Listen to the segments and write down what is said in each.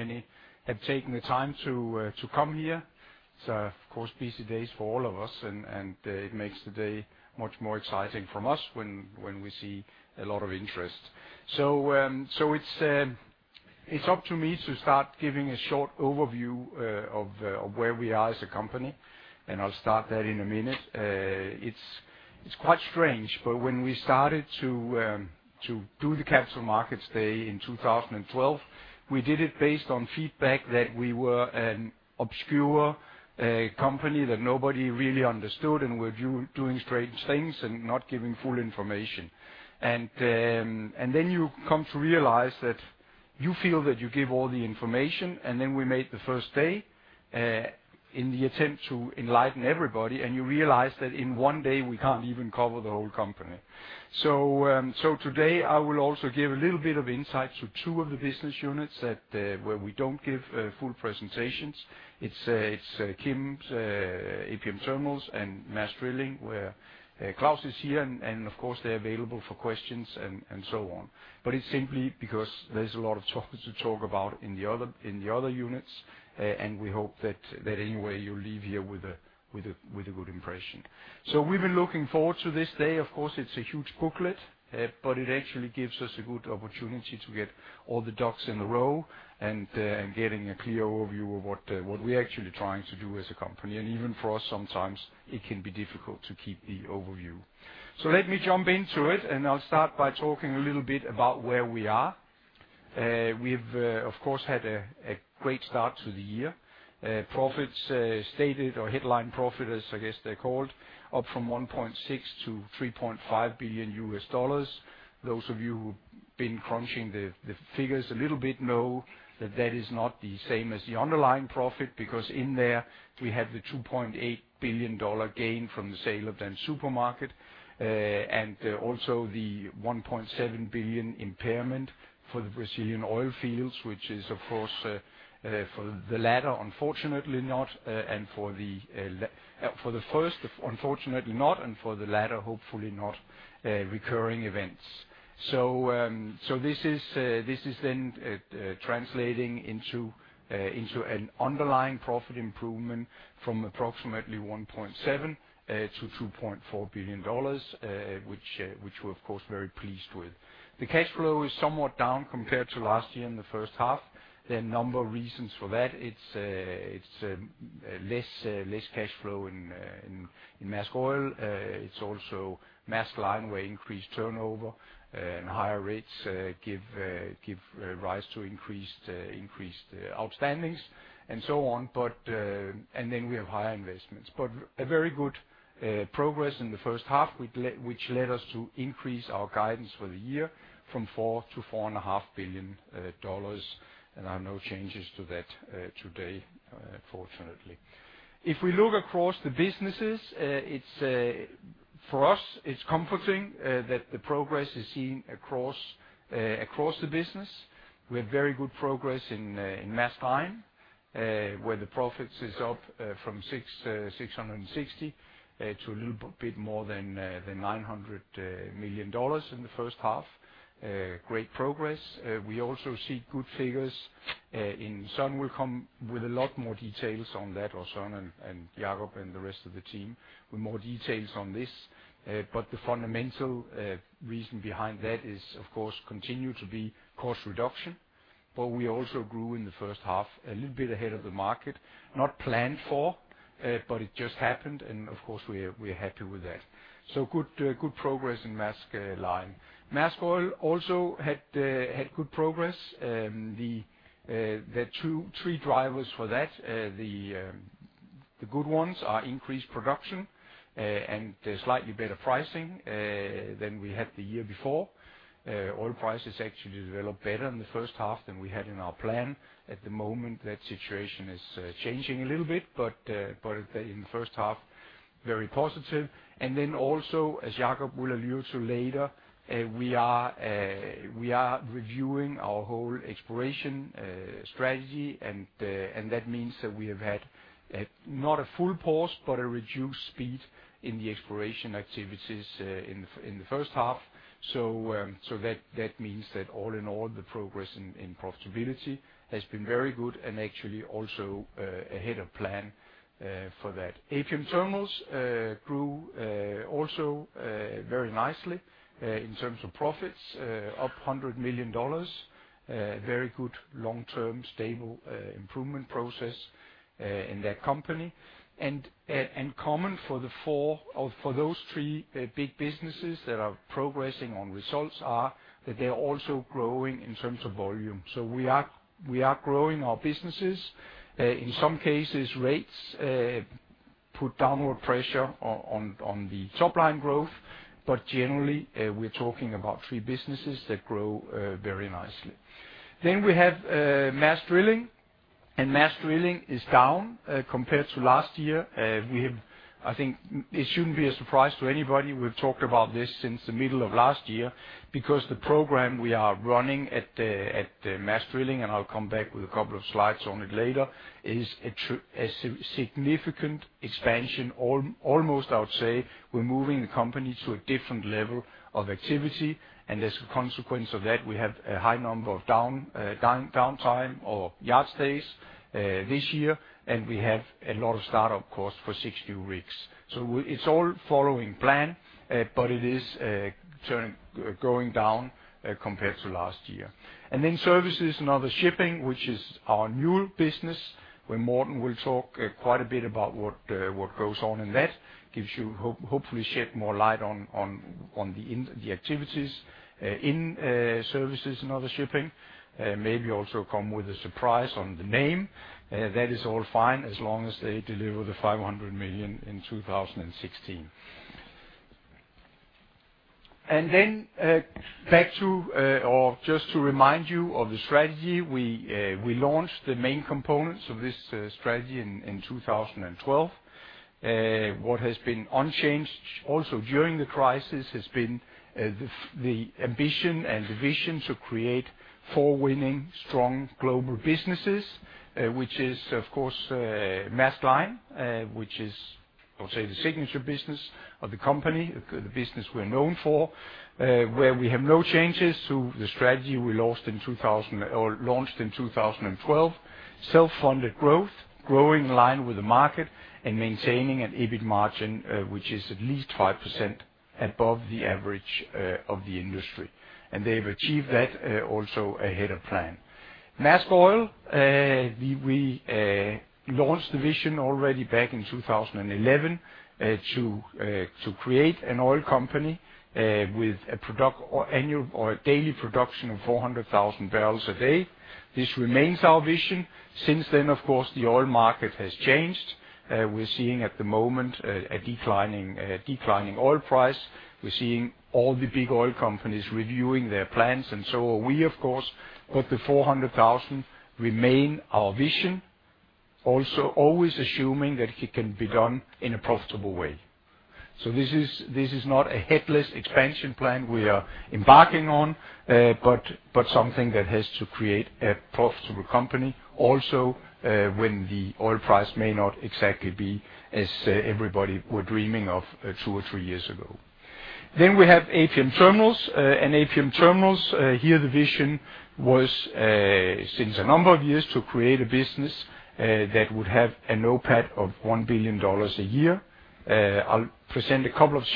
Many have taken the time to come here. Of course, busy days for all of us, and it makes the day much more exciting for us when we see a lot of interest. It's up to me to start giving a short overview of where we are as a company, and I'll start that in a minute. It's quite strange, but when we started to do the Capital Markets Day in 2012, we did it based on feedback that we were an obscure company that nobody really understood, and we were doing strange things and not giving full information. Then you come to realize that you feel that you give all the information, and then we made the first day in the attempt to enlighten everybody, and you realize that in one day we can't even cover the whole company. Today I will also give a little bit of insight to two of the business units that where we don't give full presentations. It's Kim's APM Terminals and Maersk Drilling, where Claus is here, and of course, they're available for questions and so on. But it's simply because there's a lot to talk about in the other units. We hope that anyway, you leave here with a good impression. We've been looking forward to this day. Of course, it's a huge booklet, but it actually gives us a good opportunity to get all the ducks in a row and getting a clear overview of what we're actually trying to do as a company. Even for us, sometimes it can be difficult to keep the overview. Let me jump into it, and I'll start by talking a little bit about where we are. We've, of course, had a great start to the year. Profits, stated or headline profit, as I guess they're called, up from $1.6 billion to $3.5 billion. Those of you who've been crunching the figures a little bit know that is not the same as the underlying profit, because in there, we had the $2.8 billion gain from the sale of Dansk Supermarked, and also the $1.7 billion impairment for the Brazilian oil fields, which is of course, for the latter, unfortunately not, and for the first, unfortunately not, and for the latter, hopefully not, recurring events. This is then translating into an underlying profit improvement from approximately $1.7 to $2.4 billion, which we're of course very pleased with. The cash flow is somewhat down compared to last year in the first half. There are a number of reasons for that. It's less cash flow in Maersk Oil. It's also Maersk Line, where increased turnover and higher rates give rise to increased outstandings, and so on. We have higher investments, but a very good progress in the first half, which led us to increase our guidance for the year from $4 billion-$4.5 billion, and are no changes to that today, fortunately. If we look across the businesses, it's for us, it's comforting that the progress is seen across the business. We have very good progress in Maersk Line, where the profits is up from $660 million to a little bit more than $900 million in the first half. Great progress. We also see good figures, someone will come with a lot more details on that also, and Jakob and the rest of the team with more details on this. The fundamental reason behind that is, of course, continue to be cost reduction, but we also grew in the first half, a little bit ahead of the market, not planned for, but it just happened, and of course, we're happy with that. Good progress in Maersk Line. Maersk Oil also had good progress. The two or three drivers for that, the good ones are increased production and slightly better pricing than we had the year before. Oil prices actually developed better in the first half than we had in our plan. At the moment, that situation is changing a little bit, but in the first half, very positive. As Jakob will allude to later, we are reviewing our whole exploration strategy. That means that we have had not a full pause, but a reduced speed in the exploration activities in the first half. That means that all in all, the progress in profitability has been very good and actually also ahead of plan for that. APM Terminals grew also very nicely in terms of profits up $100 million. Very good long-term stable improvement process in that company. Common for the four or those three big businesses that are progressing on results are that they are also growing in terms of volume. We are growing our businesses. In some cases, rates put downward pressure on the top line growth. Generally, we're talking about three businesses that grow very nicely. We have Maersk Drilling, and Maersk Drilling is down compared to last year. I think it shouldn't be a surprise to anybody. We've talked about this since the middle of last year because the program we are running at the Maersk Drilling, and I'll come back with a couple of slides on it later, is a significant expansion. Almost, I would say we're moving the company to a different level of activity. As a consequence of that, we have a high number of downtime or yard stays this year, and we have a lot of startup costs for six new rigs. It's all following plan, but it is going down compared to last year. Services and other shipping, which is our new business, where Morten will talk quite a bit about what goes on in that. Gives you. Hopefully shed more light on the activities in services and other shipping. Maybe also come with a surprise on the name. That is all fine as long as they deliver $500 million in 2016. Then back to or just to remind you of the strategy, we launched the main components of this strategy in 2012. What has been unchanged also during the crisis has been the ambition and the vision to create four winning strong global businesses. Which is, of course, Maersk Line, which is, I'll say the signature business of the company, the business we're known for. Where we have no changes to the strategy we launched in 2012. Self-funded growth, growing in line with the market and maintaining an EBIT margin, which is at least 5% above the average of the industry. They've achieved that, also ahead of plan. Maersk Oil, we launched the vision already back in 2011 to create an oil company with a daily production of 400,000 barrels a day. This remains our vision. Since then, of course, the oil market has changed. We're seeing at the moment a declining oil price. We're seeing all the big oil companies reviewing their plans, and so are we, of course. The 400,000 remain our vision. Also, always assuming that it can be done in a profitable way. This is not a headless expansion plan we are embarking on, but something that has to create a profitable company also, when the oil price may not exactly be as everybody were dreaming of, two or three years ago. We have APM Terminals. APM Terminals, here the vision was, since a number of years, to create a business that would have an OPAT of $1 billion a year. I'll present a couple of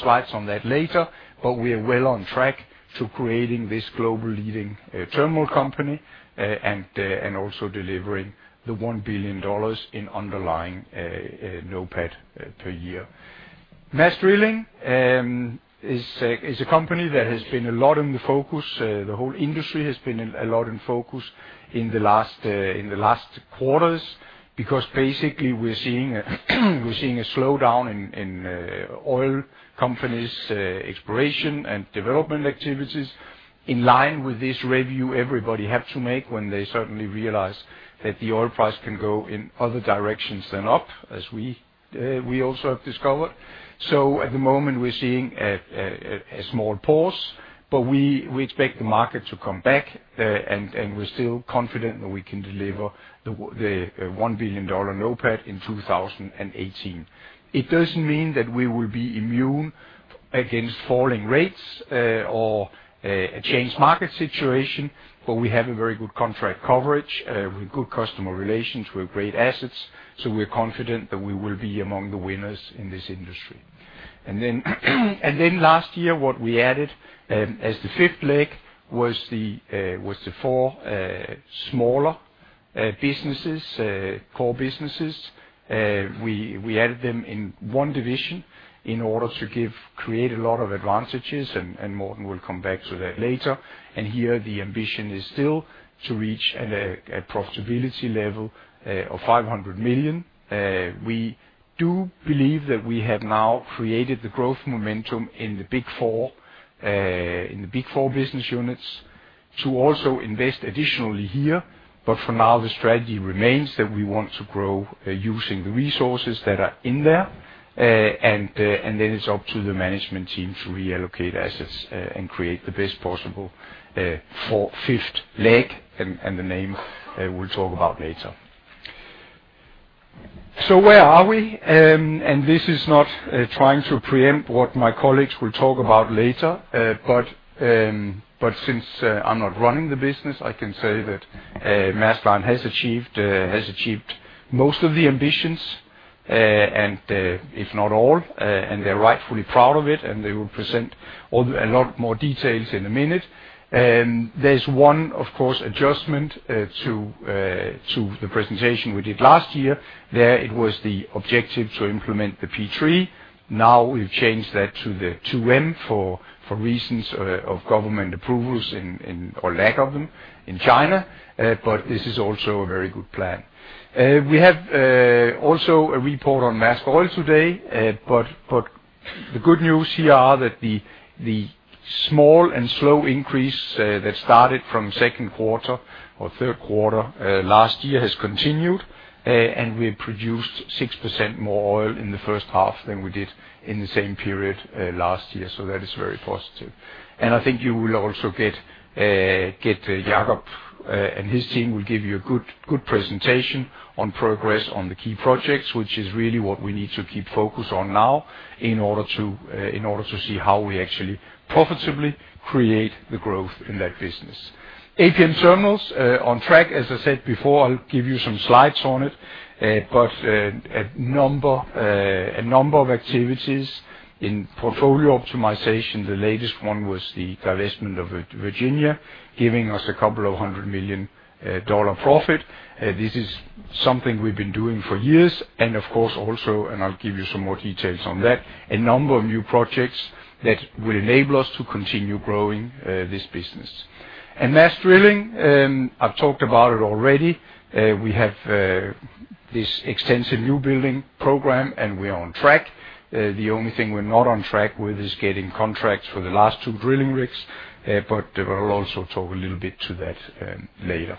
slides on that later, but we are well on track to creating this global leading terminal company, and also delivering the $1 billion in underlying OPAT per year. Maersk Drilling is a company that has been a lot in the focus. The whole industry has been in a lot of focus in the last quarters, because basically we're seeing a slowdown in oil companies' exploration and development activities. In line with this review everybody have to make when they suddenly realize that the oil price can go in other directions than up, as we also have discovered. At the moment, we're seeing a small pause, but we expect the market to come back, and we're still confident that we can deliver the $1 billion OPAT in 2018. It doesn't mean that we will be immune against falling rates or a changed market situation, but we have a very good contract coverage with good customer relations. We have great assets. We're confident that we will be among the winners in this industry. Last year, what we added as the fifth leg was the four smaller core businesses. We added them in one division in order to create a lot of advantages, and Morten will come back to that later. Here, the ambition is still to reach a profitability level of $500 million. We do believe that we have now created the growth momentum in the big four business units to also invest additionally here. For now, the strategy remains that we want to grow using the resources that are in there. It's up to the management team to reallocate assets and create the best possible fourth, fifth leg. The name we'll talk about later. Where are we? This is not trying to preempt what my colleagues will talk about later. I'm not running the business, I can say that Maersk Line has achieved most of the ambitions, and if not all, and they're rightfully proud of it, and they will present a lot more details in a minute. There's one, of course, adjustment to the presentation we did last year. There it was the objective to implement the P3. Now we've changed that to the 2M for reasons of government approvals and. Lack of them in China, but this is also a very good plan. We have also a report on Maersk Oil today. The good news here are that the small and slow increase that started from second quarter or third quarter last year has continued, and we produced 6% more oil in the first half than we did in the same period last year. That is very positive. I think you will also get Jakob and his team will give you a good presentation on progress on the key projects, which is really what we need to keep focus on now in order to see how we actually profitably create the growth in that business. APM Terminals on track, as I said before. I'll give you some slides on it. A number of activities in portfolio optimization. The latest one was the divestment of Virginia, giving us a couple of hundred million dollar profit. This is something we've been doing for years. Of course also, I'll give you some more details on that, a number of new projects that will enable us to continue growing this business. Maersk Drilling, I've talked about it already. We have this extensive new building program, and we are on track. The only thing we're not on track with is getting contracts for the last two drilling rigs. We'll also talk a little bit to that later.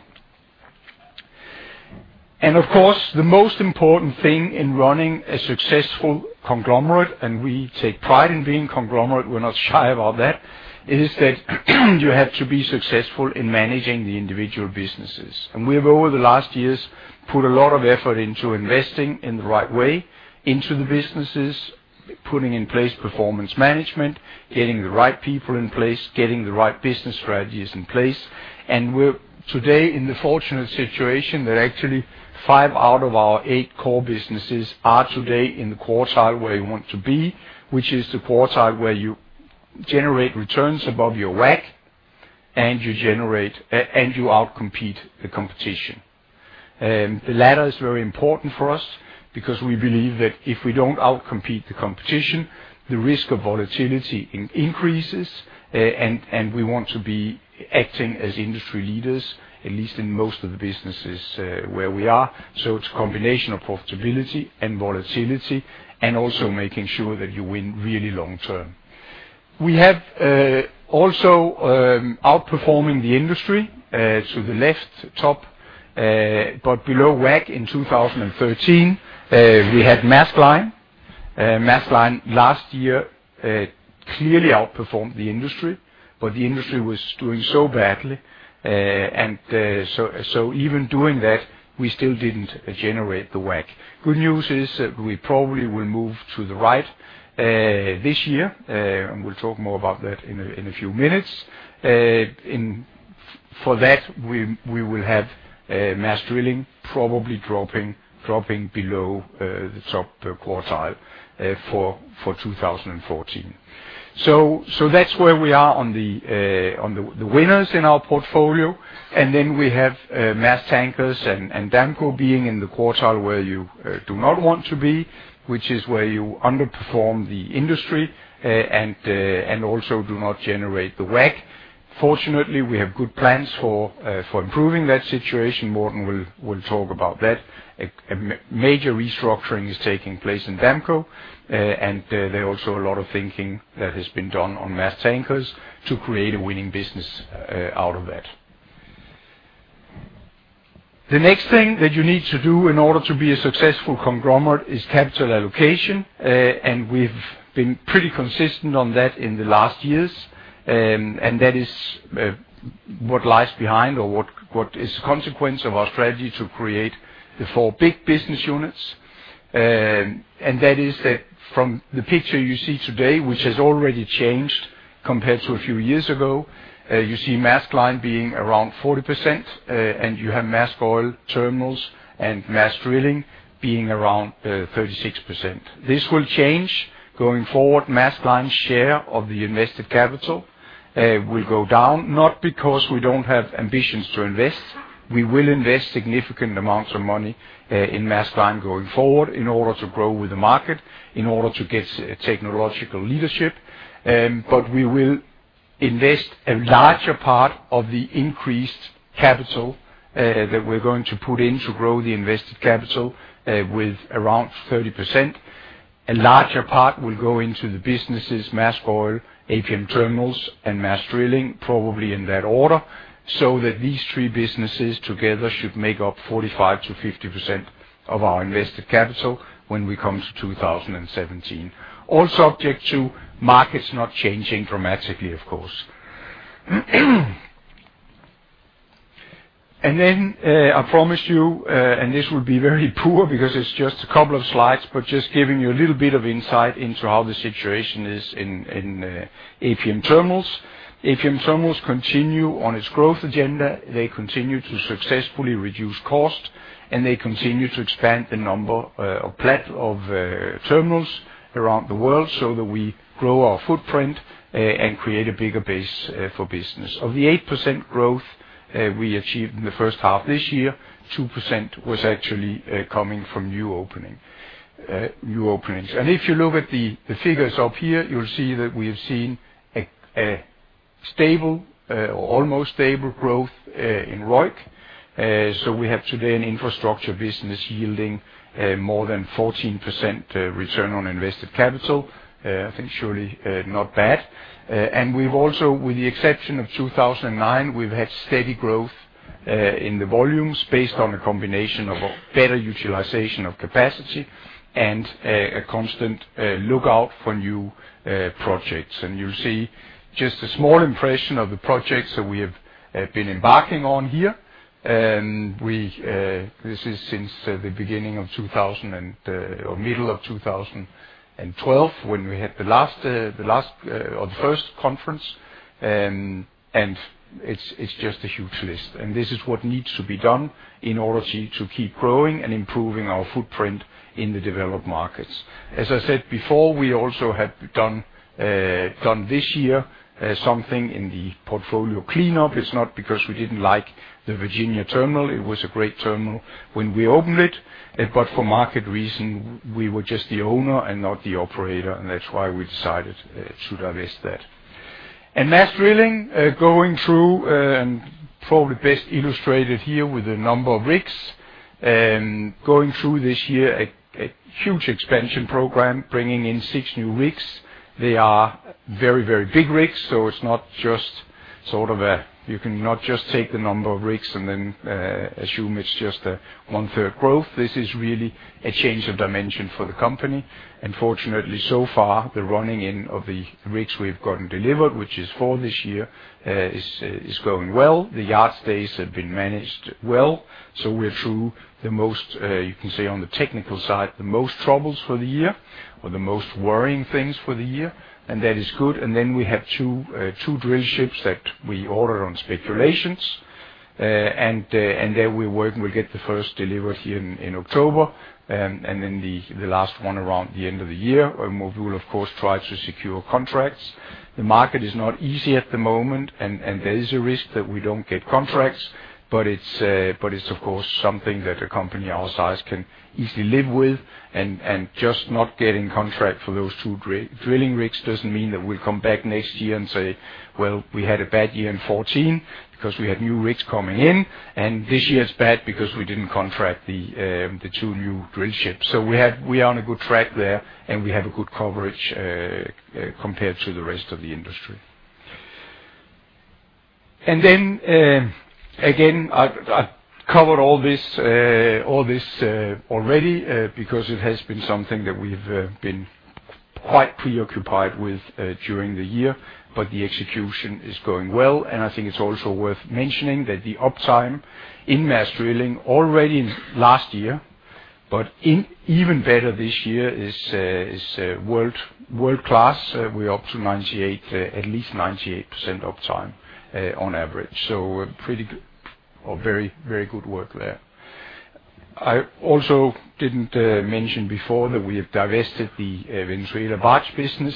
Of course, the most important thing in running a successful conglomerate, and we take pride in being conglomerate, we're not shy about that, is that you have to be successful in managing the individual businesses. We've, over the last years, put a lot of effort into investing in the right way into the businesses, putting in place performance management, getting the right people in place, getting the right business strategies in place. We're today in the fortunate situation that actually five out of our eight core businesses are today in the quartile where you want to be, which is the quartile where you generate returns above your WACC, and you outcompete the competition. The latter is very important for us because we believe that if we don't outcompete the competition, the risk of volatility increases, and we want to be acting as industry leaders, at least in most of the businesses where we are. It's a combination of profitability and volatility, and also making sure that you win really long term. We have also outperforming the industry to the left top, but below WACC in 2013 we had Maersk Line. Maersk Line last year clearly outperformed the industry, but the industry was doing so badly. Even doing that, we still didn't generate the WACC. Good news is that we probably will move to the right this year. We'll talk more about that in a few minutes. In that, we will have Maersk Drilling probably dropping below the top quartile for 2014. That's where we are on the winners in our portfolio. We have Maersk Tankers and Damco being in the quartile where you do not want to be, which is where you underperform the industry and also do not generate the WACC. Fortunately, we have good plans for improving that situation. Morten will talk about that. A major restructuring is taking place in Damco. There are also a lot of thinking that has been done on Maersk Tankers to create a winning business out of that. The next thing that you need to do in order to be a successful conglomerate is capital allocation. We've been pretty consistent on that in the last years. That is what lies behind or what is a consequence of our strategy to create the four big business units. That is that from the picture you see today, which has already changed compared to a few years ago, you see Maersk Line being around 40%, and you have Maersk Oil, Terminals, and Maersk Drilling being around 36%. This will change going forward. Maersk Line's share of the invested capital will go down, not because we don't have ambitions to invest. We will invest significant amounts of money in Maersk Line going forward in order to grow with the market, in order to get technological leadership. We will invest a larger part of the increased capital that we're going to put in to grow the invested capital with around 30%. A larger part will go into the businesses Maersk Oil, APM Terminals, and Maersk Drilling, probably in that order, so that these three businesses together should make up 45%-50% of our invested capital when we come to 2017. All subject to markets not changing dramatically, of course. I promised you, and this will be very poor because it's just a couple of slides, but just giving you a little bit of insight into how the situation is in APM Terminals. APM Terminals continue on its growth agenda. They continue to successfully reduce cost, and they continue to expand the number of terminals around the world so that we grow our footprint and create a bigger base for business. Of the 8% growth we achieved in the first half this year, 2% was actually coming from new openings. If you look at the figures up here, you'll see that we have seen a stable or almost stable growth in ROIC. So we have today an infrastructure business yielding more than 14% return on invested capital. I think surely not bad. We've also, with the exception of 2009, we've had steady growth in the volumes based on a combination of better utilization of capacity and a constant lookout for new projects. You'll see just a small impression of the projects that we have been embarking on here. This is since the beginning of 2012 or middle of 2012 when we had the last or the first conference. It's just a huge list. This is what needs to be done in order to keep growing and improving our footprint in the developed markets. As I said before, we also have done this year something in the portfolio cleanup. It's not because we didn't like the Virginia terminal. It was a great terminal when we opened it. For market reasons, we were just the owner and not the operator, and that's why we decided to divest that. Maersk Drilling going through, and probably best illustrated here with the number of rigs, going through this year a huge expansion program, bringing in six new rigs. They are very, very big rigs, so it's not just sort of. You can not just take the number of rigs and then assume it's just one-third growth. This is really a change of dimension for the company. Fortunately, so far, the running in of the rigs we've gotten delivered, which is four this year, is going well. The yard stays have been managed well. We're through the most, you can say, on the technical side, the most troubles for the year or the most worrying things for the year, and that is good. Then we have two drill ships that we order on speculations. And there we work, and we'll get the first delivery in October, and then the last one around the end of the year, where we will, of course, try to secure contracts. The market is not easy at the moment, and there is a risk that we don't get contracts, but it's, of course, something that a company our size can easily live with. Just not getting contract for those two drilling rigs doesn't mean that we'll come back next year and say, "Well, we had a bad year in 2014 because we had new rigs coming in, and this year's bad because we didn't contract the two new drill ships." We are on a good track there, and we have a good coverage compared to the rest of the industry. Then again, I've covered all this already, because it has been something that we've been quite preoccupied with during the year. The execution is going well, and I think it's also worth mentioning that the uptime in Maersk Drilling already last year, but even better this year is world-class. We're up to 98, at least 98% uptime, on average. So pretty good or very, very good work there. I also didn't mention before that we have divested the Venezuela barge business,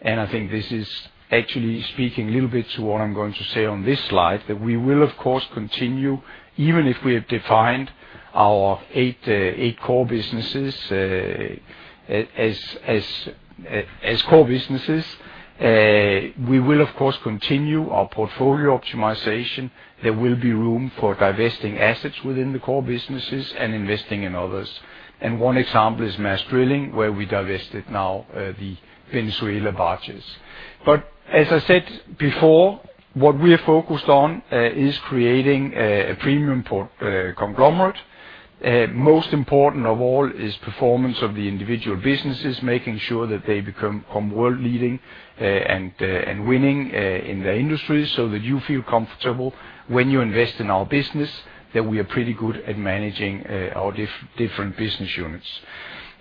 and I think this is actually speaking a little bit to what I'm going to say on this slide, that we will, of course, continue, even if we have defined our eight core businesses as core businesses. We will, of course, continue our portfolio optimization. There will be room for divesting assets within the core businesses and investing in others. One example is Maersk Drilling, where we divested now the Venezuela barges. As I said before, what we are focused on is creating a premium for conglomerate. Most important of all is performance of the individual businesses, making sure that they become world-leading and winning in their industry, so that you feel comfortable when you invest in our business, that we are pretty good at managing our different business units.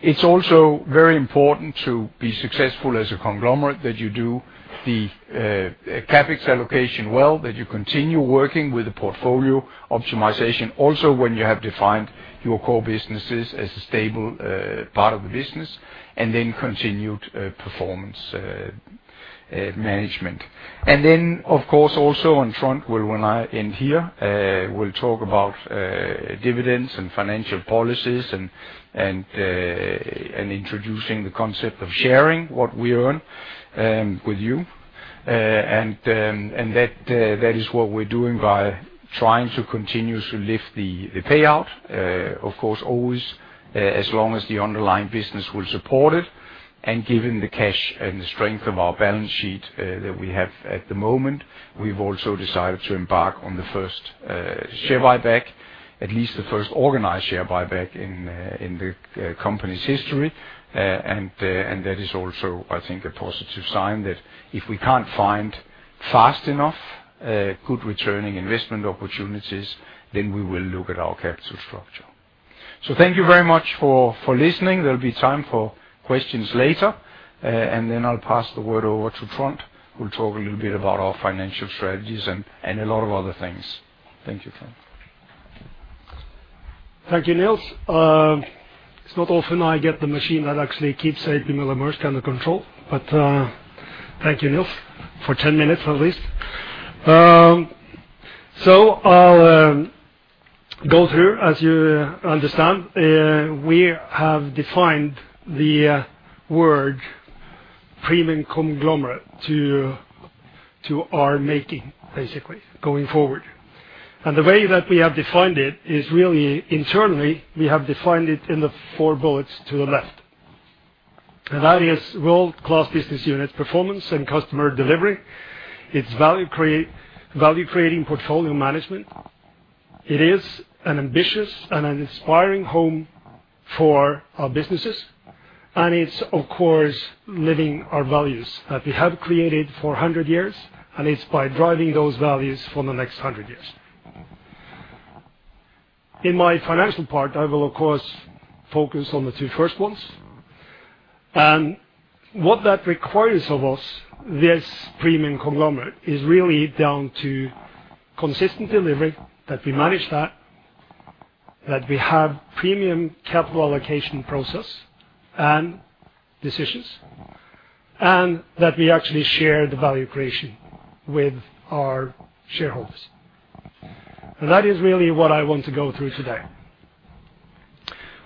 It's also very important to be successful as a conglomerate, that you do the Capex allocation well, that you continue working with the portfolio optimization also when you have defined your core businesses as a stable part of the business, and then continued performance management. Then, of course, also on Trond, well, when I end here, we'll talk about dividends and financial policies and introducing the concept of sharing what we earn with you. That is what we're doing by trying to continue to lift the payout. Of course, always, as long as the underlying business will support it. Given the cash and the strength of our balance sheet that we have at the moment, we've also decided to embark on the first share buyback. At least the first organized share buyback in the company's history. That is also, I think, a positive sign that if we can't find fast enough good returning investment opportunities, then we will look at our capital structure. Thank you very much for listening. There'll be time for questions later. I'll pass the word over to Trond, who'll talk a little bit about our financial strategies and a lot of other things. Thank you, Trond. Thank you, Nils. It's not often I get the machine that actually keeps A.P. Møller - Mærsk under control. Thank you, Nils, for 10 minutes at least. I'll go through, as you understand, we have defined the word premium conglomerate to our making, basically, going forward. The way that we have defined it is really internally, we have defined it in the four bullets to the left. That is world-class business unit performance and customer delivery. It's value-creating portfolio management. It is an ambitious and an inspiring home for our businesses, and it's, of course, living our values that we have created for 100 years, and it's by driving those values for the next 100 years. In my financial part, I will, of course, focus on the two first ones. What that requires of us, this premium conglomerate, is really down to consistent delivery, that we manage that we have premium capital allocation process and decisions, and that we actually share the value creation with our shareholders. That is really what I want to go through today.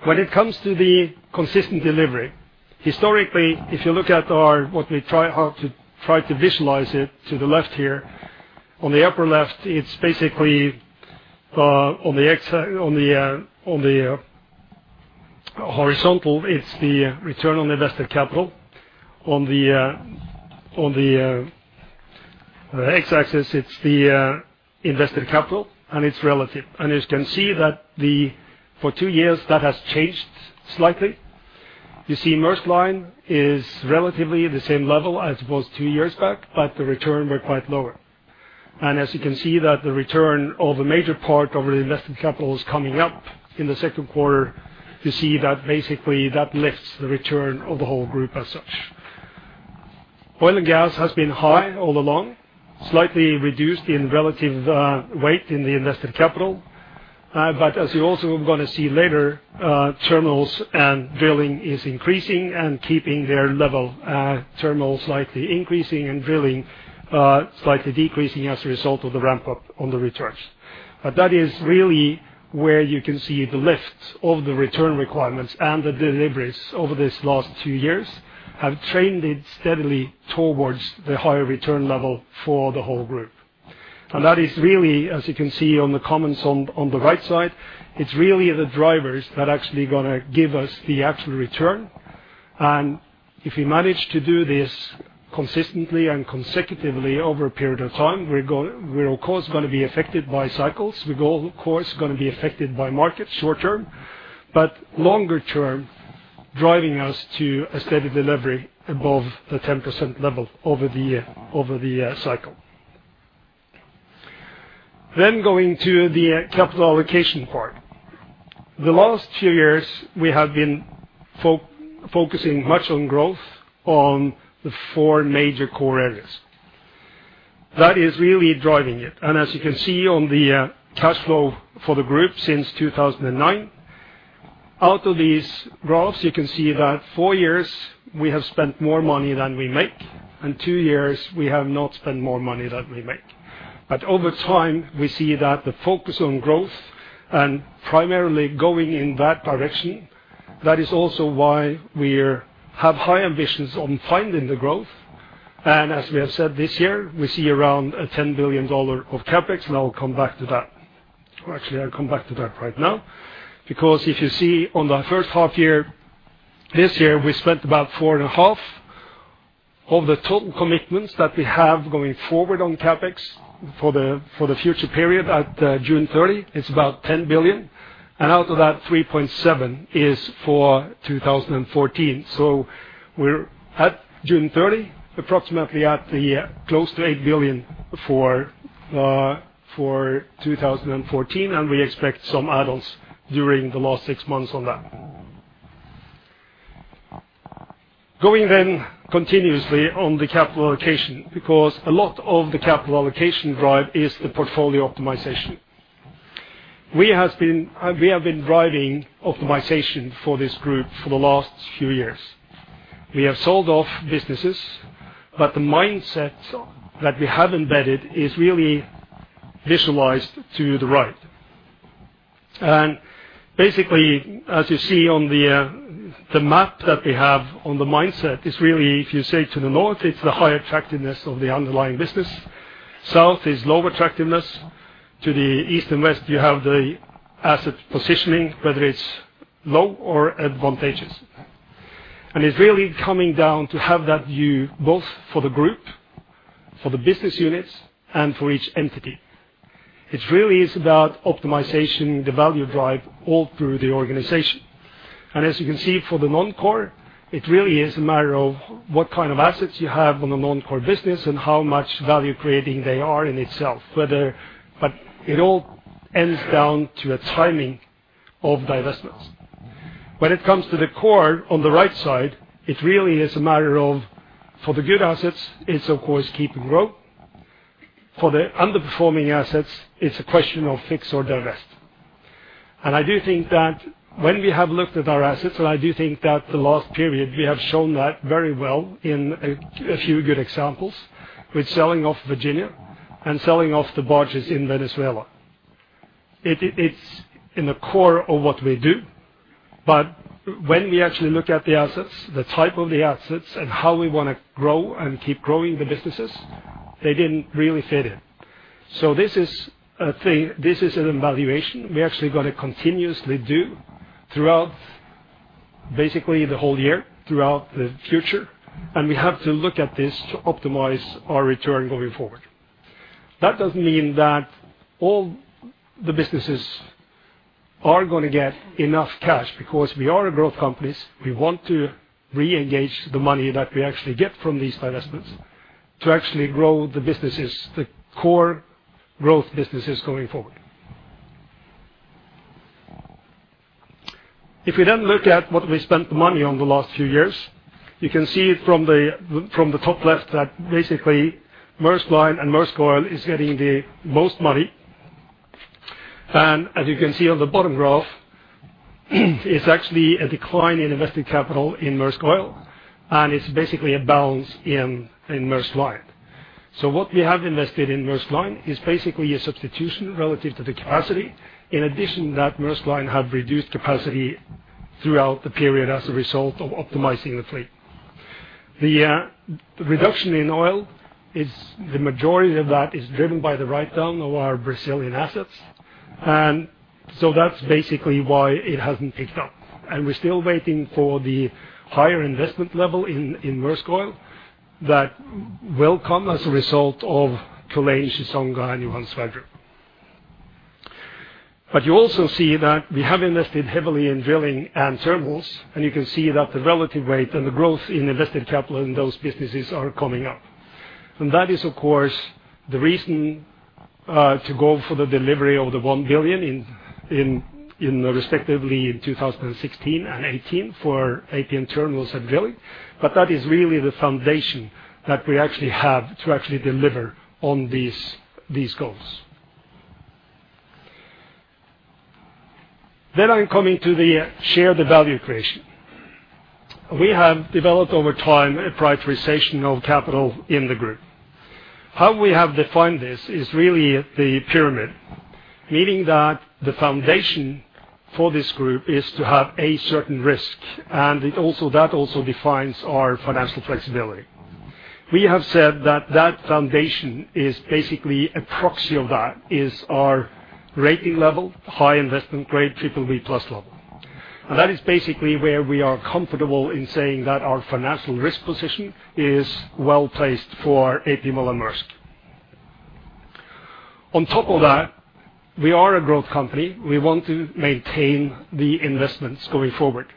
When it comes to the consistent delivery, historically, if you look at our what we try to visualize it to the left here, on the upper left, it's basically on the horizontal, it's the return on invested capital. On the x-axis, it's the invested capital, and it's relative. As you can see that for two years, that has changed slightly. You see Maersk Line is relatively the same level as it was two years back, but the return were quite lower. As you can see that the return of a major part of the invested capital is coming up in the second quarter. You see that basically that lifts the return of the whole group as such. Oil and gas has been high all along, slightly reduced in relative weight in the invested capital. As you also gonna see later, terminals and drilling is increasing and keeping their level, terminal slightly increasing and drilling slightly decreasing as a result of the ramp-up on the returns. That is really where you can see the lift of the return requirements and the deliveries over this last two years have trended steadily towards the higher return level for the whole group. That is really, as you can see on the comments on the right side, it's really the drivers that are actually gonna give us the actual return. If we manage to do this consistently and consecutively over a period of time, we're of course gonna be affected by cycles. We of course are gonna be affected by market short-term, but longer term, driving us to a steady delivery above the 10% level over the cycle. Going to the capital allocation part. The last two years, we have been focusing much on growth on the four major core areas. That is really driving it. As you can see on the cash flow for the group since 2009, out of these graphs, you can see that four years we have spent more money than we make, and two years we have not spent more money than we make. Over time, we see that the focus on growth and primarily going in that direction, that is also why we have high ambitions on finding the growth. As we have said this year, we see around $10 billion of Capex, and I will come back to that. Actually, I'll come back to that right now. Because if you see on the first half year, this year, we spent about $4.5 billion of the total commitments that we have going forward on Capex for the future period at June 30 is about $10 billion, and out of that, $3.7 billion is for 2014. We're at June 30, approximately close to $8 billion for 2014, and we expect some add-ons during the last six months on that. Going continuously on the capital allocation, because a lot of the capital allocation drive is the portfolio optimization. We have been driving optimization for this group for the last few years. We have sold off businesses, but the mindset that we have embedded is really visualized to the right. Basically, as you see on the map that we have. The mindset is really, if you say to the north, it's the high attractiveness of the underlying business. South is low attractiveness. To the east and west, you have the asset positioning, whether it's low or advantageous. It's really coming down to have that view, both for the group, for the business units, and for each entity. It really is about optimization, the value driver all through the organization. As you can see for the non-core, it really is a matter of what kind of assets you have on a non-core business and how much value creating they are in itself, whether. But it all comes down to a timing of divestments. When it comes to the core on the right side, it really is a matter of for the good assets, it's of course keep and grow. For the underperforming assets, it's a question of fix or divest. I do think that when we have looked at our assets, and I do think that the last period, we have shown that very well in a few good examples with selling off Virginia and selling off the barges in Venezuela. It's in the core of what we do. When we actually look at the assets, the type of the assets, and how we wanna grow and keep growing the businesses, they didn't really fit in. This is a thing, this is an evaluation we actually gonna continuously do throughout basically the whole year, throughout the future. We have to look at this to optimize our return going forward. That doesn't mean that all the businesses are gonna get enough cash because we are a growth companies. We want to reengage the money that we actually get from these divestments to actually grow the businesses, the core growth businesses going forward. If we look at what we spent the money on the last few years, you can see from the top left that basically Maersk Line and Maersk Oil is getting the most money. As you can see on the bottom graph, it's actually a decline in invested capital in Maersk Oil, and it's basically a balance in Maersk Line. What we have invested in Maersk Line is basically a substitution relative to the capacity. In addition to that, Maersk Line have reduced capacity throughout the period as a result of optimizing the fleet. The reduction in oil, the majority of that, is driven by the write-down of our Brazilian assets. That's basically why it hasn't picked up. We're still waiting for the higher investment level in Maersk Oil that will come as a result of Tyra, Chissonga, and Johan Sverdrup. You also see that we have invested heavily in drilling and terminals, and you can see that the relative weight and the growth in invested capital in those businesses are coming up. That is, of course, the reason to go for the delivery of the $1 billion respectively in 2016 and 2018 for APM Terminals and Drilling. That is really the foundation that we actually have to deliver on these goals. I'm coming to sharing the value creation. We have developed over time a prioritization of capital in the group. How we have defined this is really the pyramid, meaning that the foundation for this group is to have a certain risk, and it also defines our financial flexibility. We have said that foundation is basically a proxy for that is our rating level, high investment grade BBB+ level. That is basically where we are comfortable in saying that our financial risk position is well-placed for A.P. Møller - Mærsk. On top of that, we are a growth company. We want to maintain the investments going forward.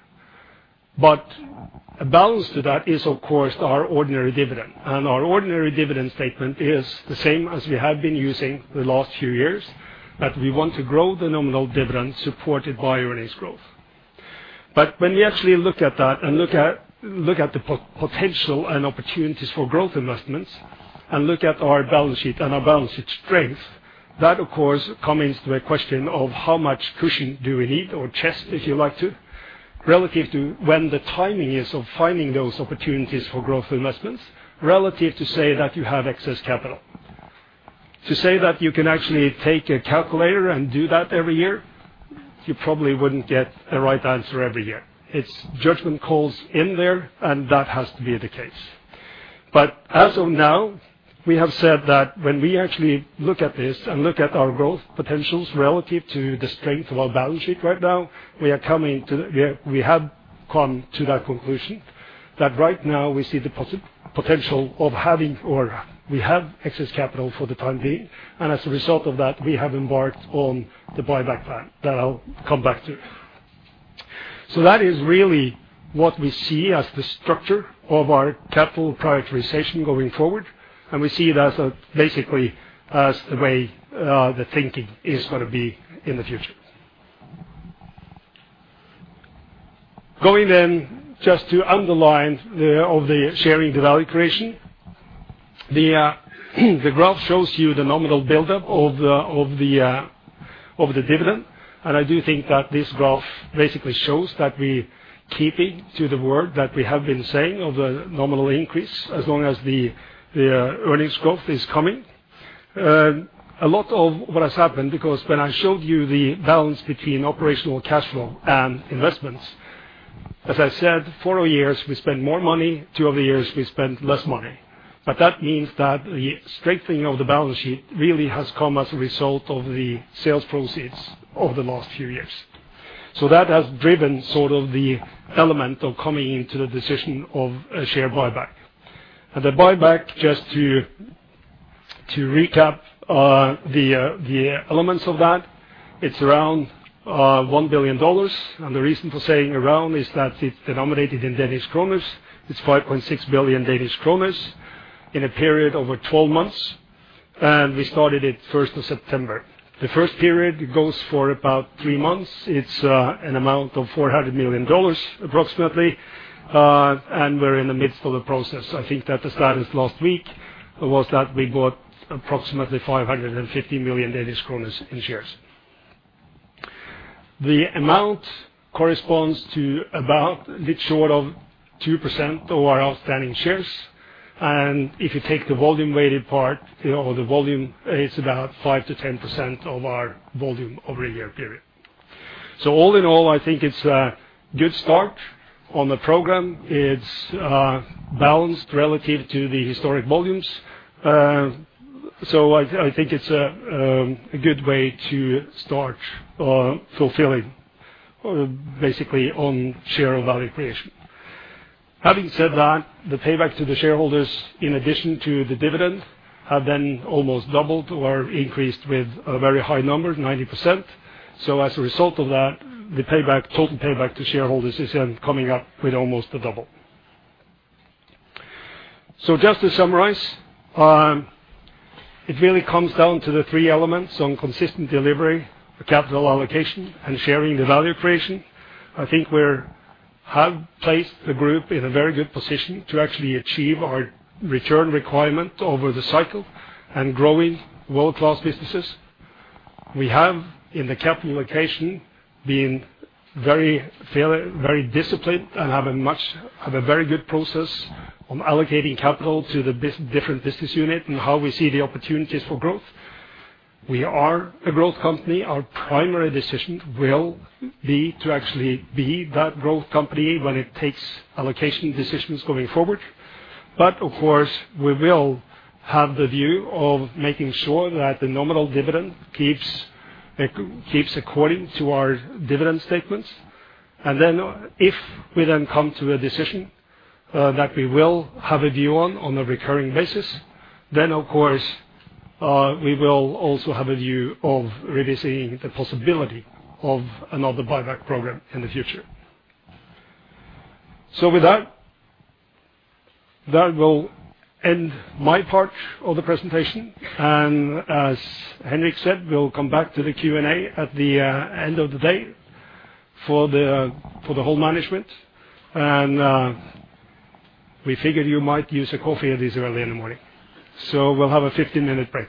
A balance to that is of course our ordinary dividend. Our ordinary dividend statement is the same as we have been using the last few years, that we want to grow the nominal dividend supported by earnings growth. When you actually look at that and look at the potential and opportunities for growth investments, and look at our balance sheet and our balance sheet strength, that of course comes to a question of how much cushion do we need or cash, if you like to, relative to when the timing is of finding those opportunities for growth investments, relative to say that you have excess capital. To say that you can actually take a calculator and do that every year, you probably wouldn't get the right answer every year. It's judgment calls in there, and that has to be the case. As of now, we have said that when we actually look at this and look at our growth potentials relative to the strength of our balance sheet right now, we have come to that conclusion that right now we see the potential of having or we have excess capital for the time being. As a result of that, we have embarked on the buyback plan that I'll come back to. That is really what we see as the structure of our capital prioritization going forward. We see it as, basically, as the way the thinking is gonna be in the future. Going just to underline the sharing of the value creation. The graph shows you the nominal buildup of the dividend. I do think that this graph basically shows that we're keeping to the word that we have been saying of the nominal increase as long as the earnings growth is coming. A lot of what has happened, because when I showed you the balance between operational cash flow and investments, as I said, four years we spend more money, two of the years we spend less money. That means that the strengthening of the balance sheet really has come as a result of the sales proceeds over the last few years. That has driven sort of the element of coming into the decision of a share buyback. The buyback, just to recap, the elements of that, it's around $1 billion. The reason for saying around is that it's denominated in Danish kroner. It's 5.6 billion Danish kroner in a period over 12 months, and we started it first of September. The first period goes for about three months. It's an amount of $400 million approximately, and we're in the midst of the process. I think that the status last week was that we bought approximately 550 million Danish kroner in shares. The amount corresponds to about a bit short of 2% of our outstanding shares. If you take the volume weighted part, you know, the volume is about 5%-10% of our volume over a year period. All in all, I think it's a good start on the program. It's balanced relative to the historic volumes. I think it's a good way to start fulfilling our share of value creation. Having said that, the payback to the shareholders in addition to the dividend have then almost doubled or increased with a very high number, 90%. As a result of that, the payback, total payback to shareholders is then coming up to almost a double. Just to summarize, it really comes down to the three elements of consistent delivery, the capital allocation, and sharing the value creation. I think we have placed the group in a very good position to actually achieve our return requirement over the cycle and growing world-class businesses. We have in the capital allocation been very fair, very disciplined and have a very good process on allocating capital to the different business unit and how we see the opportunities for growth. We are a growth company. Our primary decision will be to actually be that growth company when it takes allocation decisions going forward. Of course, we will have the view of making sure that the nominal dividend keeps according to our dividend statements. If we then come to a decision that we will have a view on a recurring basis, then of course, we will also have a view of releasing the possibility of another buyback program in the future. With that will end my part of the presentation. As Henrik said, we'll come back to the Q&A at the end of the day for the whole management. We figured you might use a coffee this early in the morning. We'll have a 15-minute break.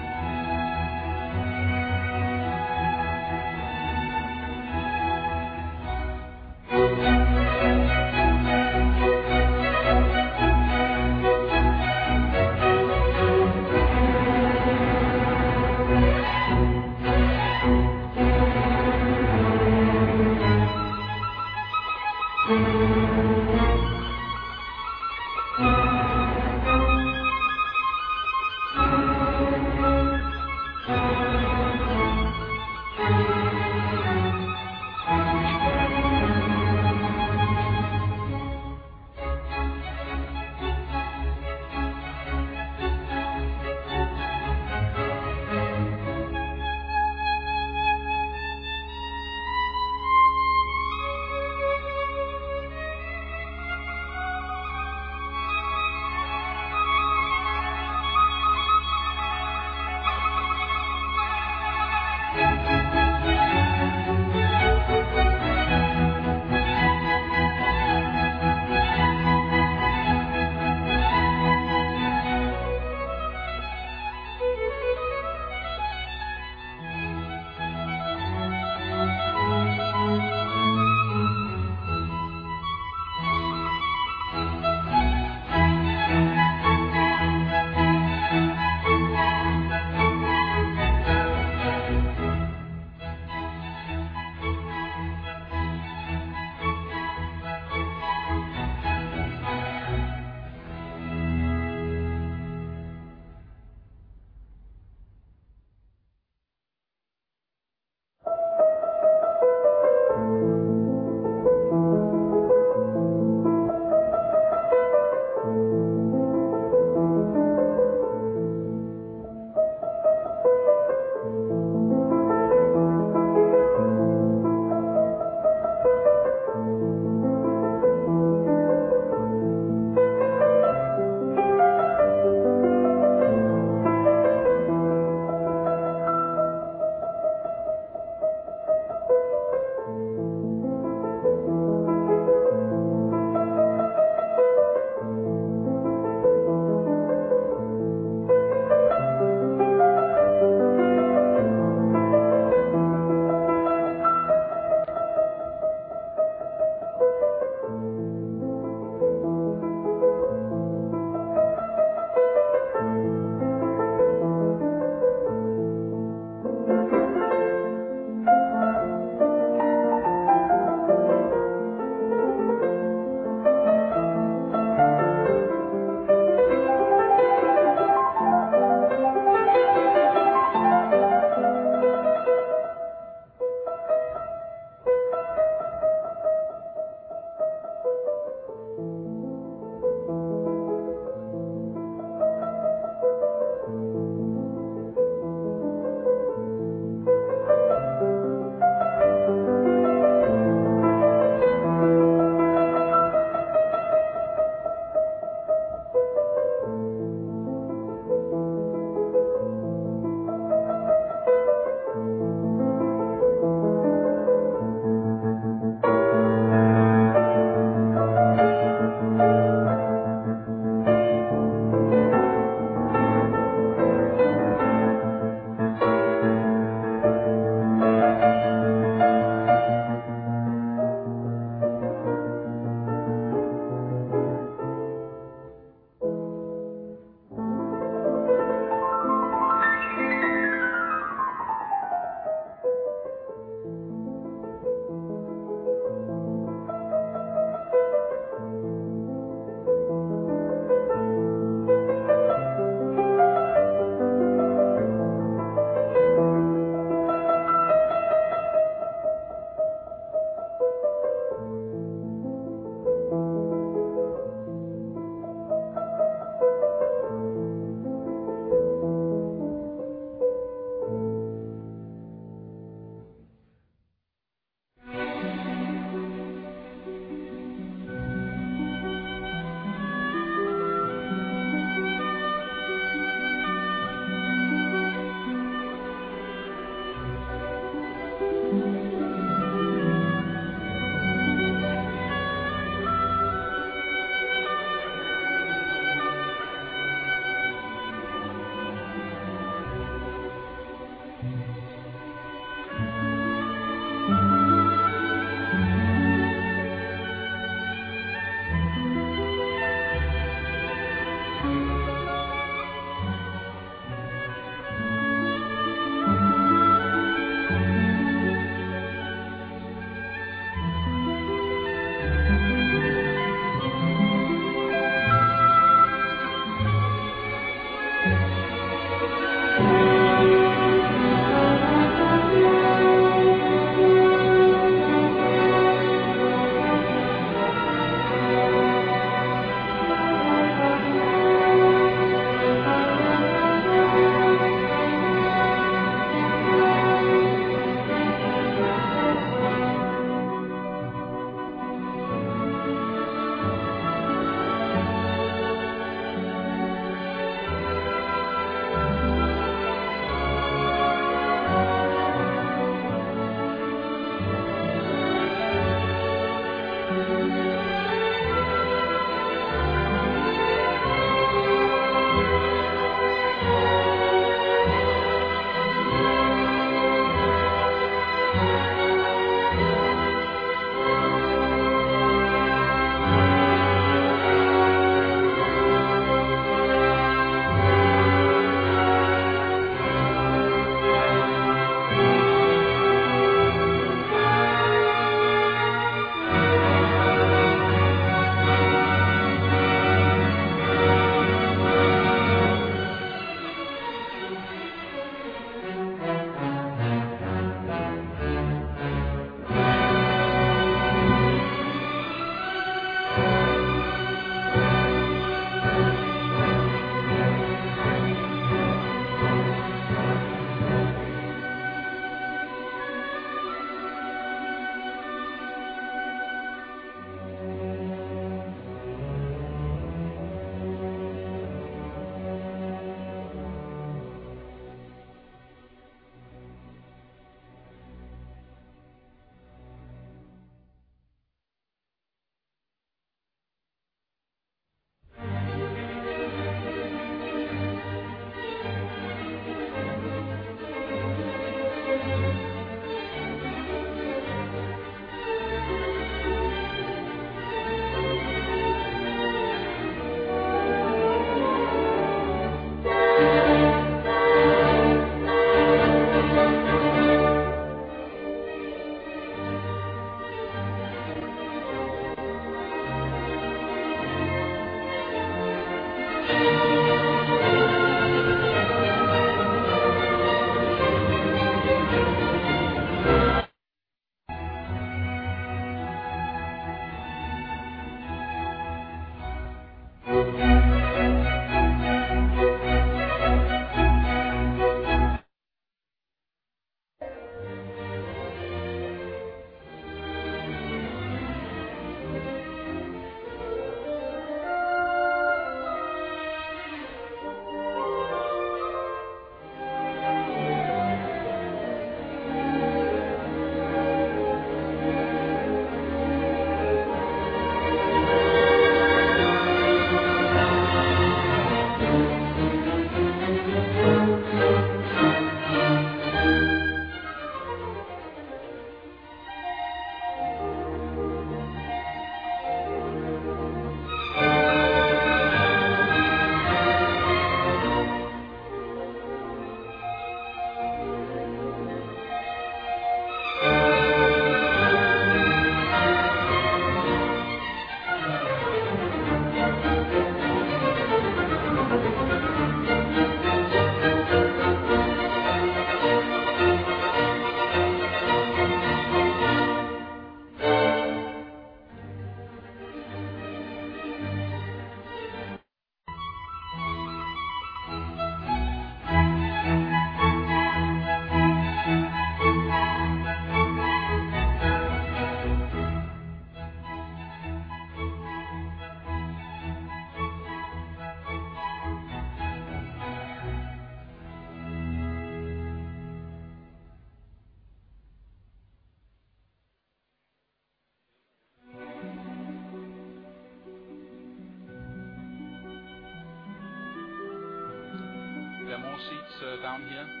We have more seats, down here.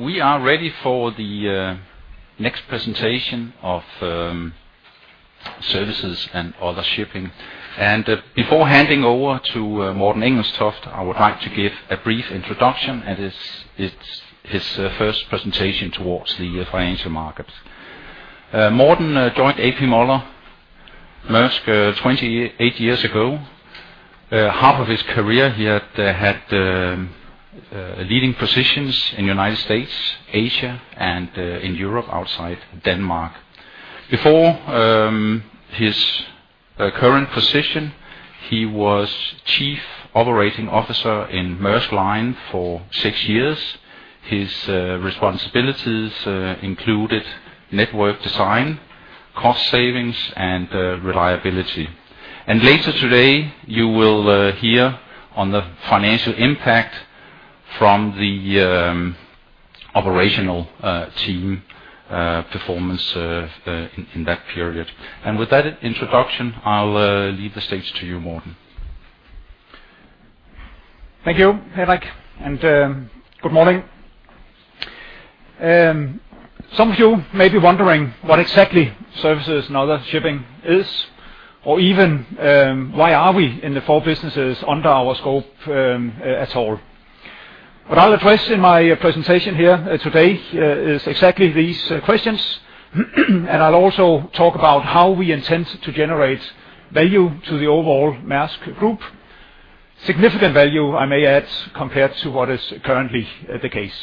Yes, we are ready for the next presentation of Services and Other Shipping. Before handing over to Morten Engelstoft, I would like to give a brief introduction to his first presentation towards the financial markets. Morten joined A.P. Møller - Mærsk 28 years ago. Half of his career, he had leading positions in United States, Asia, and in Europe outside Denmark. Before his current position, he was Chief Operating Officer in Maersk Line for six years. His responsibilities included network design, cost savings, and reliability. Later today, you will hear about the financial impact from the operational team performance in that period. With that introduction, I'll leave the stage to you, Morten. Thank you, Henrik, and good morning. Some of you may be wondering what exactly Services and Other Shipping is or even why are we in the four businesses under our scope at all. What I'll address in my presentation here today is exactly these questions. I'll also talk about how we intend to generate value to the overall Maersk Group. Significant value I may add, compared to what is currently the case.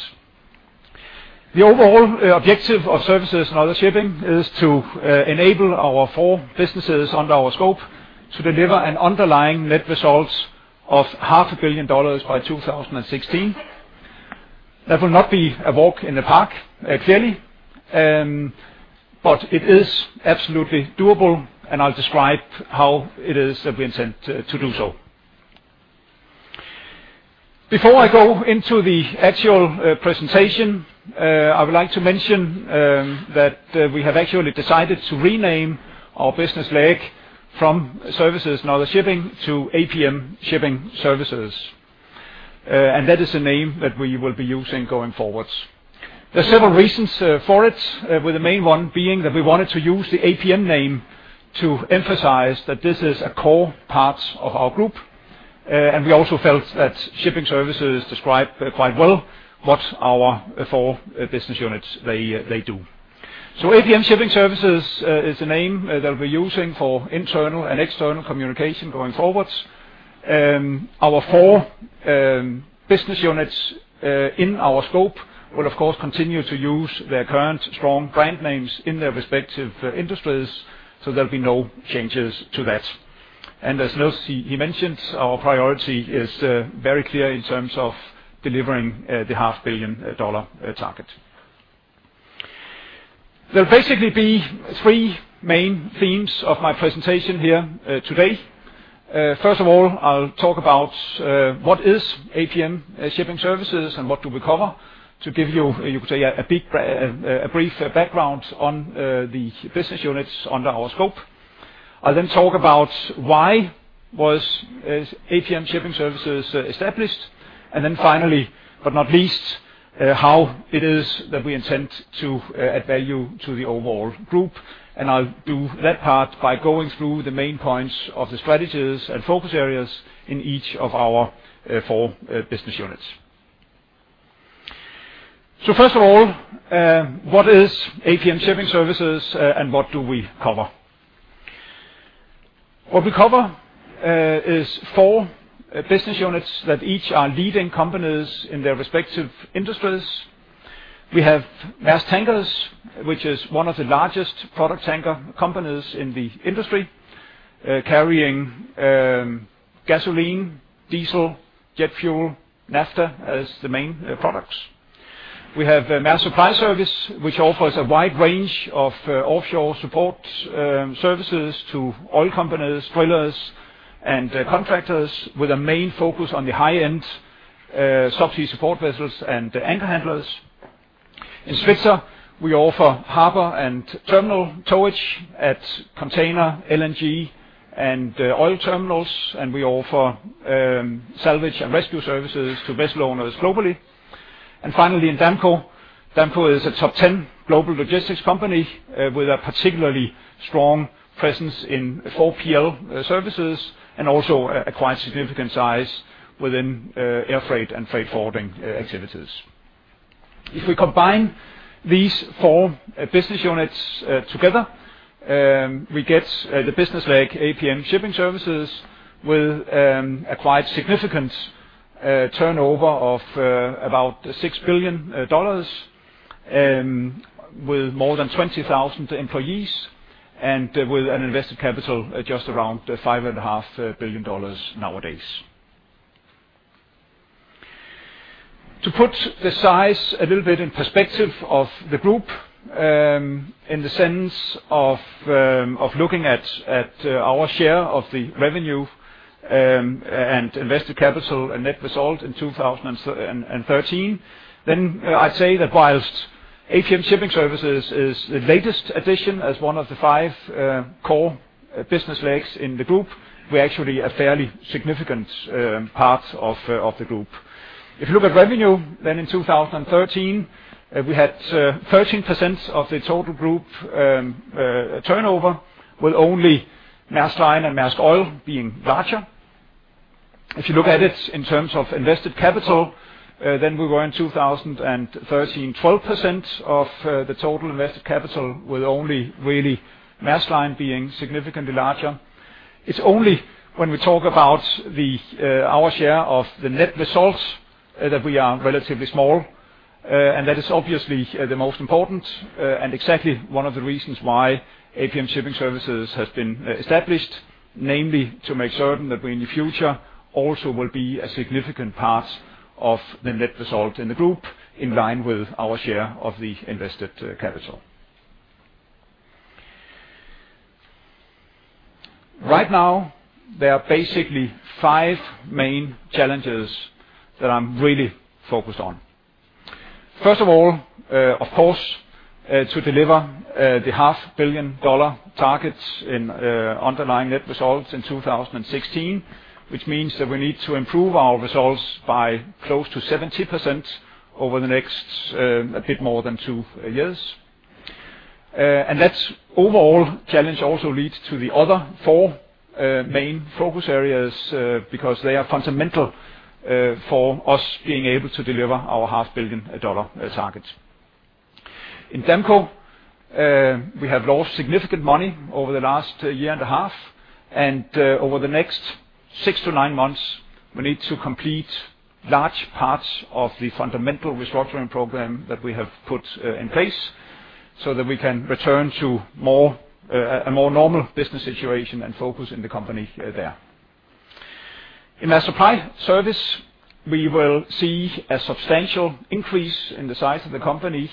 The overall objective of Services and Other Shipping is to enable our four businesses under our scope to deliver an underlying net results of half a billion dollars by 2016. That will not be a walk in the park, clearly, but it is absolutely doable, and I'll describe how it is that we intend to do so. Before I go into the actual presentation, I would like to mention that we have actually decided to rename our business leg from Services and Other Shipping to APM Shipping Services. That is the name that we will be using going forwards. There are several reasons for it, with the main one being that we wanted to use the APM name to emphasize that this is a core part of our group. We also felt that shipping services describe quite well what our four business units they do. APM Shipping Services is the name that we're using for internal and external communication going forwards. Our four business units in our scope will of course continue to use their current strong brand names in their respective industries, so there'll be no changes to that. As Nils mentioned, our priority is very clear in terms of delivering the $ half billion target. There'll basically be three main themes of my presentation here today. First of all, I'll talk about what is APM Shipping Services and what do we cover to give you a brief background on the business units under our scope. I'll then talk about why is APM Shipping Services established. Finally, but not least, how it is that we intend to add value to the overall group. I'll do that part by going through the main points of the strategies and focus areas in each of our four business units. First of all, what is APM Shipping Services and what do we cover? What we cover is four business units that each are leading companies in their respective industries. We have Maersk Tankers, which is one of the largest product tanker companies in the industry, carrying gasoline, diesel, jet fuel, naphtha as the main products. We have Maersk Supply Service, which offers a wide range of offshore support services to oil companies, drillers, and contractors with a main focus on the high-end subsea support vessels and anchor handlers. In Svitzer, we offer harbor and terminal towage at container, LNG and oil terminals, and we offer salvage and rescue services to vessel owners globally. Finally, in Damco. Damco is a top 10 global logistics company with a particularly strong presence in 4PL services and also a quite significant size within air freight and freight forwarding activities. If we combine these four business units together, we get the business leg APM Shipping Services with a quite significant turnover of about $6 billion, with more than 20,000 employees and with an invested capital just around $5.5 billion nowadays. To put the size a little bit in perspective of the group, in the sense of looking at our share of the revenue, and invested capital and net result in 2013, then I'd say that whilst APM Shipping Services is the latest addition as one of the five core business legs in the group, we're actually a fairly significant part of the group. If you look at revenue, then in 2013, we had 13% of the total group turnover, with only Maersk Line and Maersk Oil being larger. If you look at it in terms of invested capital, then we were in 2013, 12% of the total invested capital, with only really Maersk Line being significantly larger. It's only when we talk about our share of the net results that we are relatively small and that is obviously the most important and exactly one of the reasons why APM Shipping Services has been established, namely to make certain that we in the future also will be a significant part of the net result in the group in line with our share of the invested capital. Right now, there are basically five main challenges that I'm really focused on. First of all, of course, to deliver the half billion dollar targets in underlying net results in 2016, which means that we need to improve our results by close to 70% over the next, a bit more than two years. That's our overall challenge also leads to the other four main focus areas, because they are fundamental for us being able to deliver our half billion dollar target. In Damco, we have lost significant money over the last year and a half, and over the next six to nine months, we need to complete large parts of the fundamental restructuring program that we have put in place so that we can return to a more normal business situation and focus in the company there. In Maersk Supply Service, we will see a substantial increase in the size of the company,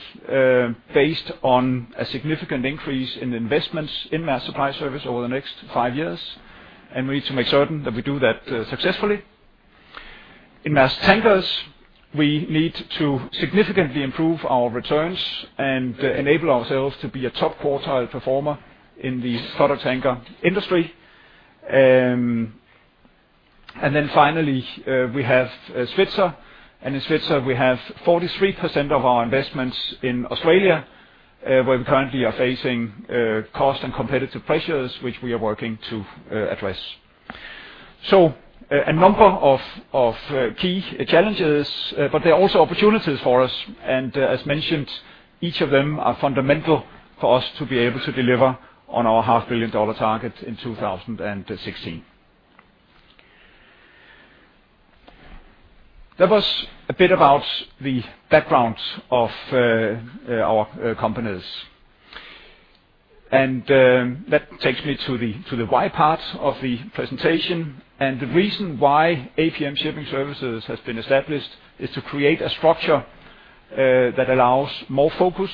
based on a significant increase in investments in Maersk Supply Service over the next five years, and we need to make certain that we do that successfully. In Maersk Tankers, we need to significantly improve our returns and enable ourselves to be a top quartile performer in the product tanker industry. Finally, we have Svitzer. In Svitzer, we have 43% of our investments in Australia, where we currently are facing cost and competitive pressures, which we are working to address. A number of key challenges, but there are also opportunities for us. As mentioned, each of them are fundamental for us to be able to deliver on our half billion dollar target in 2016. That was a bit about the background of our companies. That takes me to the why part of the presentation. The reason why APM Shipping Services has been established is to create a structure that allows more focus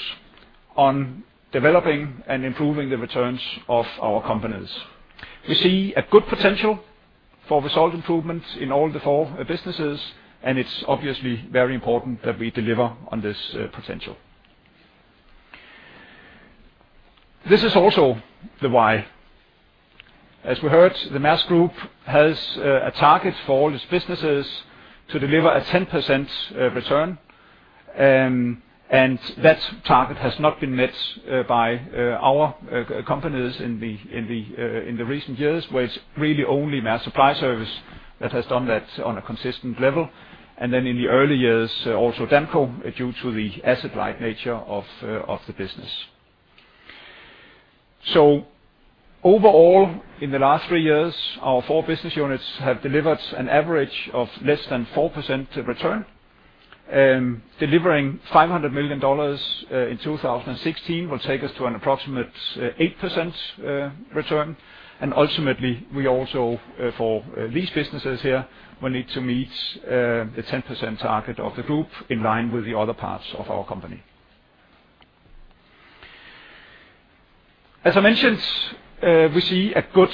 on developing and improving the returns of our companies. We see a good potential for result improvements in all the four businesses, and it's obviously very important that we deliver on this potential. This is also the why. As we heard, the Maersk Group has a target for all its businesses to deliver a 10% return, and that target has not been met by our companies in the recent years, where it's really only Maersk Supply Service that has done that on a consistent level. In the early years, also Damco, due to the asset-light nature of the business. Overall, in the last three years, our four business units have delivered an average of less than 4% return. Delivering $500 million in 2016 will take us to an approximate 8% return. Ultimately, we also for these businesses here, we need to meet the 10% target of the group in line with the other parts of our company. As I mentioned, we see a good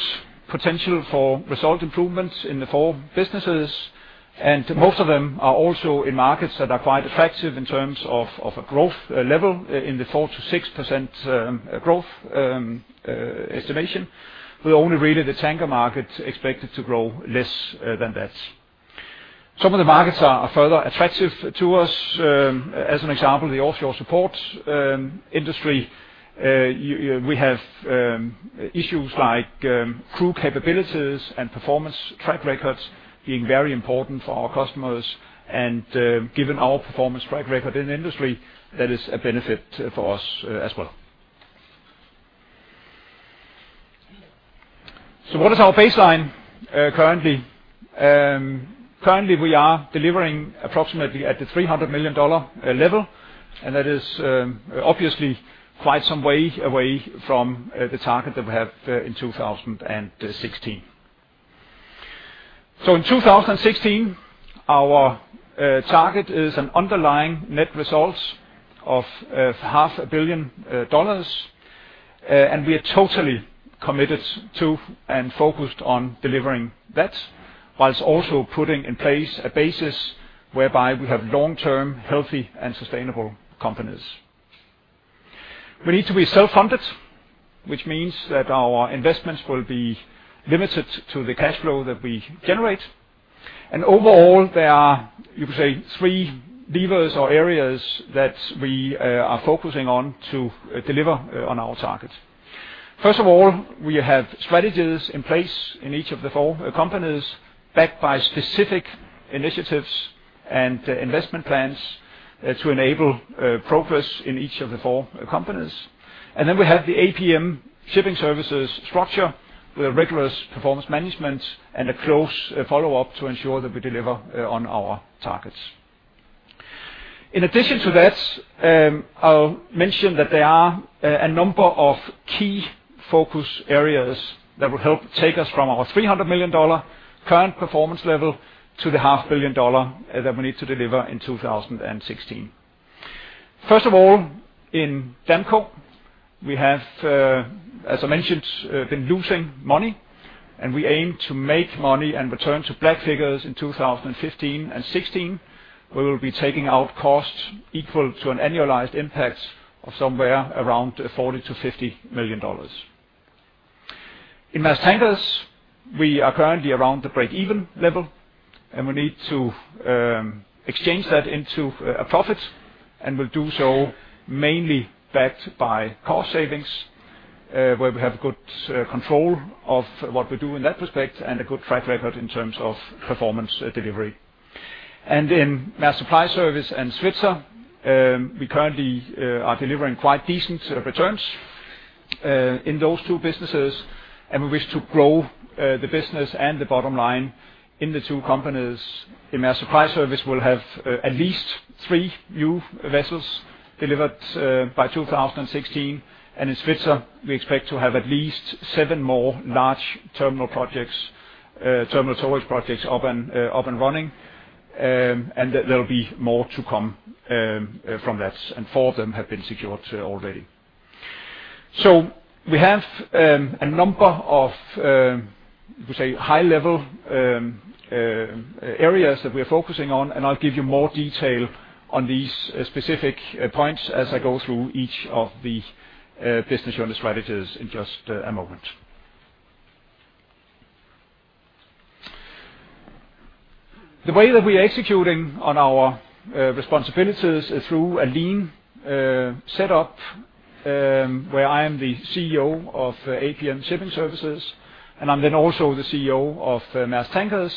potential for results improvements in the four businesses. Most of them are also in markets that are quite attractive in terms of a growth level in the 4%-6% growth estimation, with only really the tanker market expected to grow less than that. Some of the markets are further attractive to us. As an example, the offshore support industry, we have issues like crew capabilities and performance track records being very important for our customers and, given our performance track record in the industry, that is a benefit for us as well. What is our baseline currently? Currently we are delivering approximately at the $300 million level, and that is obviously quite some way away from the target that we have in 2016. In 2016, our target is an underlying net results of half a billion dollars, and we are totally committed to and focused on delivering that, while also putting in place a basis whereby we have long-term healthy and sustainable companies. We need to be self-funded, which means that our investments will be limited to the cash flow that we generate. Overall, there are, you could say, three levers or areas that we are focusing on to deliver on our targets. First of all, we have strategies in place in each of the four companies backed by specific initiatives and investment plans to enable progress in each of the four companies. We have the APM Shipping Services structure with rigorous performance management and a close follow-up to ensure that we deliver on our targets. In addition to that, I'll mention that there are a number of key focus areas that will help take us from our $300 million current performance level to the half billion dollar that we need to deliver in 2016. First of all, in Damco, we have, as I mentioned, been losing money, and we aim to make money and return to black figures in 2015 and 2016. We will be taking out costs equal to an annualized impact of somewhere around $40 million-$50 million. In Maersk Tankers, we are currently around the break-even level, and we need to exchange that into a profit, and we'll do so mainly backed by cost savings, where we have good control of what we do in that respect and a good track record in terms of performance delivery. In Maersk Supply Service and Svitzer, we currently are delivering quite decent returns in those two businesses, and we wish to grow the business and the bottom line in the two companies. In Maersk Supply Service, we'll have at least three new vessels delivered by 2016. In Svitzer, we expect to have at least seven more large terminal towage projects up and running. There'll be more to come from that, and four of them have been secured already. We have a number of we say high-level areas that we're focusing on, and I'll give you more detail on these specific points as I go through each of the business unit strategies in just a moment. The way that we are executing on our responsibilities is through a lean setup, where I am the CEO of APM Shipping Services, and I'm then also the CEO of Maersk Tankers,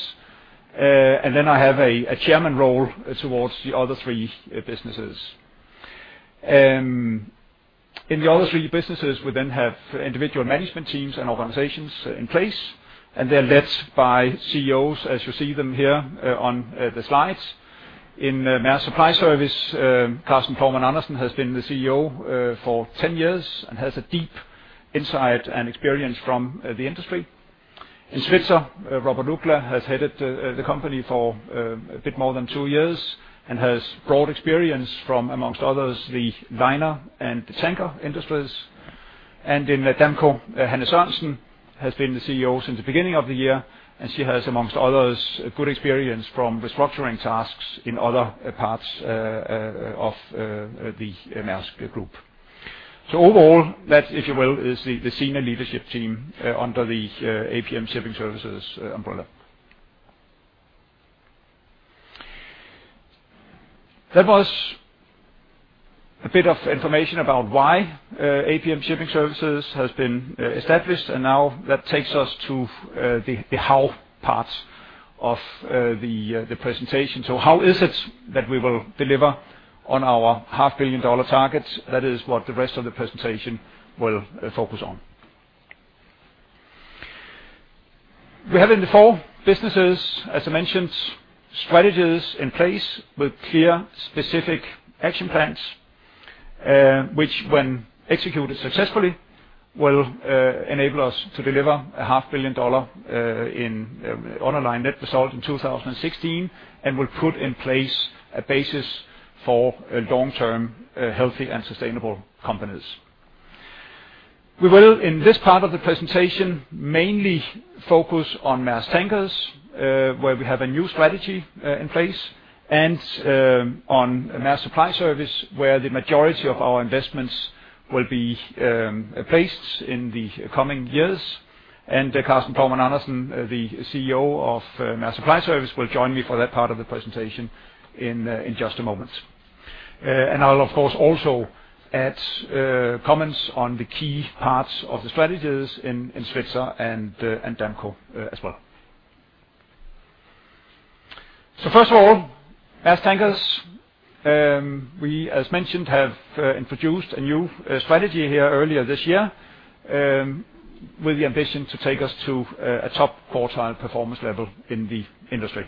and then I have a chairman role towards the other three businesses. In the other three businesses, we then have individual management teams and organizations in place, and they're led by CEOs as you see them here on the slides. In Maersk Supply Service, Carsten Plougmann Andersen has been the CEO for 10 years and has a deep insight and experience from the industry. In Svitzer, Robert Uggla has headed the company for a bit more than two years and has broad experience from, among others, the liner and tanker industries. In Damco, Hanne Sørensen has been the CEO since the beginning of the year, and she has, among others, good experience from restructuring tasks in other parts of the Maersk Group. Overall, that, if you will, is the senior leadership team under the APM Shipping Services umbrella. That was a bit of information about why APM Shipping Services has been established, and now that takes us to the how part of the presentation. How is it that we will deliver on our half billion dollar targets? That is what the rest of the presentation will focus on. We have in the four businesses, as I mentioned, strategies in place with clear specific action plans, which when executed successfully, will enable us to deliver a half billion dollar in underlying net result in 2016 and will put in place a basis for long-term healthy and sustainable companies. We will, in this part of the presentation, mainly focus on Maersk Tankers, where we have a new strategy in place, and on Maersk Supply Service, where the majority of our investments will be placed in the coming years. Carsten Plougmann Andersen, the CEO of Maersk Supply Service, will join me for that part of the presentation in just a moment. I'll of course also add comments on the key parts of the strategies in Svitzer and Damco as well. First of all, Maersk Tankers, we, as mentioned, have introduced a new strategy here earlier this year, with the ambition to take us to a top quartile performance level in the industry.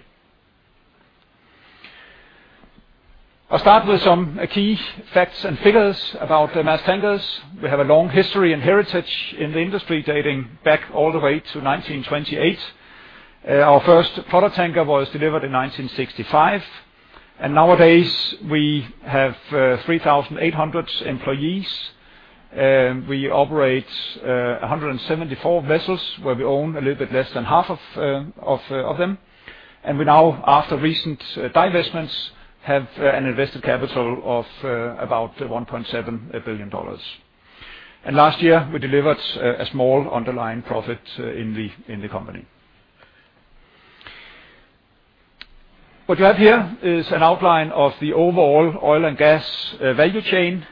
I'll start with some key facts and figures about the Maersk Tankers. We have a long history and heritage in the industry dating back all the way to 1928. Our first product tanker was delivered in 1965, and nowadays we have 3,800 employees. We operate 174 vessels, where we own a little bit less than half of them. We now, after recent divestments, have an invested capital of about $1.7 billion. Last year, we delivered a small underlying profit in the company. What you have here is an outline of the overall oil and gas value chain,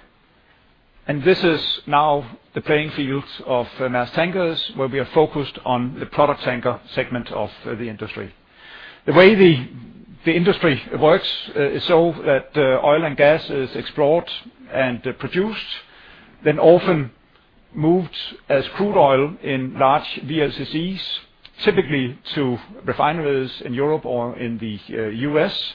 and this is now the playing field of Maersk Tankers, where we are focused on the product tanker segment of the industry. The way the industry works is so that oil and gas is explored and produced, then often moved as crude oil in large VLCCs, typically to refineries in Europe or in the U.S.,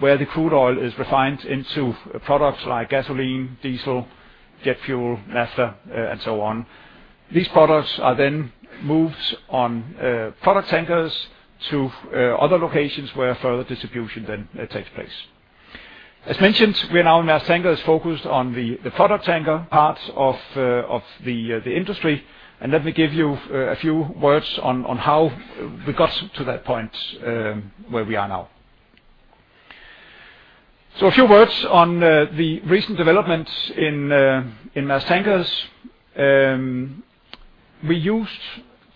where the crude oil is refined into products like gasoline, diesel, jet fuel, naphtha, and so on. These products are then moved on product tankers to other locations where further distribution then takes place. As mentioned, we are now in Maersk Tankers focused on the product tanker parts of the industry. Let me give you a few words on how we got to that point, where we are now. A few words on the recent developments in Maersk Tankers. We used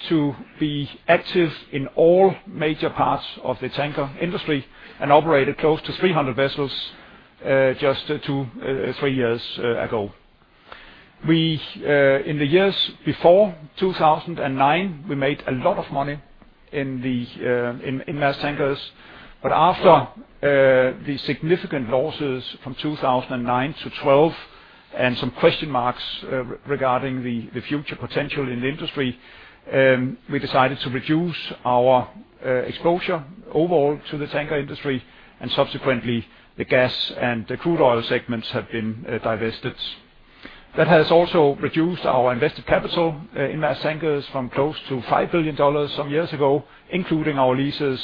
to be active in all major parts of the tanker industry and operated close to 300 vessels just two, three years ago. We in the years before 2009, we made a lot of money in Maersk Tankers. After the significant losses from 2009 to 2012 and some question marks regarding the future potential in the industry, we decided to reduce our exposure overall to the tanker industry, and subsequently the gas and the crude oil segments have been divested. That has also reduced our invested capital in Maersk Tankers from close to $5 billion some years ago, including our leases,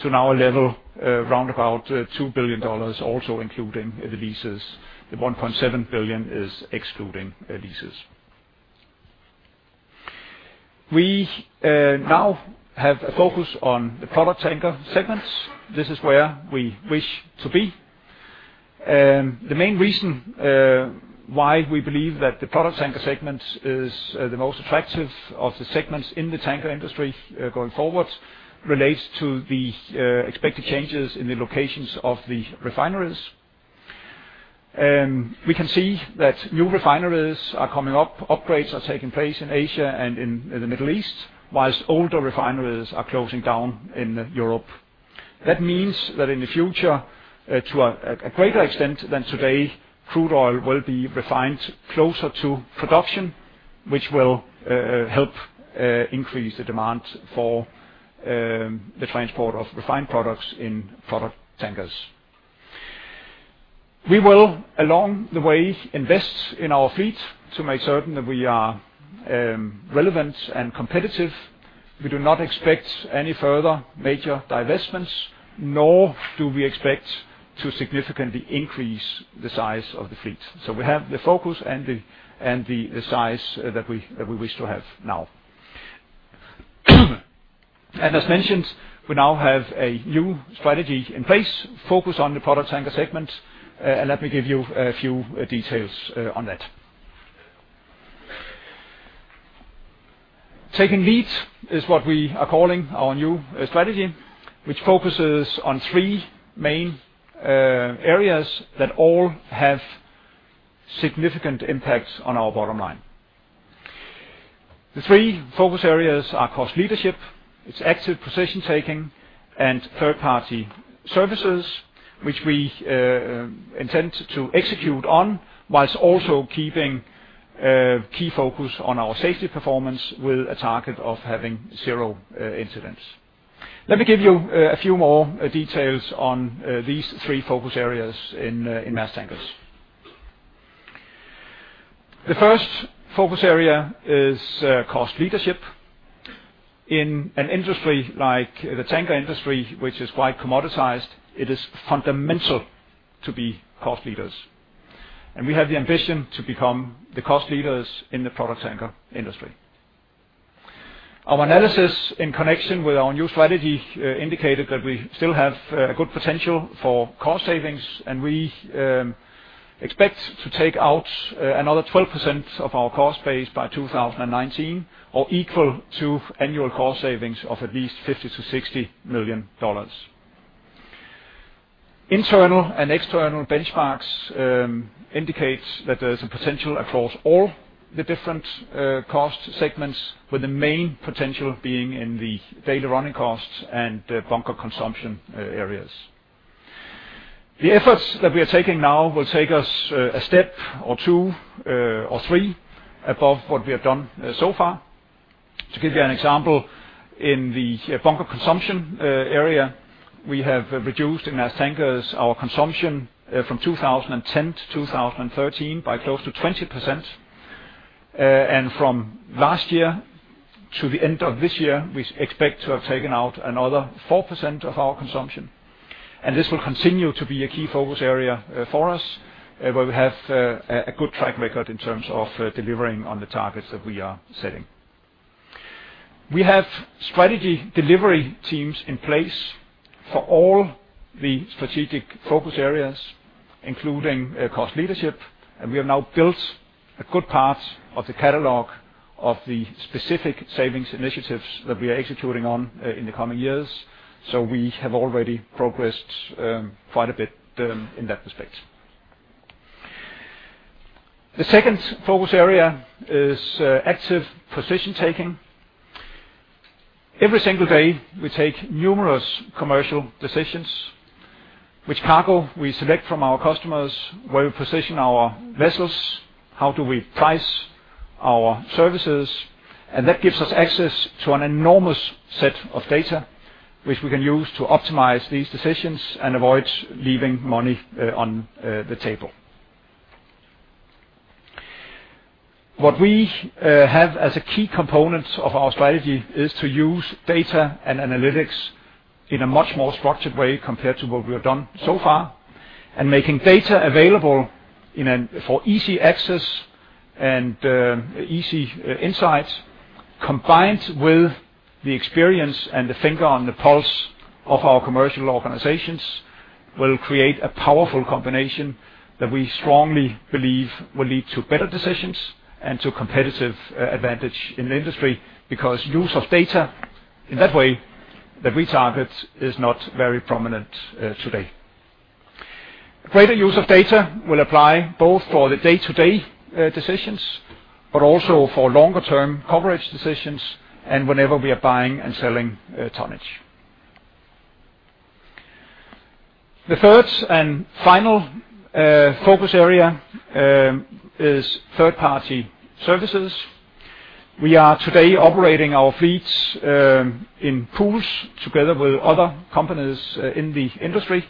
to now a level around about $2 billion, also including the leases. The $1.7 billion is excluding leases. We now have a focus on the product tanker segments. This is where we wish to be. The main reason why we believe that the product tanker segment is the most attractive of the segments in the tanker industry going forward relates to the expected changes in the locations of the refineries. We can see that new refineries are coming up, upgrades are taking place in Asia and in the Middle East, while older refineries are closing down in Europe. That means that in the future, to a greater extent than today, crude oil will be refined closer to production, which will help increase the demand for the transport of refined products in product tankers. We will, along the way, invest in our fleet to make certain that we are relevant and competitive. We do not expect any further major divestments, nor do we expect to significantly increase the size of the fleet. We have the focus and the size that we wish to have now. As mentioned, we now have a new strategy in place, focus on the product tanker segment, and let me give you a few details on that. Taking the Lead is what we are calling our new strategy, which focuses on three main areas that all have significant impacts on our bottom line. The three focus areas are cost leadership, active position taking, and third-party services, which we intend to execute on while also keeping key focus on our safety performance with a target of having zero incidents. Let me give you a few more details on these three focus areas in Maersk Tankers. The first focus area is cost leadership. In an industry like the tanker industry, which is quite commoditized, it is fundamental to be cost leaders, and we have the ambition to become the cost leaders in the product tanker industry. Our analysis in connection with our new strategy indicated that we still have a good potential for cost savings, and we expect to take out another 12% of our cost base by 2019 or equal to annual cost savings of at least $50 million-$60 million. Internal and external benchmarks indicates that there's a potential across all the different cost segments, with the main potential being in the daily running costs and bunker consumption areas. The efforts that we are taking now will take us a step or two or three above what we have done so far. To give you an example, in the bunker consumption area, we have reduced in our tankers our consumption from 2010 to 2013 by close to 20%. From last year to the end of this year, we expect to have taken out another 4% of our consumption. This will continue to be a key focus area for us, where we have a good track record in terms of delivering on the targets that we are setting. We have strategy delivery teams in place for all the strategic focus areas, including cost leadership, and we have now built a good part of the catalog of the specific savings initiatives that we are executing on in the coming years. We have already progressed quite a bit in that respect. The second focus area is active position-taking. Every single day, we take numerous commercial decisions, which cargo we select from our customers, where we position our vessels, how do we price our services, and that gives us access to an enormous set of data which we can use to optimize these decisions and avoid leaving money on the table. What we have as a key component of our strategy is to use data and analytics in a much more structured way compared to what we have done so far, and making data available in an for easy access and easy insights, combined with the experience and the finger on the pulse of our commercial organizations will create a powerful combination that we strongly believe will lead to better decisions and to competitive advantage in the industry. Because use of data in that way that we target is not very prominent today. Greater use of data will apply both for the day-to-day decisions, but also for longer-term coverage decisions and whenever we are buying and selling tonnage. The third and final focus area is third-party services. We are today operating our fleets in pools together with other companies in the industry.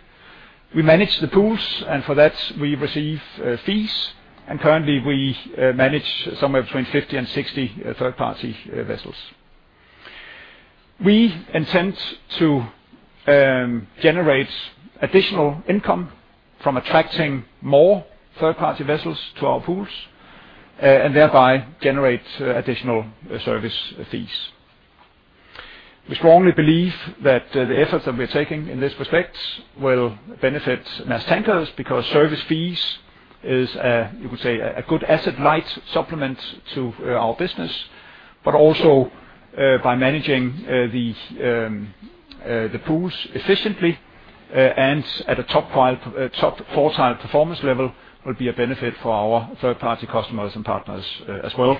We manage the pools, and for that, we receive fees. Currently, we manage somewhere between 50 and 60 third-party vessels. We intend to generate additional income from attracting more third-party vessels to our pools and thereby generate additional service fees. We strongly believe that the efforts that we're taking in this respect will benefit Maersk Tankers because service fees is you could say a good asset light supplement to our business. Also, by managing the pools efficiently and at a top five top quartile performance level, will be a benefit for our third-party customers and partners as well.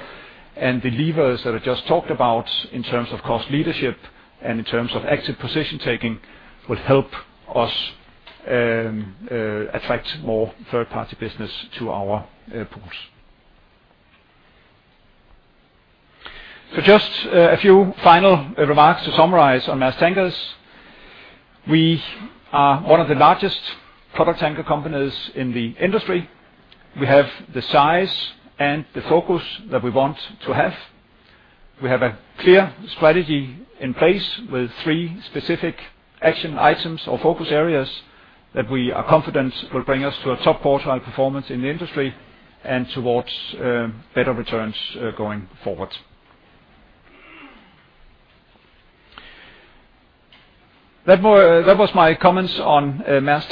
The levers that I just talked about in terms of cost leadership and in terms of active position-taking will help us attract more third-party business to our pools. Just a few final remarks to summarize on Maersk Tankers. We are one of the largest product tanker companies in the industry. We have the size and the focus that we want to have. We have a clear strategy in place with three specific action items or focus areas that we are confident will bring us to a top quartile performance in the industry and towards better returns going forward. That was my comments on Maersk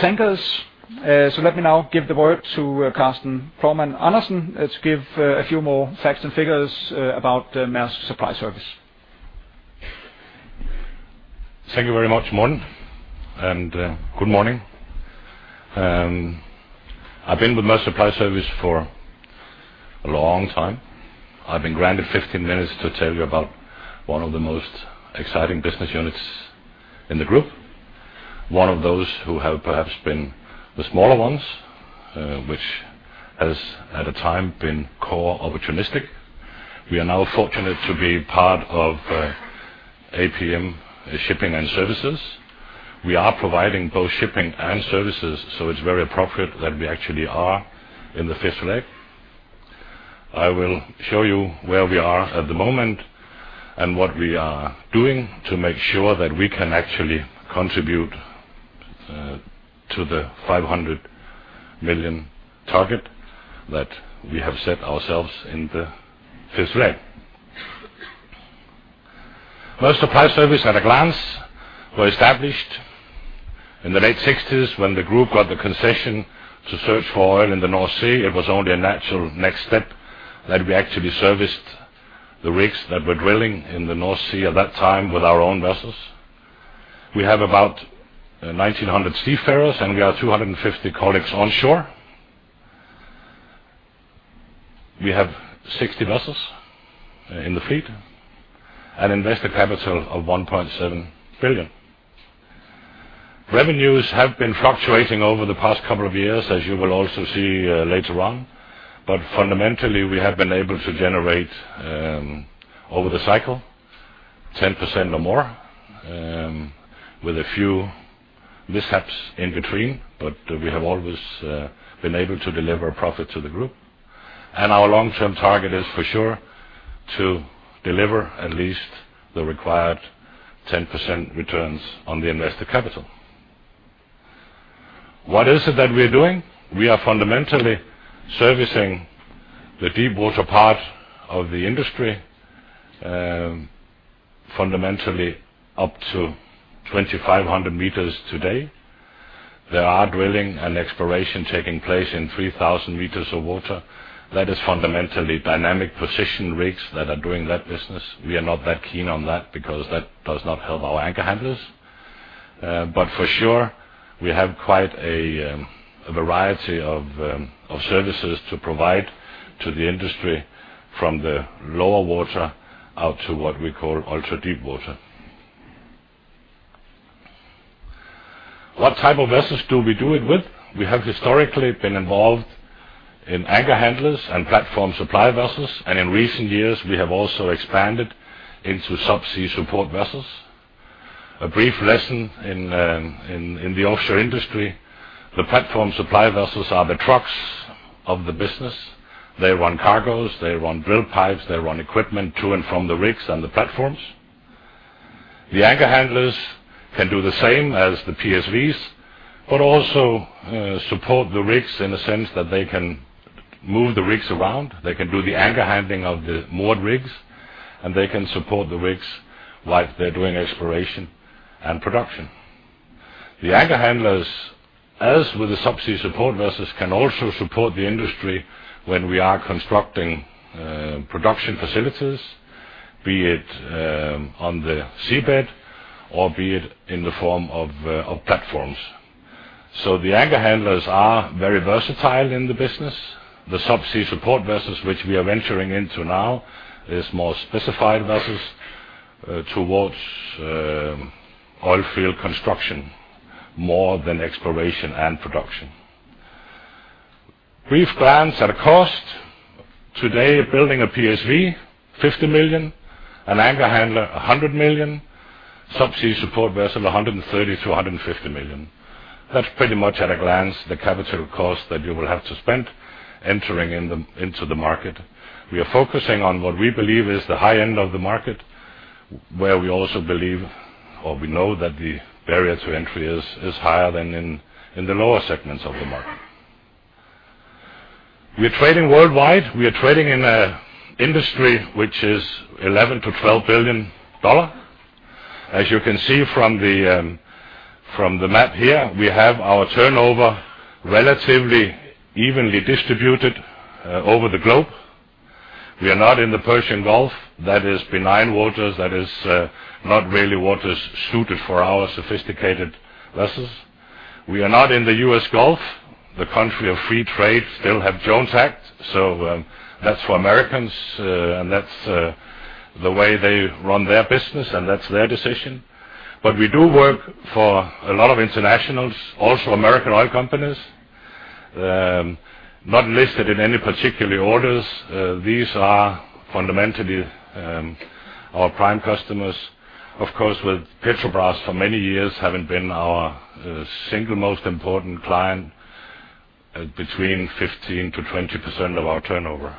Tankers. Let me now give the word to Carsten Plougmann Andersen to give a few more facts and figures about Maersk Supply Service. Thank you very much, Morten, and good morning. I've been with Maersk Supply Service for a long time. I've been granted 15 minutes to tell you about one of the most exciting business units in the group. One of those who have perhaps been the smaller ones, which has, at a time, been core opportunistic. We are now fortunate to be part of APM Shipping Services. We are providing both shipping and services, so it's very appropriate that we actually are in the fifth leg. I will show you where we are at the moment and what we are doing to make sure that we can actually contribute to the $500 million target that we have set ourselves in the fifth leg. Well, Supply Service at a glance were established in the late 1960s when the group got the concession to search for oil in the North Sea. It was only a natural next step that we actually serviced the rigs that were drilling in the North Sea at that time with our own vessels. We have about 1,900 seafarers and we have 250 colleagues onshore. We have 60 vessels in the fleet and invested capital of $1.7 billion. Revenues have been fluctuating over the past couple of years, as you will also see later on. Fundamentally, we have been able to generate over the cycle 10% or more with a few mishaps in between. We have always been able to deliver profit to the group. Our long-term target is for sure to deliver at least the required 10% returns on the invested capital. What is it that we are doing? We are fundamentally servicing the deep water part of the industry, fundamentally up to 2,500 meters today. There are drilling and exploration taking place in 3,000 meters of water. That is fundamentally dynamic position rigs that are doing that business. We are not that keen on that because that does not help our anchor handlers. For sure, we have quite a variety of services to provide to the industry from the lower water out to what we call ultra-deep water. What type of vessels do we do it with? We have historically been involved in anchor handlers and platform supply vessels. In recent years, we have also expanded into subsea support vessels. A brief lesson in the offshore industry. The platform supply vessels are the trucks of the business. They run cargoes. They run drill pipes. They run equipment to and from the rigs and the platforms. The anchor handlers can do the same as the PSVs, but also support the rigs in a sense that they can move the rigs around. They can do the anchor handling of the moored rigs. They can support the rigs while they're doing exploration and production. The anchor handlers, as with the subsea support vessels, can also support the industry when we are constructing production facilities, be it on the seabed or be it in the form of platforms. The anchor handlers are very versatile in the business. The subsea support vessels, which we are venturing into now, is more specified vessels towards oil field construction more than exploration and production. Brief glance at a cost. Today, building a PSV, $50 million. An anchor handler, $100 million. Subsea support vessel, $130 million-$150 million. That's pretty much at a glance the capital cost that you will have to spend entering into the market. We are focusing on what we believe is the high end of the market, where we also believe or we know that the barrier to entry is higher than in the lower segments of the market. We are trading worldwide. We are trading in an industry which is $11 billion-$12 billion. As you can see from the map here, we have our turnover relatively evenly distributed over the globe. We are not in the Persian Gulf. That is benign waters. That is not really waters suited for our sophisticated vessels. We are not in the U.S. Gulf. The country of free trade still have Jones Act. That's for Americans. That's the way they run their business. That's their decision. We do work for a lot of internationals, also American oil companies. Not listed in any particular orders. These are fundamentally our prime customers. Of course, with Petrobras for many years having been our single most important client at between 15%-20% of our turnover.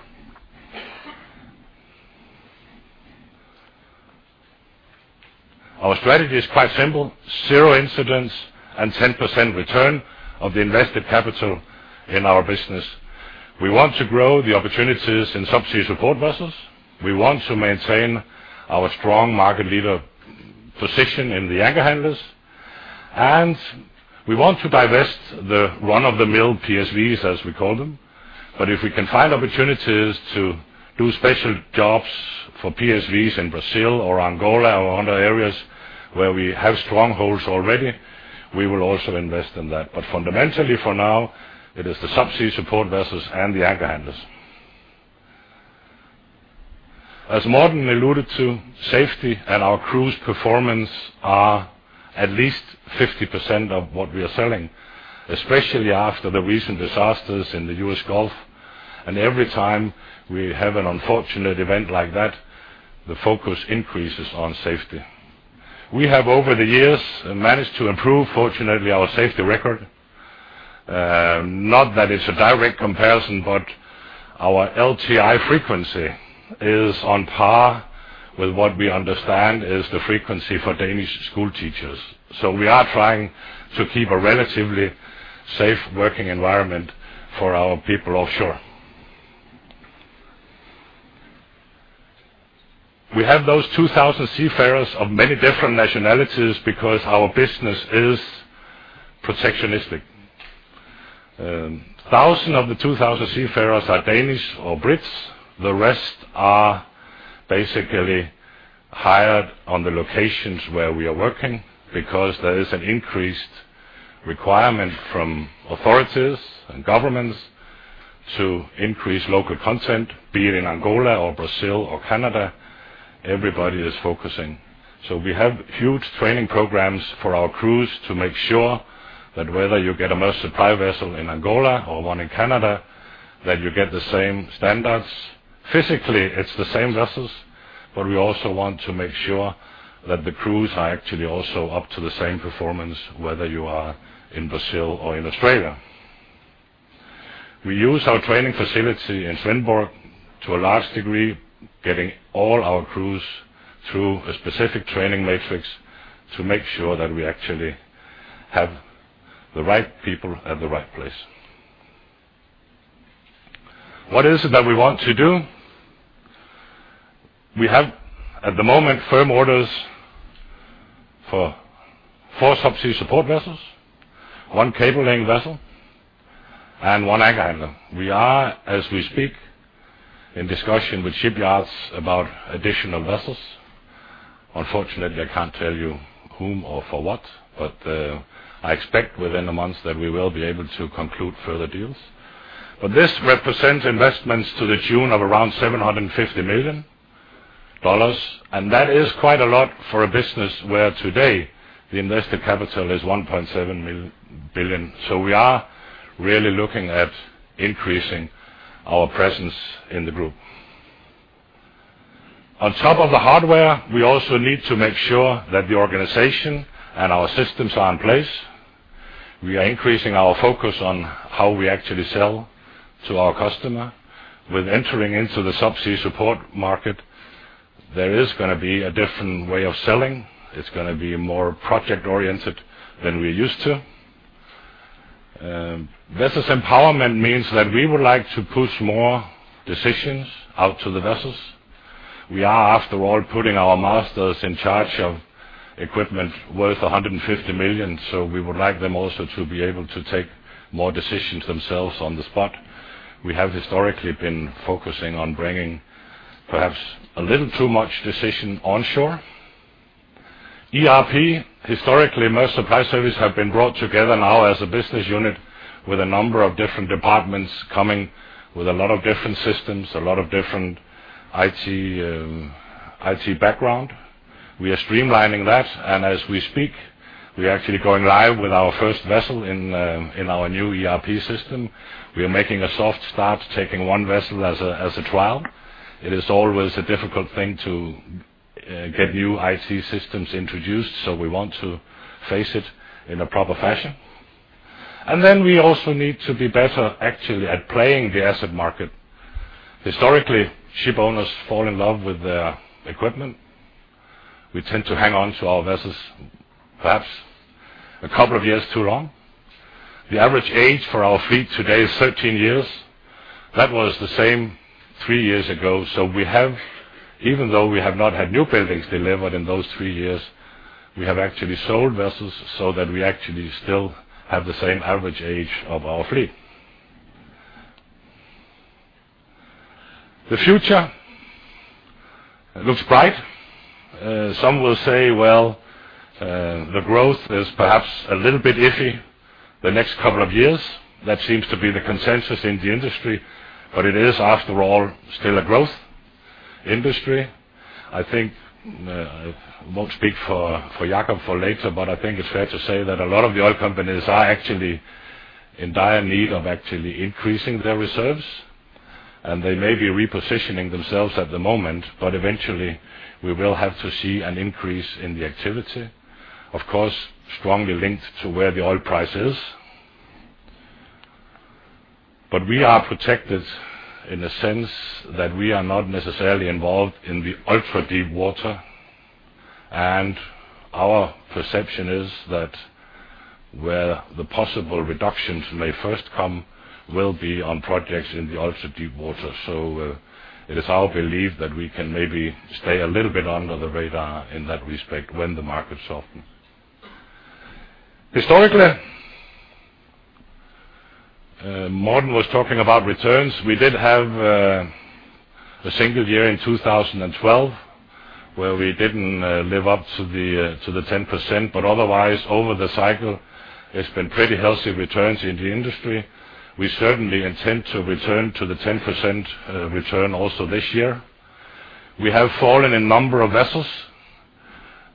Our strategy is quite simple. Zero incidents and 10% return of the invested capital in our business. We want to grow the opportunities in subsea support vessels. We want to maintain our strong market leader position in the anchor handlers. We want to divest the run-of-the-mill PSVs, as we call them. If we can find opportunities to do special jobs for PSVs in Brazil or Angola or other areas where we have strongholds already, we will also invest in that. Fundamentally for now, it is the subsea support vessels and the anchor handlers. As Morten alluded to, safety and our crew's performance are at least 50% of what we are selling, especially after the recent disasters in the U.S. Gulf. Every time we have an unfortunate event like that, the focus increases on safety. We have over the years managed to improve, fortunately, our safety record. Not that it's a direct comparison, but our LTI frequency is on par with what we understand is the frequency for Danish school teachers. We are trying to keep a relatively safe working environment for our people offshore. We have those 2,000 seafarers of many different nationalities because our business is protectionist. 1,000 of the 2,000 seafarers are Danish or Brits. The rest are basically hired on the locations where we are working because there is an increased requirement from authorities and governments to increase local content, be it in Angola or Brazil or Canada, everybody is focusing. We have huge training programs for our crews to make sure that whether you get a Maersk Supply vessel in Angola or one in Canada, that you get the same standards. Physically, it's the same vessels, but we also want to make sure that the crews are actually also up to the same performance, whether you are in Brazil or in Australia. We use our training facility in Svendborg to a large degree, getting all our crews through a specific training matrix to make sure that we actually have the right people at the right place. What is it that we want to do? We have, at the moment, firm orders for four subsea support vessels, one cable laying vessel, and one anchor handler. We are, as we speak, in discussion with shipyards about additional vessels. Unfortunately, I can't tell you whom or for what, but I expect within the months that we will be able to conclude further deals. This represents investments to the tune of around $750 million, and that is quite a lot for a business where today the invested capital is $1.7 billion. We are really looking at increasing our presence in the group. On top of the hardware, we also need to make sure that the organization and our systems are in place. We are increasing our focus on how we actually sell to our customer. With entering into the subsea support market, there is gonna be a different way of selling. It's gonna be more project-oriented than we're used to. Vessels empowerment means that we would like to push more decisions out to the vessels. We are, after all, putting our masters in charge of equipment worth $150 million, so we would like them also to be able to take more decisions themselves on the spot. We have historically been focusing on bringing perhaps a little too much decision onshore. ERP, historically, Maersk Supply Service have been brought together now as a business unit with a number of different departments coming with a lot of different systems, a lot of different IT background. We are streamlining that, and as we speak, we're actually going live with our first vessel in our new ERP system. We are making a soft start, taking one vessel as a trial. It is always a difficult thing to get new IT systems introduced, so we want to face it in a proper fashion. We also need to be better actually at playing the asset market. Historically, ship owners fall in love with their equipment. We tend to hang on to our vessels perhaps a couple of years too long. The average age for our fleet today is 13 years. That was the same three years ago. We have even though we have not had new buildings delivered in those three years, we have actually sold vessels so that we actually still have the same average age of our fleet. The future looks bright. Some will say the growth is perhaps a little bit iffy the next couple of years. That seems to be the consensus in the industry. It is, after all, still a growth industry. I think I won't speak for Jakob for later, but I think it's fair to say that a lot of the oil companies are actually in dire need of actually increasing their reserves, and they may be repositioning themselves at the moment, but eventually, we will have to see an increase in the activity, of course, strongly linked to where the oil price is. We are protected in the sense that we are not necessarily involved in the ultra deep water, and our perception is that where the possible reductions may first come will be on projects in the ultra deep water. It is our belief that we can maybe stay a little bit under the radar in that respect when the markets soften. Historically, Morten was talking about returns. We did have a single year in 2012 where we didn't live up to the 10%, but otherwise, over the cycle, it's been pretty healthy returns in the industry. We certainly intend to return to the 10% return also this year. We have fallen in number of vessels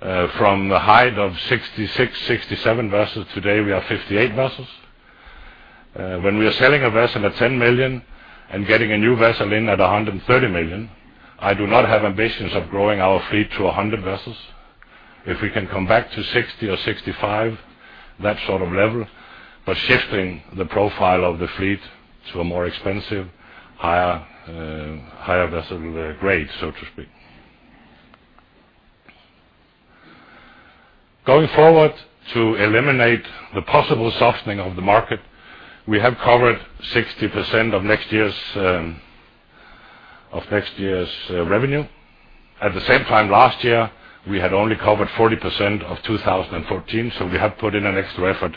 from the height of 66, 67 vessels. Today, we are 58 vessels. When we are selling a vessel at $10 million and getting a new vessel in at $130 million, I do not have ambitions of growing our fleet to 100 vessels. If we can come back to 60 or 65, that sort of level, but shifting the profile of the fleet to a more expensive, higher vessel grade, so to speak. Going forward, to eliminate the possible softening of the market, we have covered 60% of next year's revenue. At the same time last year, we had only covered 40% of 2014. We have put in an extra effort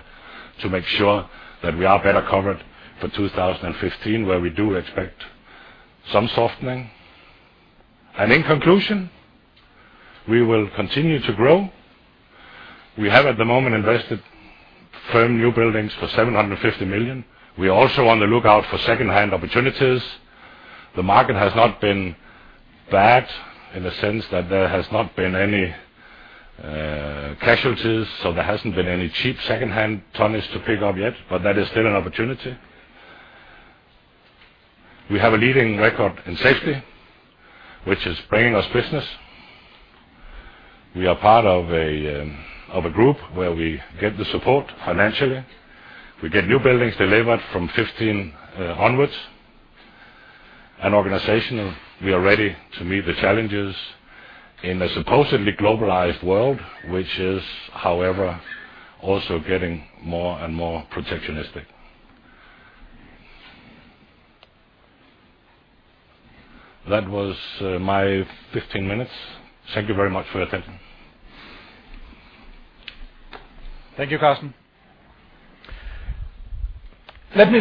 to make sure that we are better covered for 2015, where we do expect some softening. In conclusion, we will continue to grow. We have, at the moment, invested firm new buildings for $750 million. We also on the lookout for second-hand opportunities. The market has not been bad in the sense that there has not been any casualties, so there hasn't been any cheap second-hand tonnage to pick up yet, but that is still an opportunity. We have a leading record in safety, which is bringing us business. We are part of a group where we get the support financially. We get new buildings delivered from 15 onwards. Organizationally, we are ready to meet the challenges in a supposedly globalized world, which is, however, also getting more and more protectionist. That was my 15 minutes. Thank you very much for your attention. Thank you, Carsten. Let me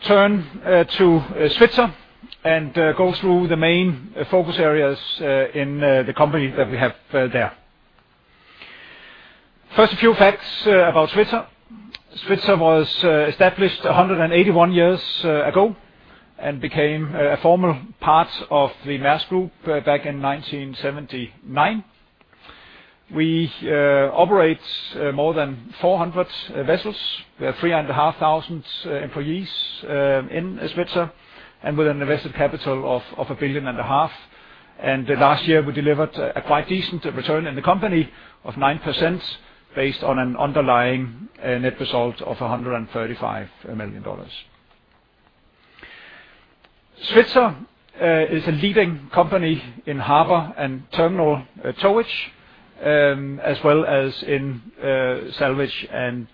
turn to Svitzer and go through the main focus areas in the company that we have there. First, a few facts about Svitzer. Svitzer was established 181 years ago and became a formal part of the Maersk Group back in 1979. We operate more than 400 vessels. We have 3,500 employees in Svitzer and with an invested capital of $1.5 billion. Last year, we delivered a quite decent return in the company of 9% based on an underlying net result of $135 million. Svitzer is a leading company in harbor and terminal towage, as well as in salvage and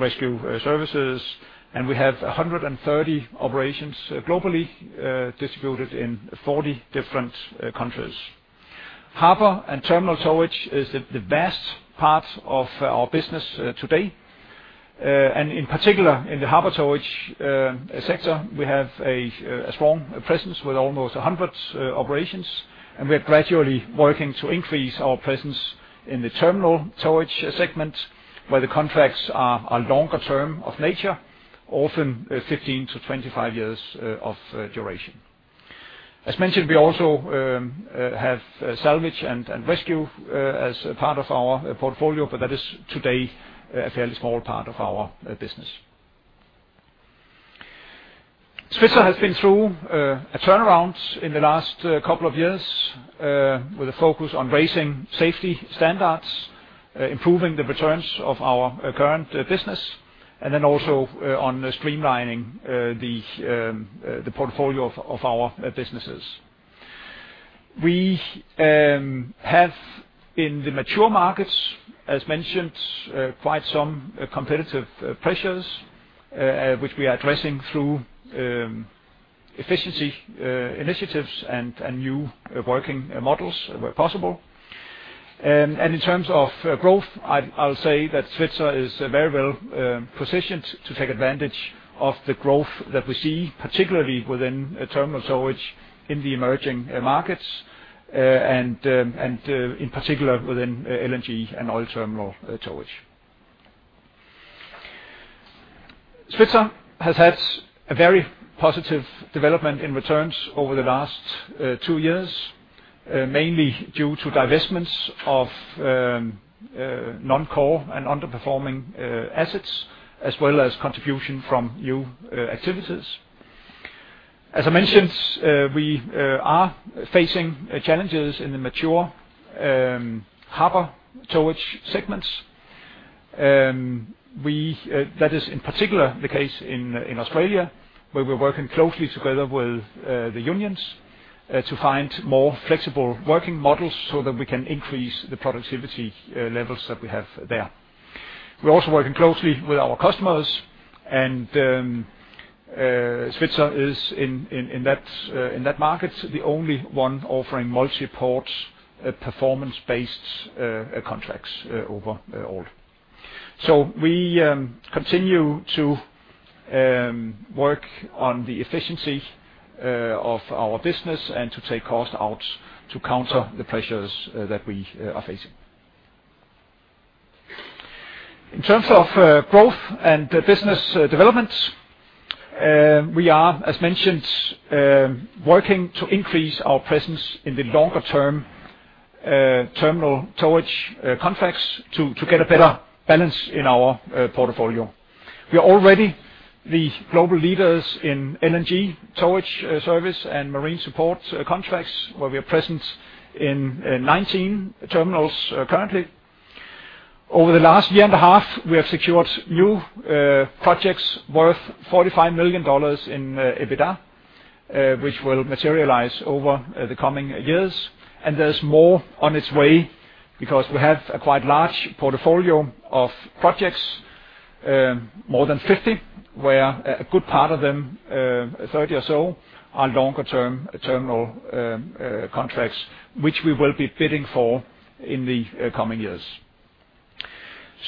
rescue services. We have 130 operations globally, distributed in 40 different countries. Harbor and terminal towage is the vast part of our business today. In particular, in the harbor towage sector, we have a strong presence with almost 100 operations, and we're gradually working to increase our presence in the terminal towage segment, where the contracts are longer term of nature, often 15-25 years of duration. As mentioned, we also have salvage and rescue as a part of our portfolio, but that is today a fairly small part of our business. Svitzer has been through a turnaround in the last couple of years with a focus on raising safety standards, improving the returns of our current business, and then also on streamlining the portfolio of our businesses. We have in the mature markets, as mentioned, quite some competitive pressures which we are addressing through efficiency initiatives and new working models where possible. In terms of growth, I'll say that Svitzer is very well positioned to take advantage of the growth that we see, particularly within terminal towage in the emerging markets, and in particular, within LNG and oil terminal towage. Svitzer has had a very positive development in returns over the last two years, mainly due to divestments of non-core and underperforming assets, as well as contribution from new activities. As I mentioned, we are facing challenges in the mature harbor towage segments. That is in particular the case in Australia, where we're working closely together with the unions to find more flexible working models so that we can increase the productivity levels that we have there. We're also working closely with our customers, and Svitzer is in that market the only one offering multi-port performance-based contracts overall. We continue to work on the efficiency of our business and to take cost out to counter the pressures that we are facing. In terms of growth and business development. We are, as mentioned, working to increase our presence in the longer term terminal towage contracts to get a better balance in our portfolio. We are already the global leaders in LNG towage service and marine support contracts, where we are present in 19 terminals currently. Over the last year and a half, we have secured new projects worth $45 million in EBITDA, which will materialize over the coming years. There's more on its way because we have a quite large portfolio of projects, more than 50, where a good part of them, 30 or so, are longer-term terminal contracts, which we will be bidding for in the coming years.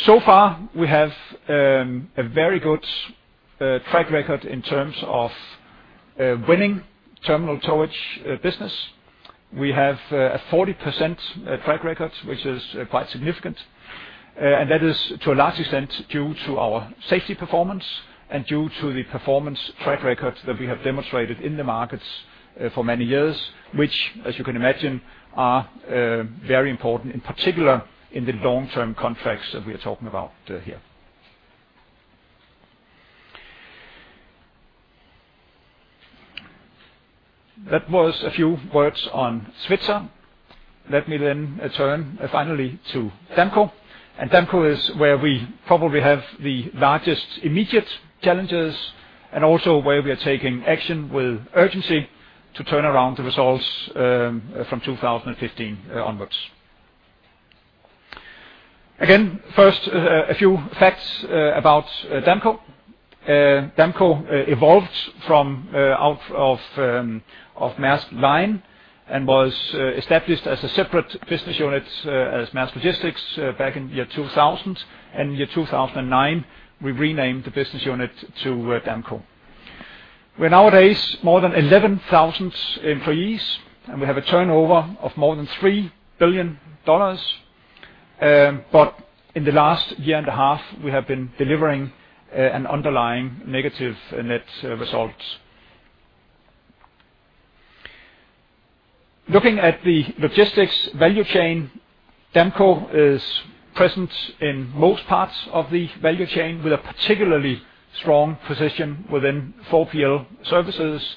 So far, we have a very good track record in terms of winning terminal towage business. We have a 40% track record, which is quite significant. That is to a large extent due to our safety performance and due to the performance track record that we have demonstrated in the markets for many years, which as you can imagine, are very important, in particular, in the long-term contracts that we are talking about here. That was a few words on Svitzer. Let me then turn finally to Damco. Damco is where we probably have the largest immediate challenges and also where we are taking action with urgency to turn around the results from 2015 onwards. Again, first, a few facts about Damco. Damco evolved from Maersk Line and was established as a separate business unit as Maersk Logistics back in year 2000. Year 2009, we renamed the business unit to Damco. We are nowadays more than 11,000 employees, and we have a turnover of more than $3 billion. But in the last year and a half, we have been delivering an underlying negative net result. Looking at the logistics value chain, Damco is present in most parts of the value chain with a particularly strong position within 4PL services.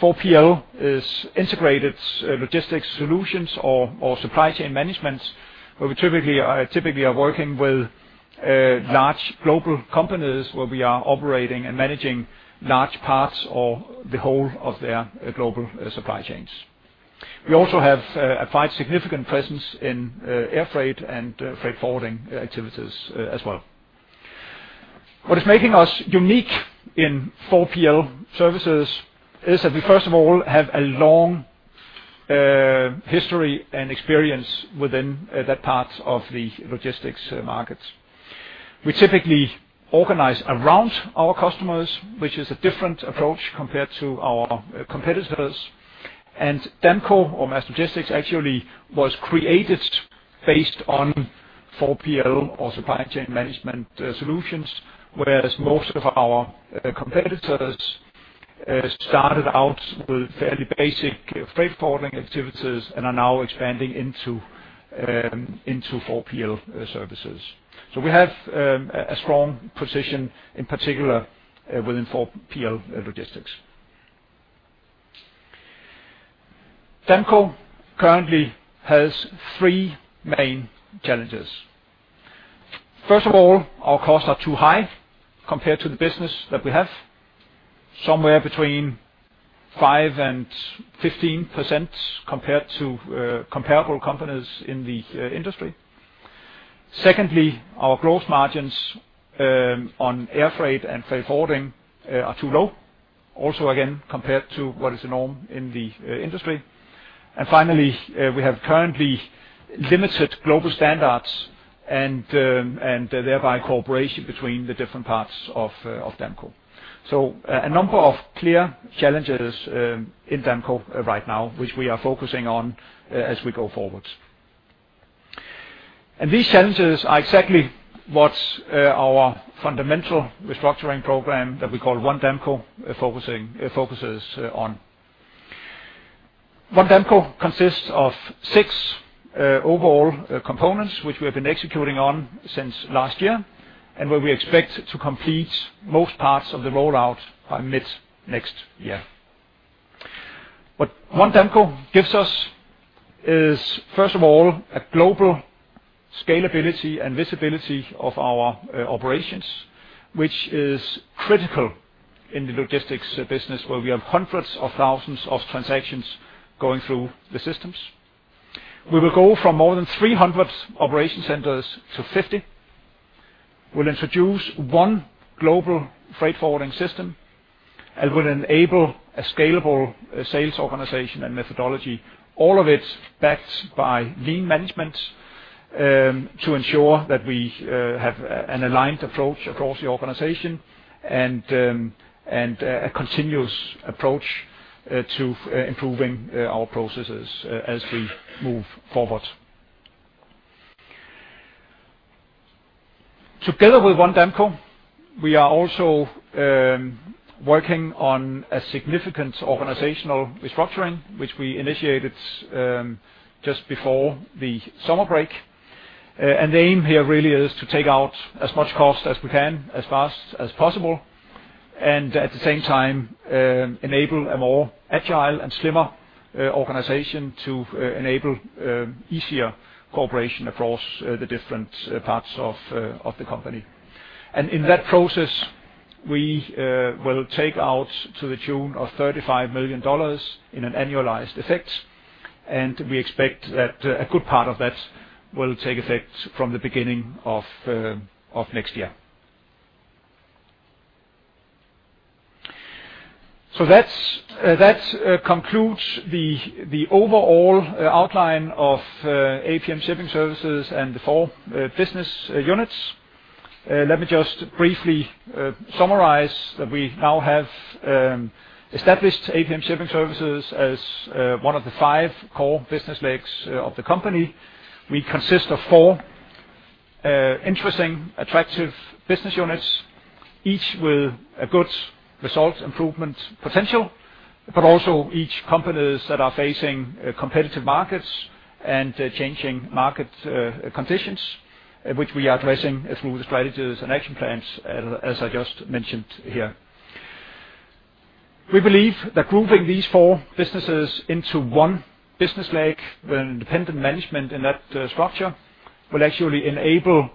4PL is integrated logistics solutions or supply chain management, where we typically are working with large global companies, where we are operating and managing large parts or the whole of their global supply chains. We also have a quite significant presence in air freight and freight forwarding activities as well. What is making us unique in 4PL services is that we first of all have a long history and experience within that part of the logistics market. We typically organize around our customers, which is a different approach compared to our competitors. Damco or Maersk Logistics actually was created based on 4PL or supply chain management solutions, whereas most of our competitors started out with fairly basic freight forwarding activities and are now expanding into 4PL services. We have a strong position, in particular, within 4PL logistics. Damco currently has three main challenges. First of all, our costs are too high compared to the business that we have, somewhere between 5% and 15% compared to comparable companies in the industry. Secondly, our gross margins on air freight and freight forwarding are too low, also again, compared to what is the norm in the industry. Finally, we have currently limited global standards and thereby cooperation between the different parts of Damco. A number of clear challenges in Damco right now, which we are focusing on as we go forward. These challenges are exactly what our fundamental restructuring program that we call One Damco focuses on. One Damco consists of six overall components, which we have been executing on since last year, and where we expect to complete most parts of the rollout by mid next year. What One Damco gives us is, first of all, a global scalability and visibility of our operations, which is critical in the logistics business, where we have hundreds of thousands of transactions going through the systems. We will go from more than 300 operation centers to 50. We'll introduce one global freight forwarding system and will enable a scalable sales organization and methodology, all of it backed by lean management, to ensure that we have an aligned approach across the organization and a continuous approach to improving our processes as we move forward. Together with One Damco, we are also working on a significant organizational restructuring, which we initiated just before the summer break. The aim here really is to take out as much cost as we can as fast as possible, and at the same time, enable a more agile and slimmer organization to enable easier cooperation across the different parts of the company. In that process, we will take out to the tune of $35 million in an annualized effect. We expect that a good part of that will take effect from the beginning of next year. That concludes the overall outline of APM Shipping Services and the four business units. Let me just briefly summarize that we now have established APM Shipping Services as one of the 5 core business legs of the company. We consist of four interesting, attractive business units, each with a good result improvement potential, but also each companies that are facing competitive markets and changing market conditions, which we are addressing through the strategies and action plans as I just mentioned here. We believe that grouping these four businesses into one business leg with independent management in that structure will actually enable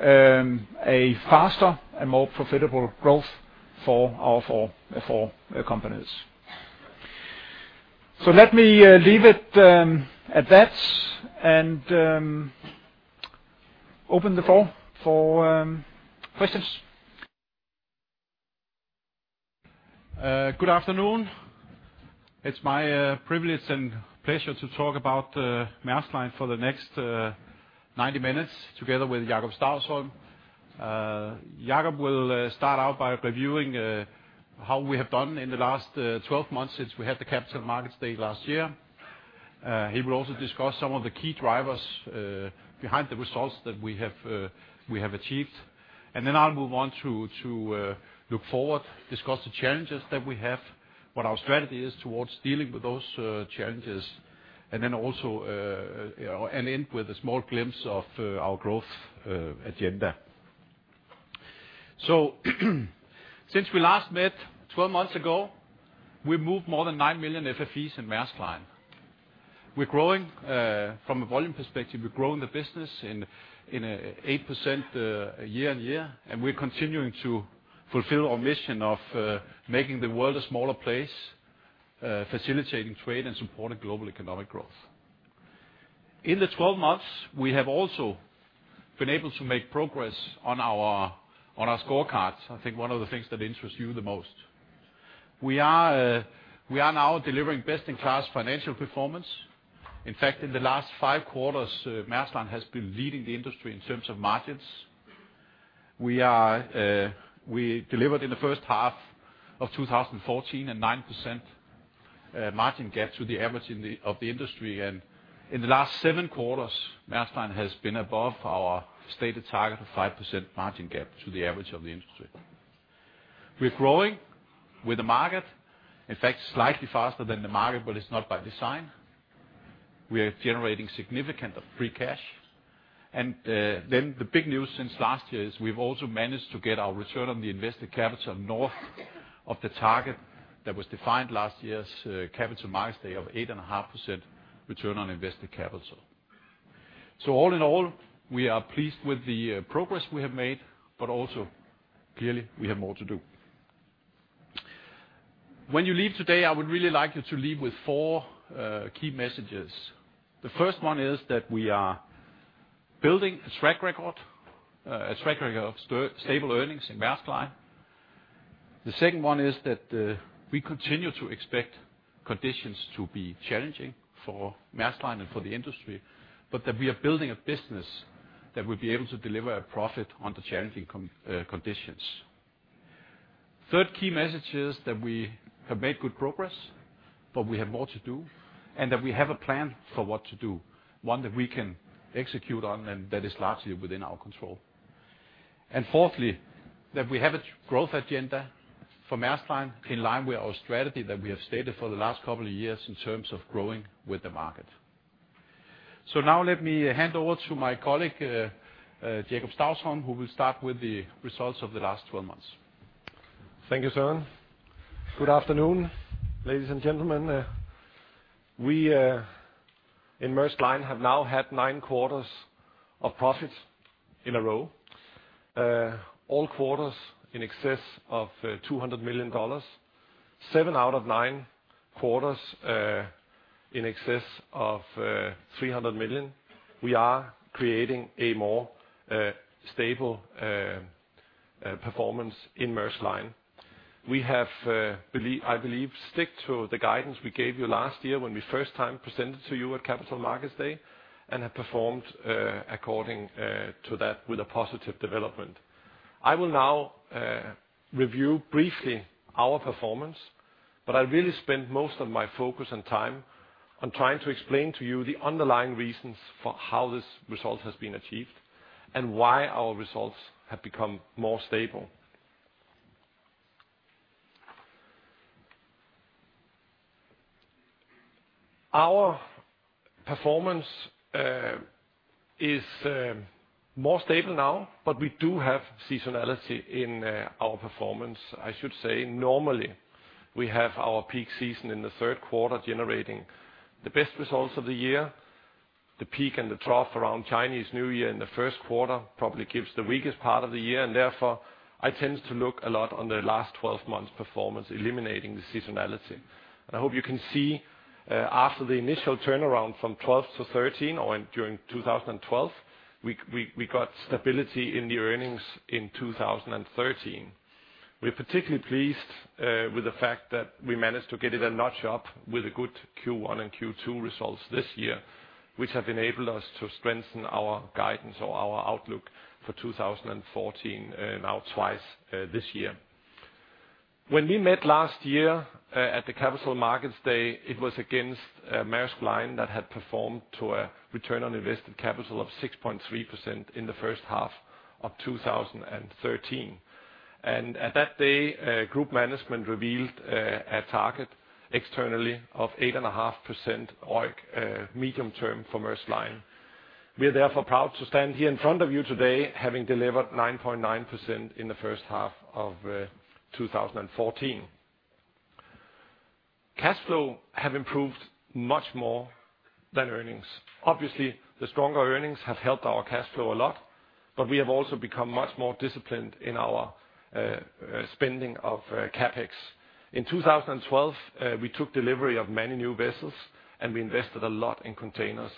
a faster and more profitable growth for our four companies. Let me leave it at that and open the floor for questions. Good afternoon. It's my privilege and pleasure to talk about Maersk Line for the next 90 minutes together with Jakob Stausholm. Jakob will start out by reviewing how we have done in the last 12 months since we had the Capital Markets Day last year. He will also discuss some of the key drivers behind the results that we have achieved. Then I'll move on to look forward, discuss the challenges that we have, what our strategy is towards dealing with those challenges, and then also, you know, end with a small glimpse of our growth agenda. Since we last met 12 months ago, we moved more than 9 million FEUs in Maersk Line. We're growing the business 8% year-on-year, and we're continuing to fulfill our mission of making the world a smaller place, facilitating trade and supporting global economic growth. In the 12 months, we have also been able to make progress on our scorecards. I think one of the things that interests you the most. We are now delivering best-in-class financial performance. In fact, in the last five quarters, Maersk Line has been leading the industry in terms of margins. We delivered in the first half of 2014 a 9% margin gap to the average of the industry. In the last seven quarters, Maersk Line has been above our stated target of 5% margin gap to the average of the industry. We're growing with the market, in fact, slightly faster than the market, but it's not by design. We are generating significant free cash. The big news since last year is we've also managed to get our return on the invested capital north of the target that was defined last year's Capital Markets Day of 8.5% return on invested capital. All in all, we are pleased with the progress we have made, but also clearly, we have more to do. When you leave today, I would really like you to leave with four key messages. The first one is that we are building a track record, a track record of stable earnings in Maersk Line. The second one is that we continue to expect conditions to be challenging for Maersk Line and for the industry, but that we are building a business that will be able to deliver a profit under challenging conditions. Third key message is that we have made good progress, but we have more to do and that we have a plan for what to do, one that we can execute on and that is largely within our control. Fourthly, that we have a growth agenda for Maersk Line in line with our strategy that we have stated for the last couple of years in terms of growing with the market. Now let me hand over to my colleague, Jakob Stausholm, who will start with the results of the last 12 months. Thank you, Søren. Good afternoon, ladies and gentlemen. We in Maersk Line have now had ninequarters of profits in a row. All quarters in excess of $200 million. Seven out of nine quarters in excess of $300 million. We are creating a more stable performance in Maersk Line. We have I believe stuck to the guidance we gave you last year when we first time presented to you at Capital Markets Day and have performed according to that with a positive development. I will now review briefly our performance, but I really spend most of my focus and time on trying to explain to you the underlying reasons for how this result has been achieved and why our results have become more stable. Our performance is more stable now, but we do have seasonality in our performance. I should say normally, we have our peak season in the third quarter generating the best results of the year, the peak and the trough around Chinese New Year in the first quarter probably gives the weakest part of the year, and therefore, I tend to look a lot on the last 12 months' performance, eliminating the seasonality. I hope you can see, after the initial turnaround from 2012 to 2013 or during 2012, we got stability in the earnings in 2013. We're particularly pleased with the fact that we managed to get it a notch up with a good Q1 and Q2 results this year, which have enabled us to strengthen our guidance or our outlook for 2014, now twice this year. When we met last year at the Capital Markets Day, it was against Maersk Line that had performed to a return on invested capital of 6.3% in the first half of 2013. At that day, group management revealed a target externally of 8.5% medium-term for Maersk Line. We are therefore proud to stand here in front of you today having delivered 9.9% in the first half of 2014. Cash flow have improved much more than earnings. Obviously, the stronger earnings have helped our cash flow a lot, but we have also become much more disciplined in our spending of Capex. In 2012, we took delivery of many new vessels, and we invested a lot in containers.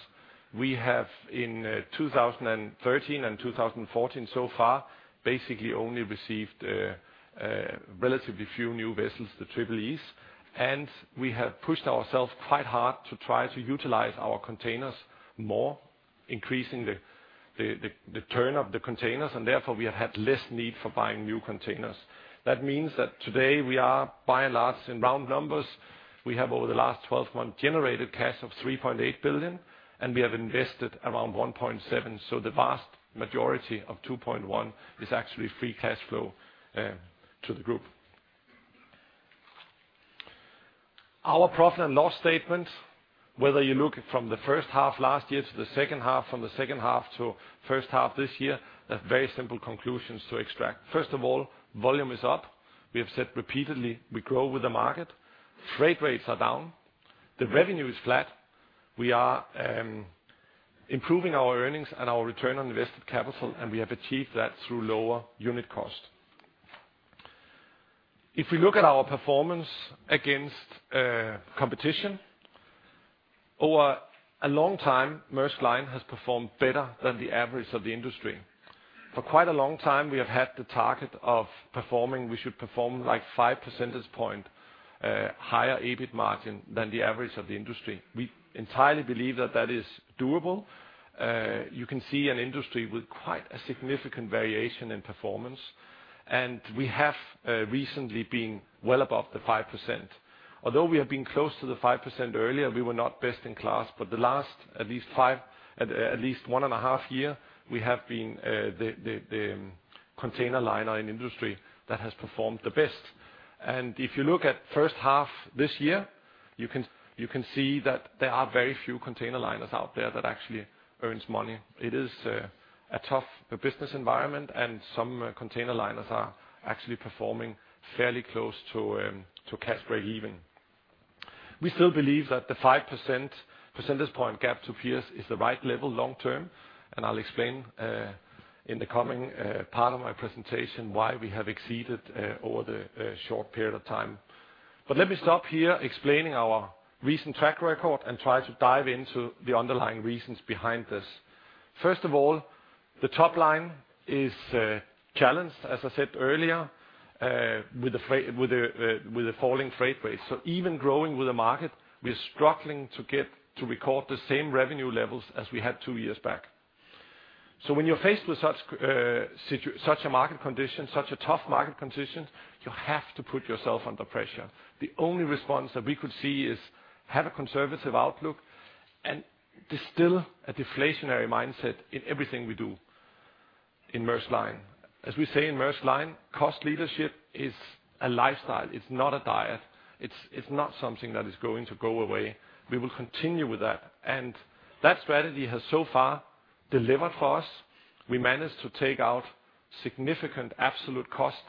We have, in 2013 and 2014 so far, basically only received relatively few new vessels, the Triple-E's, and we have pushed ourselves quite hard to try to utilize our containers more, increasing the turn of the containers, and therefore we have had less need for buying new containers. That means that today we are by and large in round numbers, we have over the last 12 months generated cash of $3.8 billion, and we have invested around $1.7 billion. The vast majority of $2.1 is actually free cash flow to the group. Our profit and loss statement, whether you look from the first half last year to the second half, from the second half to first half this year, there are very simple conclusions to extract. First of all, volume is up. We have said repeatedly, we grow with the market. Freight rates are down. The revenue is flat. We are improving our earnings and our return on invested capital, and we have achieved that through lower unit cost. If we look at our performance against competition. Over a long time, Maersk Line has performed better than the average of the industry. For quite a long time, we have had the target of performing, we should perform like five percentage point higher EBIT margin than the average of the industry. We entirely believe that that is doable. You can see an industry with quite a significant variation in performance, and we have recently been well above the 5%. Although we have been close to the 5% earlier, we were not best in class. The last at least one and a half year, we have been the container liner in industry that has performed the best. If you look at first half this year, you can see that there are very few container liners out there that actually earns money. It is a tough business environment and some container liners are actually performing fairly close to cash break-even. We still believe that the 5% percentage point gap to peers is the right level long term, and I'll explain in the coming part of my presentation why we have exceeded over the short period of time. Let me stop here explaining our recent track record and try to dive into the underlying reasons behind this. First of all, the top line is challenged, as I said earlier, with the freight with the falling freight rates. Even growing with the market, we are struggling to get to record the same revenue levels as we had two years back. When you're faced with such a market condition, such a tough market condition, you have to put yourself under pressure. The only response that we could see is have a conservative outlook and distill a deflationary mindset in everything we do in Maersk Line. As we say in Maersk Line, cost leadership is a lifestyle. It's not a diet. It's not something that is going to go away. We will continue with that. That strategy has so far delivered for us. We managed to take out significant absolute cost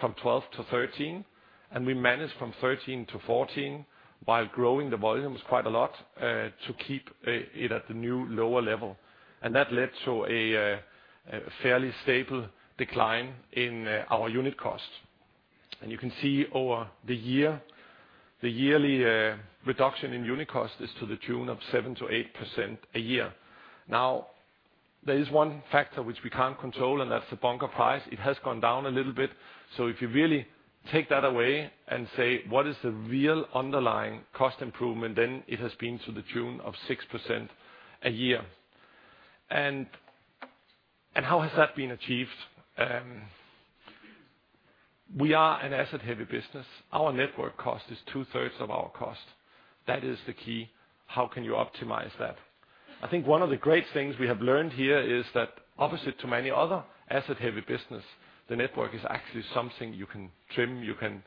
from 2012 to 2013, and we managed from 2013 to 2014, while growing the volumes quite a lot to keep it at the new lower level. That led to a fairly stable decline in our unit cost. You can see over the year, the yearly reduction in unit cost is to the tune of 7%-8% a year. Now, there is one factor which we can't control, and that's the bunker price. It has gone down a little bit. If you really take that away and say, what is the real underlying cost improvement, then it has been to the tune of 6% a year. How has that been achieved? We are an asset heavy business. Our network cost is two-thirds of our cost. That is the key. How can you optimize that? I think one of the great things we have learned here is that opposite to many other asset heavy business, the network is actually something you can trim, you can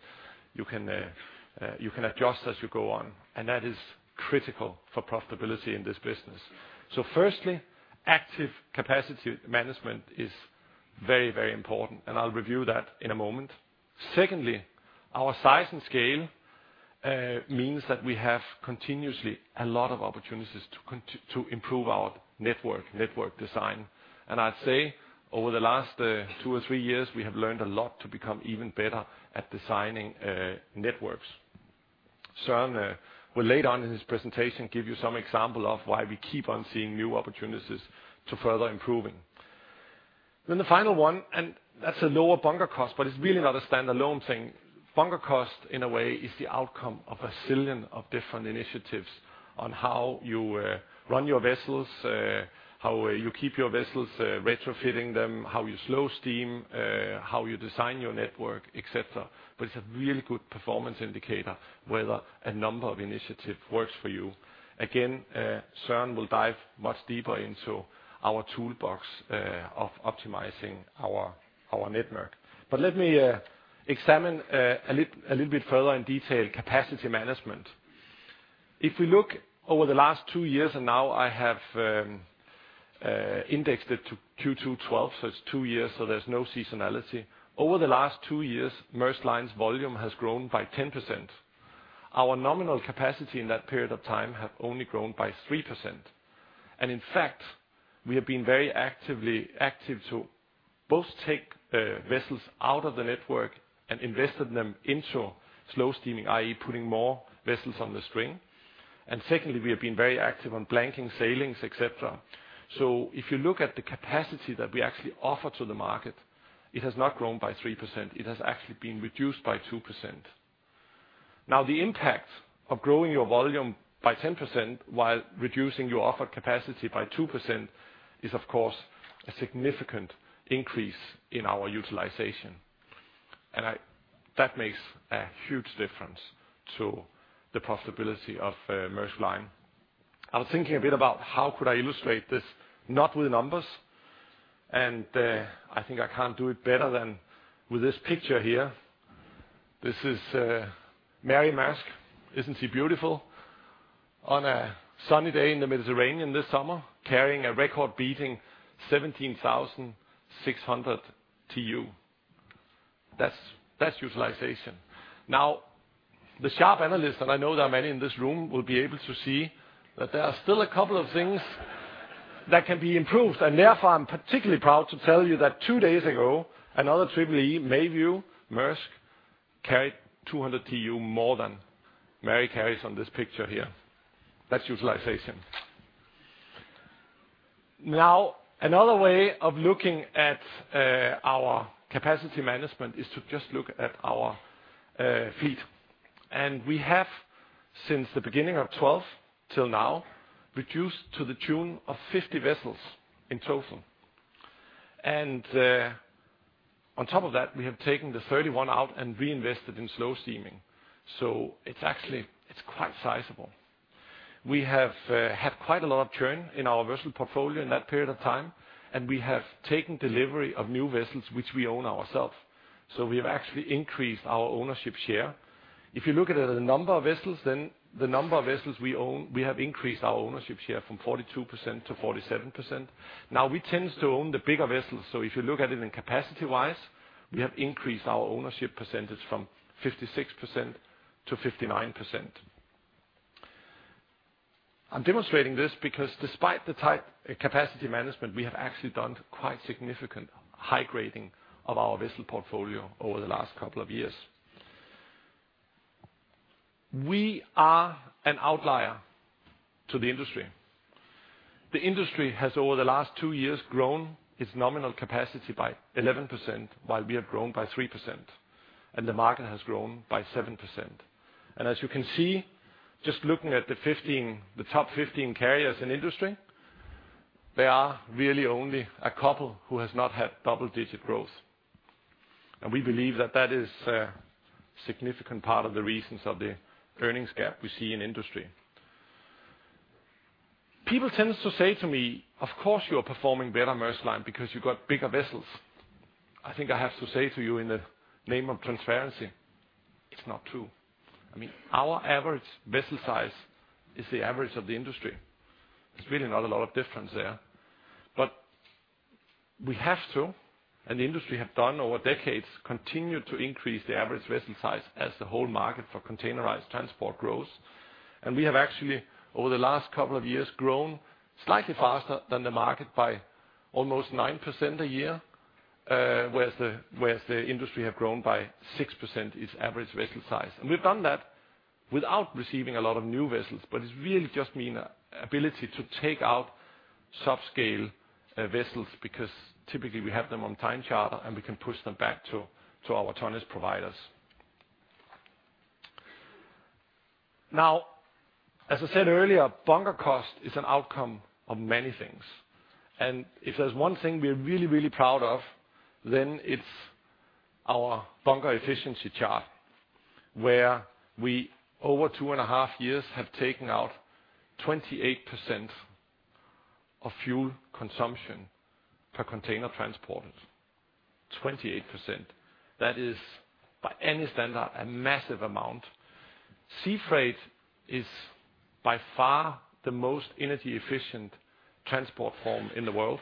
adjust as you go on, and that is critical for profitability in this business. Firstly, active capacity management is very, very important, and I'll review that in a moment. Secondly, our size and scale means that we have continuously a lot of opportunities to improve our network design. I'd say over the last two or three years, we have learned a lot to become even better at designing networks. Søren will later on in his presentation give you some example of why we keep on seeing new opportunities to further improving. The final one, and that's a lower bunker cost, but it's really not a stand-alone thing. Bunker cost, in a way, is the outcome of a zillion of different initiatives on how you run your vessels, how you keep your vessels, retrofitting them, how you slow steam, how you design your network, et cetera. It's a really good performance indicator whether a number of initiative works for you. Again, Søren will dive much deeper into our toolbox of optimizing our network. Let me examine a little bit further in detail capacity management. If we look over the last two years, and now I have indexed it to Q2 2012, so it's two years, so there's no seasonality. Over the last two years, Maersk Line's volume has grown by 10%. Our nominal capacity in that period of time have only grown by 3%. In fact, we have been very active to both take vessels out of the network and invested them into slow steaming, i.e. putting more vessels on the string. Secondly, we have been very active on blanking sailings, et cetera. If you look at the capacity that we actually offer to the market, it has not grown by 3%, it has actually been reduced by 2%. Now, the impact of growing your volume by 10% while reducing your offered capacity by 2% is, of course, a significant increase in our utilization. That makes a huge difference to the possibility of Maersk Line. I was thinking a bit about how could I illustrate this not with numbers, and I think I can't do it better than with this picture here. This is Mary Maersk. Isn't she beautiful. On a sunny day in the Mediterranean this summer, carrying a record-beating 17,600 TEU. That's utilization. Now, the sharp analysts, and I know there are many in this room, will be able to see that there are still a couple of things that can be improved, and therefore, I'm particularly proud to tell you that two days ago, another Triple-E, Mary Maersk, carried 200 TEU more than Mary carries on this picture here. That's utilization. Now, another way of looking at our capacity management is to just look at our fleet. We have since the beginning of 2012 till now, reduced to the tune of 50 vessels in total. On top of that, we have taken the 31 out and reinvested in slow steaming. It's actually quite sizable. We have had quite a lot of churn in our vessel portfolio in that period of time, and we have taken delivery of new vessels which we own ourselves. We have actually increased our ownership share. If you look at the number of vessels, then the number of vessels we own, we have increased our ownership share from 42% to 47%. Now we tend to own the bigger vessels, so if you look at it in capacity-wise, we have increased our ownership percentage from 56% to 59%. I'm demonstrating this because despite the tight capacity management, we have actually done quite significant high grading of our vessel portfolio over the last couple of years. We are an outlier to the industry. The industry has over the last two years grown its nominal capacity by 11%, while we have grown by 3%, and the market has grown by 7%. As you can see, just looking at the 15, the top 15 carriers in industry, there are really only a couple who has not had double-digit growth. We believe that that is a significant part of the reasons of the earnings gap we see in industry. People tends to say to me, "Of course, you are performing better, Maersk Line, because you got bigger vessels." I think I have to say to you in the name of transparency, it's not true. I mean, our average vessel size is the average of the industry. There's really not a lot of difference there. We have to, and the industry have done over decades, continue to increase the average vessel size as the whole market for containerized transport grows. We have actually, over the last couple of years, grown slightly faster than the market by almost 9% a year, whereas the industry have grown by 6% its average vessel size. We've done that without receiving a lot of new vessels, but it's really just mainly the ability to take out subscale vessels, because typically we have them on time charter, and we can push them back to our tonnage providers. Now, as I said earlier, bunker cost is an outcome of many things. If there's one thing we are really, really proud of, then it's our bunker efficiency chart, where we over two and a half years have taken out 28% of fuel consumption per container transport. 28%. That is by any standard, a massive amount. Sea freight is by far the most energy efficient transport form in the world.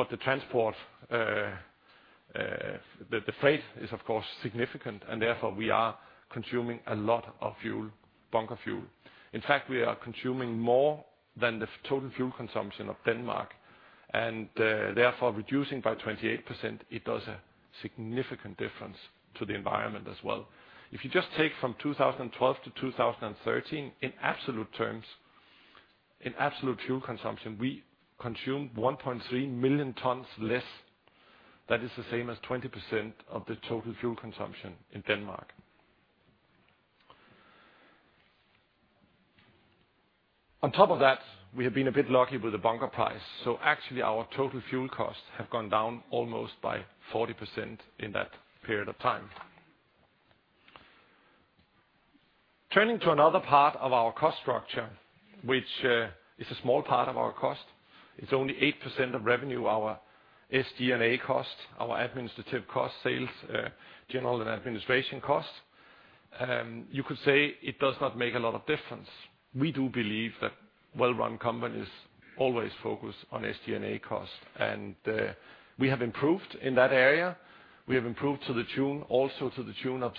But the transport, the freight is of course significant, and therefore we are consuming a lot of fuel, bunker fuel. In fact, we are consuming more than the total fuel consumption of Denmark. Therefore reducing by 28% it does a significant difference to the environment as well. If you just take from 2012 to 2013, in absolute terms, in absolute fuel consumption, we consumed 1.3 million tons less. That is the same as 20% of the total fuel consumption in Denmark. On top of that, we have been a bit lucky with the bunker price. Actually our total fuel costs have gone down almost by 40% in that period of time. Turning to another part of our cost structure, which is a small part of our cost. It's only 8% of revenue, our SG&A cost, our administrative costs, sales, general and administration costs. You could say it does not make a lot of difference. We do believe that well-run companies always focus on SG&A costs, and we have improved in that area. We have improved to the tune of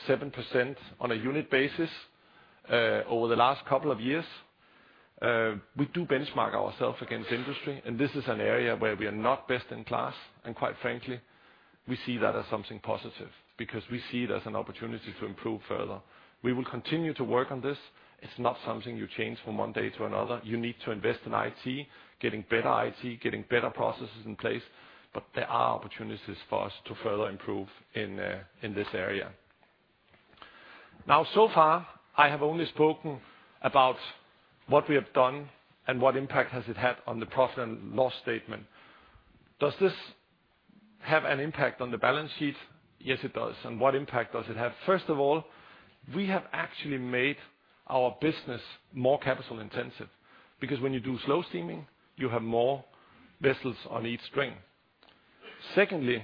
7% on a unit basis over the last couple of years. We do benchmark ourselves against industry, and this is an area where we are not best in class, and quite frankly, we see that as something positive because we see it as an opportunity to improve further. We will continue to work on this. It's not something you change from one day to another. You need to invest in IT, getting better IT, getting better processes in place. But there are opportunities for us to further improve in this area. Now, so far, I have only spoken about what we have done and what impact has it had on the profit and loss statement. Does this have an impact on the balance sheet? Yes, it does. What impact does it have? First of all, we have actually made our business more capital intensive because when you do slow steaming, you have more vessels on each string. Secondly,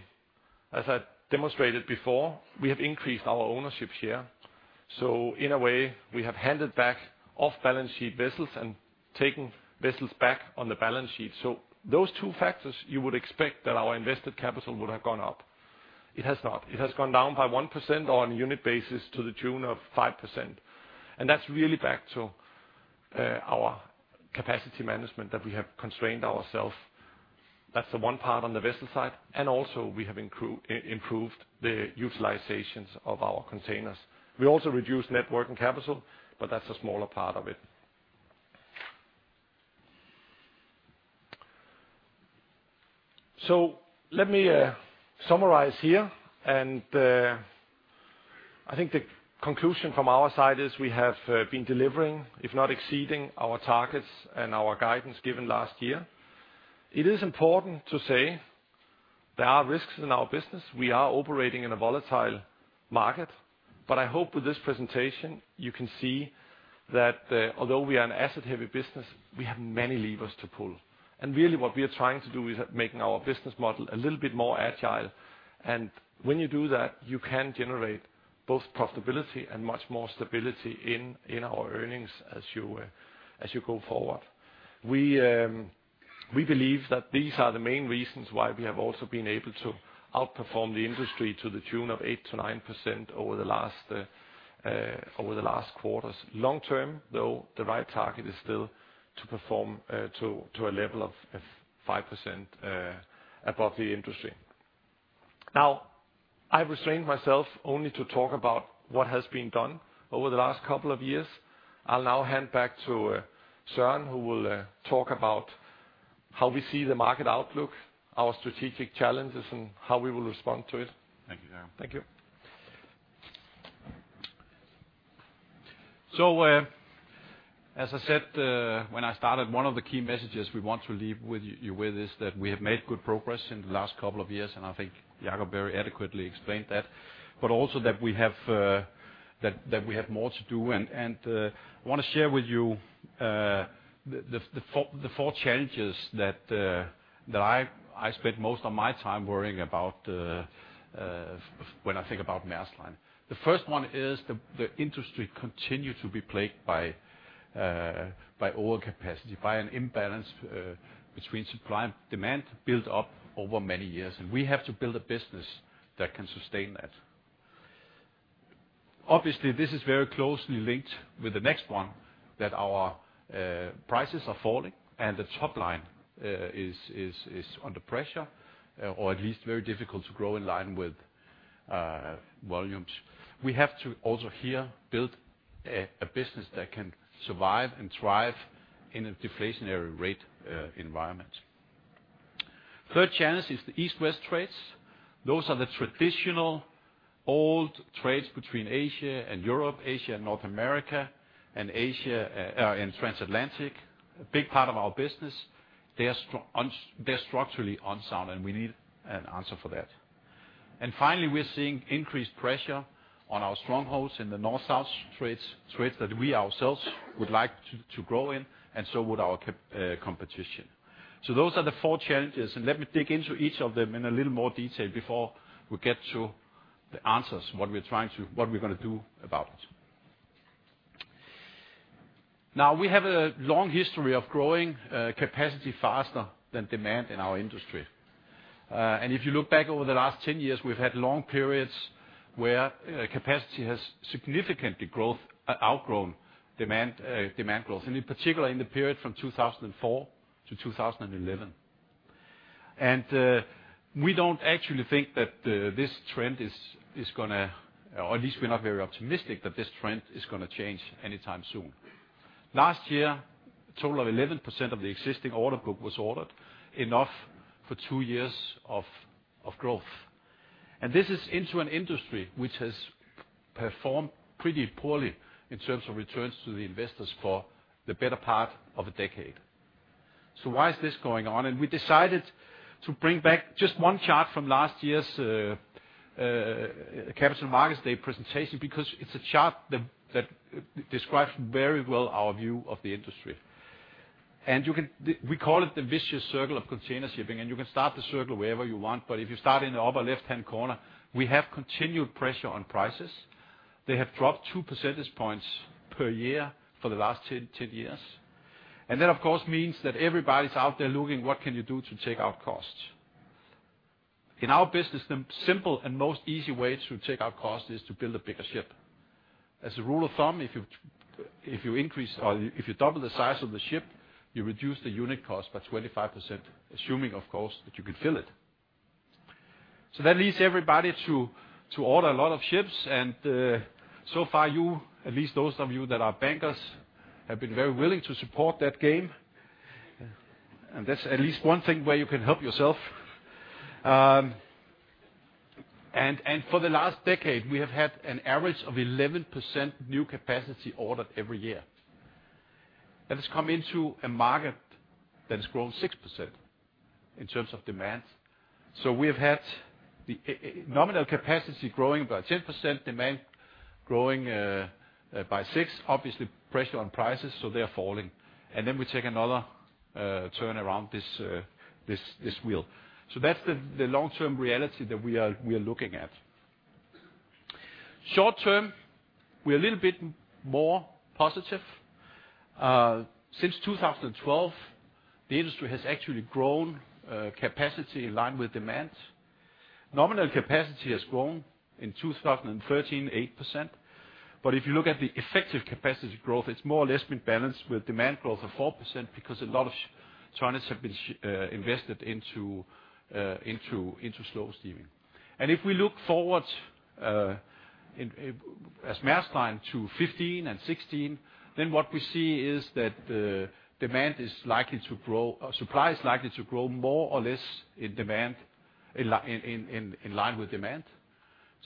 as I demonstrated before, we have increased our ownership share. In a way, we have handed back off balance sheet vessels and taken vessels back on the balance sheet. Those two factors, you would expect that our invested capital would have gone up. It has not. It has gone down by 1% or on a unit basis to the tune of 5%. That's really back to our capacity management that we have constrained ourselves. That's the one part on the vessel side, and also we have improved the utilizations of our containers. We also reduced net working capital, but that's a smaller part of it. Let me summarize here. I think the conclusion from our side is we have been delivering, if not exceeding our targets and our guidance given last year. It is important to say there are risks in our business. We are operating in a volatile market, but I hope with this presentation you can see that, although we are an asset-heavy business, we have many levers to pull. Really what we are trying to do is making our business model a little bit more agile. When you do that, you can generate both profitability and much more stability in our earnings as you go forward. We believe that these are the main reasons why we have also been able to outperform the industry to the tune of 8%-9% over the last quarters. Long term, though, the right target is still to perform to a level of 5% above the industry. Now, I restrained myself only to talk about what has been done over the last couple of years. I'll now hand back to Søren, who will talk about how we see the market outlook, our strategic challenges, and how we will respond to it. Thank you, Jakob. Thank you. As I said, when I started, one of the key messages we want to leave with you is that we have made good progress in the last couple of years, and I think Jakob very adequately explained that. Also that we have more to do and want to share with you the four challenges that I spend most of my time worrying about when I think about Maersk Line. The first one is the industry continues to be plagued by overcapacity, by an imbalance between supply and demand built up over many years, and we have to build a business that can sustain that. Obviously, this is very closely linked with the next one, that our prices are falling and the top line is under pressure, or at least very difficult to grow in line with volumes. We have to also here build a business that can survive and thrive in a deflationary rate environment. Third challenge is the East-West trades. Those are the traditional old trades between Asia and Europe, Asia and North America, and Asia and Transatlantic. A big part of our business. They are structurally unsound, and we need an answer for that. Finally, we're seeing increased pressure on our strongholds in the North-South trades that we ourselves would like to grow in, and so would our competition. Those are the four challenges, and let me dig into each of them in a little more detail before we get to the answers, what we're gonna do about it. Now, we have a long history of growing capacity faster than demand in our industry. If you look back over the last 10 years, we've had long periods where capacity has significantly grown, outgrown demand growth, and in particular, in the period from 2004 to 2011. We don't actually think that this trend is gonna, or at least we're not very optimistic that this trend is gonna change anytime soon. Last year, a total of 11% of the existing order book was ordered. Enough for two years of growth. This is into an industry which has performed pretty poorly in terms of returns to the investors for the better part of a decade. Why is this going on? We decided to bring back just one chart from last year's Capital Markets Day presentation because it's a chart that describes very well our view of the industry. We call it the vicious circle of container shipping, and you can start the circle wherever you want, but if you start in the upper left-hand corner, we have continued pressure on prices. They have dropped two percentage points per year for the last 10 years. That, of course, means that everybody's out there looking, what can you do to take out costs? In our business, the simple and most easy way to take out cost is to build a bigger ship. As a rule of thumb, if you increase or if you double the size of the ship, you reduce the unit cost by 25%, assuming, of course, that you can fill it. That leads everybody to order a lot of ships. So far, you, at least those of you that are bankers, have been very willing to support that game. That's at least one thing where you can help yourself. For the last decade, we have had an average of 11% new capacity ordered every year. That has come into a market that has grown 6% in terms of demand. We have had the nominal capacity growing by 10%, demand growing by 6%, obviously pressure on prices, so they're falling. We take another turn around this wheel. That's the long-term reality that we are looking at. Short-term, we're a little bit more positive. Since 2012, the industry has actually grown capacity in line with demand. Nominal capacity has grown in 2013, 8%. If you look at the effective capacity growth, it's more or less been balanced with demand growth of 4% because a lot of tonnages have been invested into slow steaming. If we look forward, as Maersk Line to 2015 and 2016, then what we see is that demand is likely to grow. Supply is likely to grow more or less in line with demand.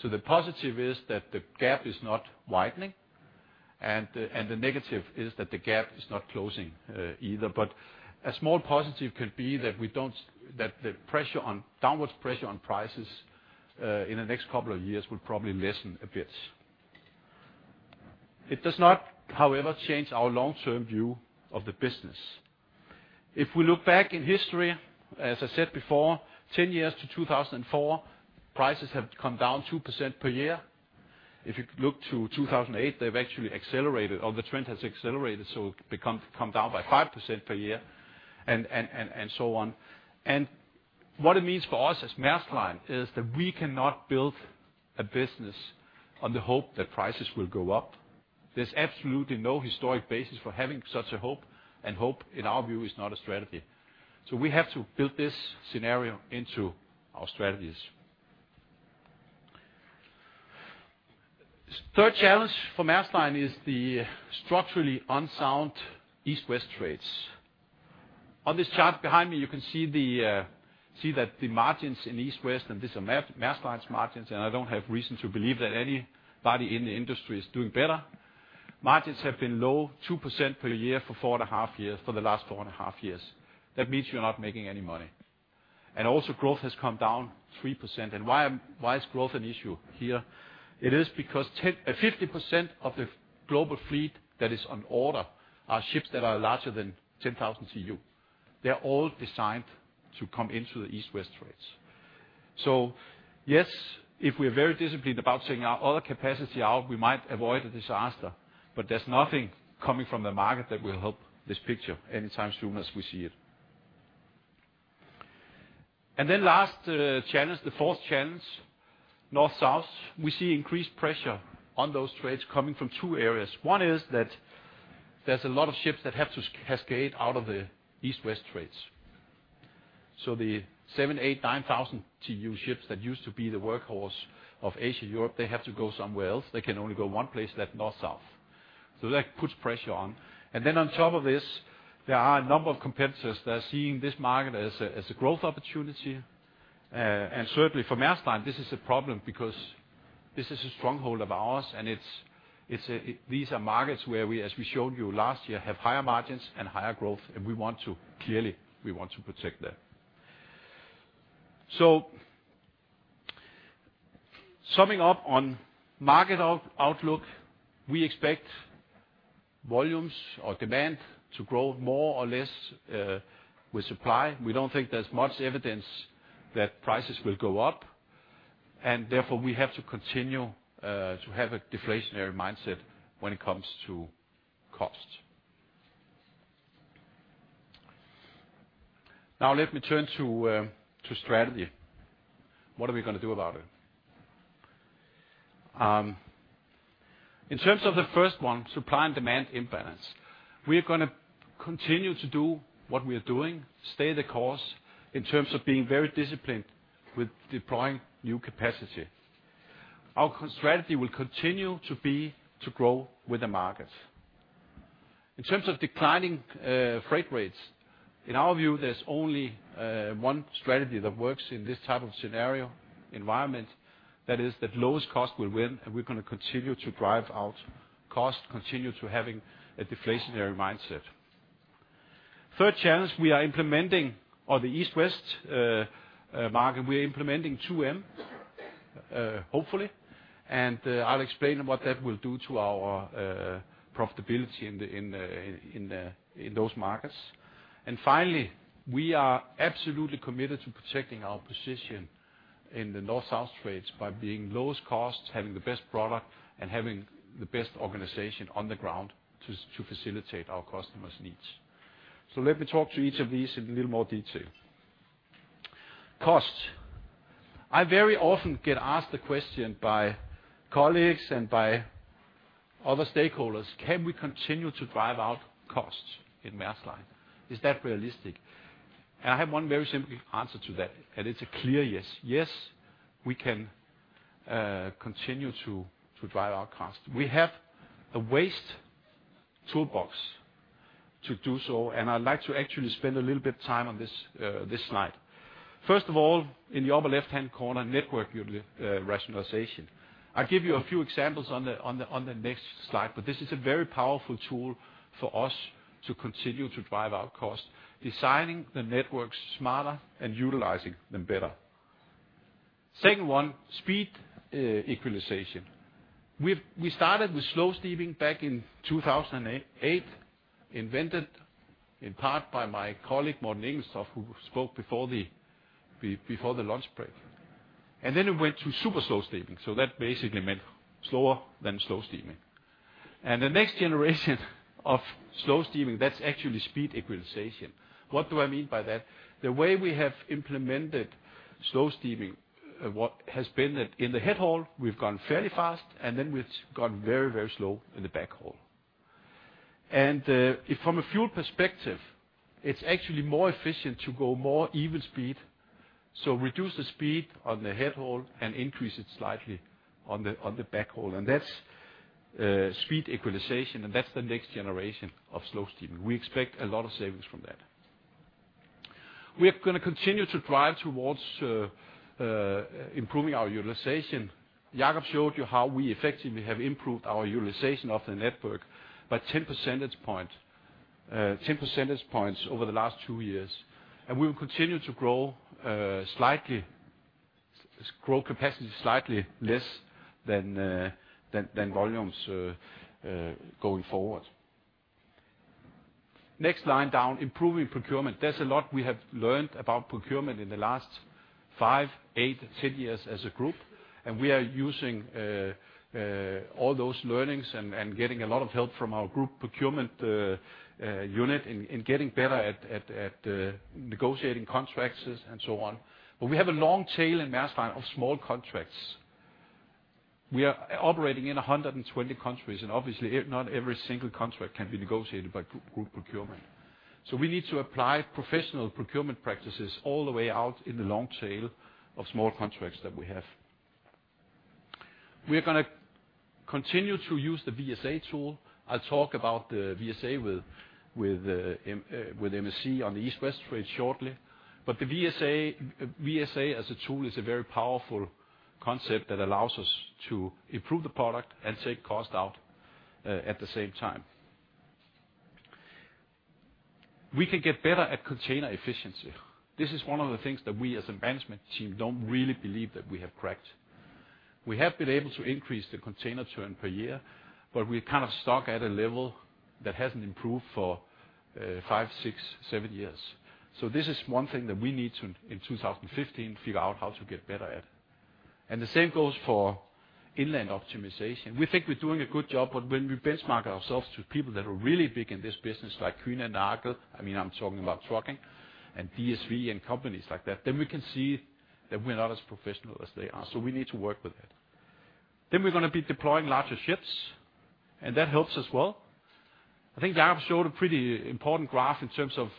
The positive is that the gap is not widening, and the negative is that the gap is not closing either. A small positive could be that the pressure on, downwards pressure on prices in the next couple of years would probably lessen a bit. It does not, however, change our long-term view of the business. If we look back in history, as I said before, 10 years to 2004, prices have come down 2% per year. If you look to 2008, they've actually accelerated, or the trend has accelerated, so come down by 5% per year, and so on. What it means for us as Maersk Line is that we cannot build a business on the hope that prices will go up. There's absolutely no historic basis for having such a hope, and hope, in our view, is not a strategy. We have to build this scenario into our strategies. Third challenge for Maersk Line is the structurally unsound East-West trades. On this chart behind me, you can see that the margins in East-West, and these are Maersk Line's margins, and I don't have reason to believe that anybody in the industry is doing better. Margins have been low 2% per year for four and a half years, for the last four and a half years. That means you're not making any money. Also, growth has come down 3%. Why is growth an issue here? It is because 50% of the global fleet that is on order are ships that are larger than 10,000 TEU. They're all designed to come into the East-West trades. Yes, if we're very disciplined about taking our older capacity out, we might avoid a disaster, but there's nothing coming from the market that will help this picture anytime soon as we see it. Last challenge, the fourth challenge, North-South, we see increased pressure on those trades coming from two areas. One is that there's a lot of ships that have to cascade out of the East-West trades. The seven, eight, nine thousand TEU ships that used to be the workhorse of Asia-Europe, they have to go somewhere else. They can only go one place, that North-South. That puts pressure on. On top of this, there are a number of competitors that are seeing this market as a growth opportunity. Certainly for Maersk Line, this is a problem because this is a stronghold of ours, and these are markets where we, as we showed you last year, have higher margins and higher growth, and we want to, clearly, we want to protect that. Summing up on market outlook, we expect volumes or demand to grow more or less with supply. We don't think there's much evidence that prices will go up, and therefore, we have to continue to have a deflationary mindset when it comes to cost. Now let me turn to strategy. What are we gonna do about it? In terms of the first one, supply and demand imbalance, we're gonna continue to do what we are doing, stay the course in terms of being very disciplined with deploying new capacity. Our strategy will continue to be to grow with the market. In terms of declining freight rates, in our view, there's only one strategy that works in this type of scenario environment. That is that lowest cost will win, and we're gonna continue to drive out cost, continue to having a deflationary mindset. Third challenge, we are implementing on the East-West market, we are implementing 2M, hopefully. I'll explain what that will do to our profitability in those markets. Finally, we are absolutely committed to protecting our position in the North-South trades by being lowest cost, having the best product, and having the best organization on the ground to facilitate our customers' needs. Let me talk to each of these in a little more detail. Cost. I very often get asked the question by colleagues and by other stakeholders, can we continue to drive out costs in Maersk Line? Is that realistic? I have one very simple answer to that, and it's a clear yes. Yes, we can continue to drive our cost. We have a vast toolbox to do so, and I'd like to actually spend a little bit of time on this slide. First of all, in the upper left-hand corner, network rationalization. I'll give you a few examples on the next slide, but this is a very powerful tool for us to continue to drive our cost, designing the networks smarter and utilizing them better. Second one, speed equalization. We've started with slow steaming back in 2008, invented in part by my colleague Morten Engelstoft, who spoke before the lunch break. Then it went to super slow steaming, so that basically meant slower than slow steaming. The next generation of slow steaming, that's actually speed equalization. What do I mean by that? The way we have implemented slow steaming, what has been that in the head haul, we've gone fairly fast, and then we've gone very, very slow in the back haul. From a fuel perspective, it's actually more efficient to go more even speed, so reduce the speed on the head haul and increase it slightly on the back haul. That's speed equalization, and that's the next generation of slow steaming. We expect a lot of savings from that. We are gonna continue to drive towards improving our utilization. Jakob showed you how we effectively have improved our utilization of the network by 10 percentage points over the last two years. We will continue to grow capacity slightly less than volumes going forward. Next line down, improving procurement. There's a lot we have learned about procurement in the last five, eight, 10 years as a group, and we are using all those learnings and getting a lot of help from our group procurement unit in getting better at negotiating contracts and so on. We have a long tail in Maersk Line of small contracts. We are operating in 120 countries, and obviously, not every single contract can be negotiated by group procurement. We need to apply professional procurement practices all the way out in the long tail of small contracts that we have. We're gonna continue to use the VSA tool. I'll talk about the VSA with MSC on the East-West trade shortly. The VSA as a tool is a very powerful concept that allows us to improve the product and take cost out at the same time. We can get better at container efficiency. This is one of the things that we as a management team don't really believe that we have cracked. We have been able to increase the container turn per year, but we're kind of stuck at a level that hasn't improved for five, six, seven years. This is one thing that we need to, in 2015, figure out how to get better at. The same goes for inland optimization. We think we're doing a good job, but when we benchmark ourselves to people that are really big in this business, like Kuehne+Nagel, I mean, I'm talking about trucking, and DSV and companies like that, then we can see that we're not as professional as they are. We need to work with it. We're gonna be deploying larger ships, and that helps as well. I think Jakob showed a pretty important graph in terms of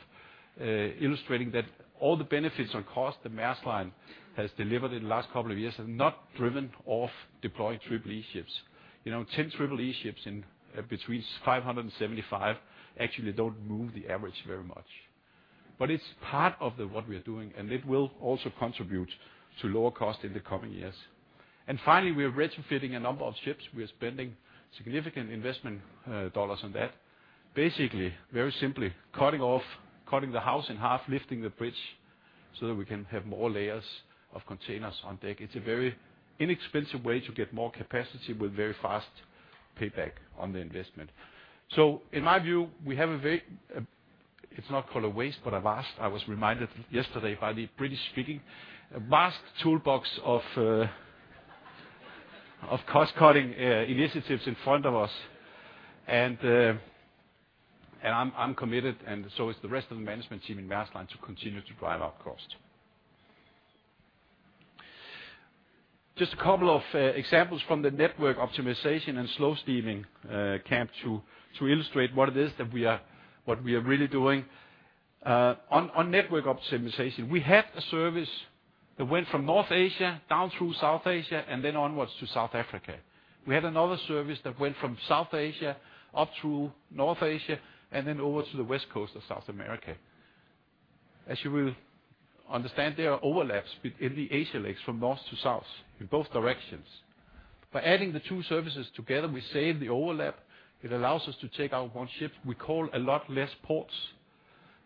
illustrating that all the cost benefits that Maersk Line has delivered in the last couple of years have not been driven by deploying Triple-E ships. You know, 10 Triple-E ships in between 500-575 actually don't move the average very much. It's part of what we are doing, and it will also contribute to lower cost in the coming years. Finally, we are retrofitting a number of ships. We are spending significant investment dollars on that. Basically, very simply cutting the house in half, lifting the bridge, so that we can have more layers of containers on deck. It's a very inexpensive way to get more capacity with very fast payback on the investment. In my view, we have a very, it's not called a waste, but a vast, I was reminded yesterday by the British speaking. A vast toolbox of cost-cutting initiatives in front of us. I'm committed, and so is the rest of the management team in Maersk Line to continue to drive out cost. Just a couple of examples from the network optimization and slow steaming to illustrate what we are really doing. On network optimization, we have a service that went from North Asia down through South Asia and then onwards to South Africa. We had another service that went from South Asia up through North Asia and then over to the west coast of South America. As you will understand, there are overlaps in the Asia legs from north to south in both directions. By adding the two services together, we save the overlap. It allows us to take out one ship. We call a lot less ports.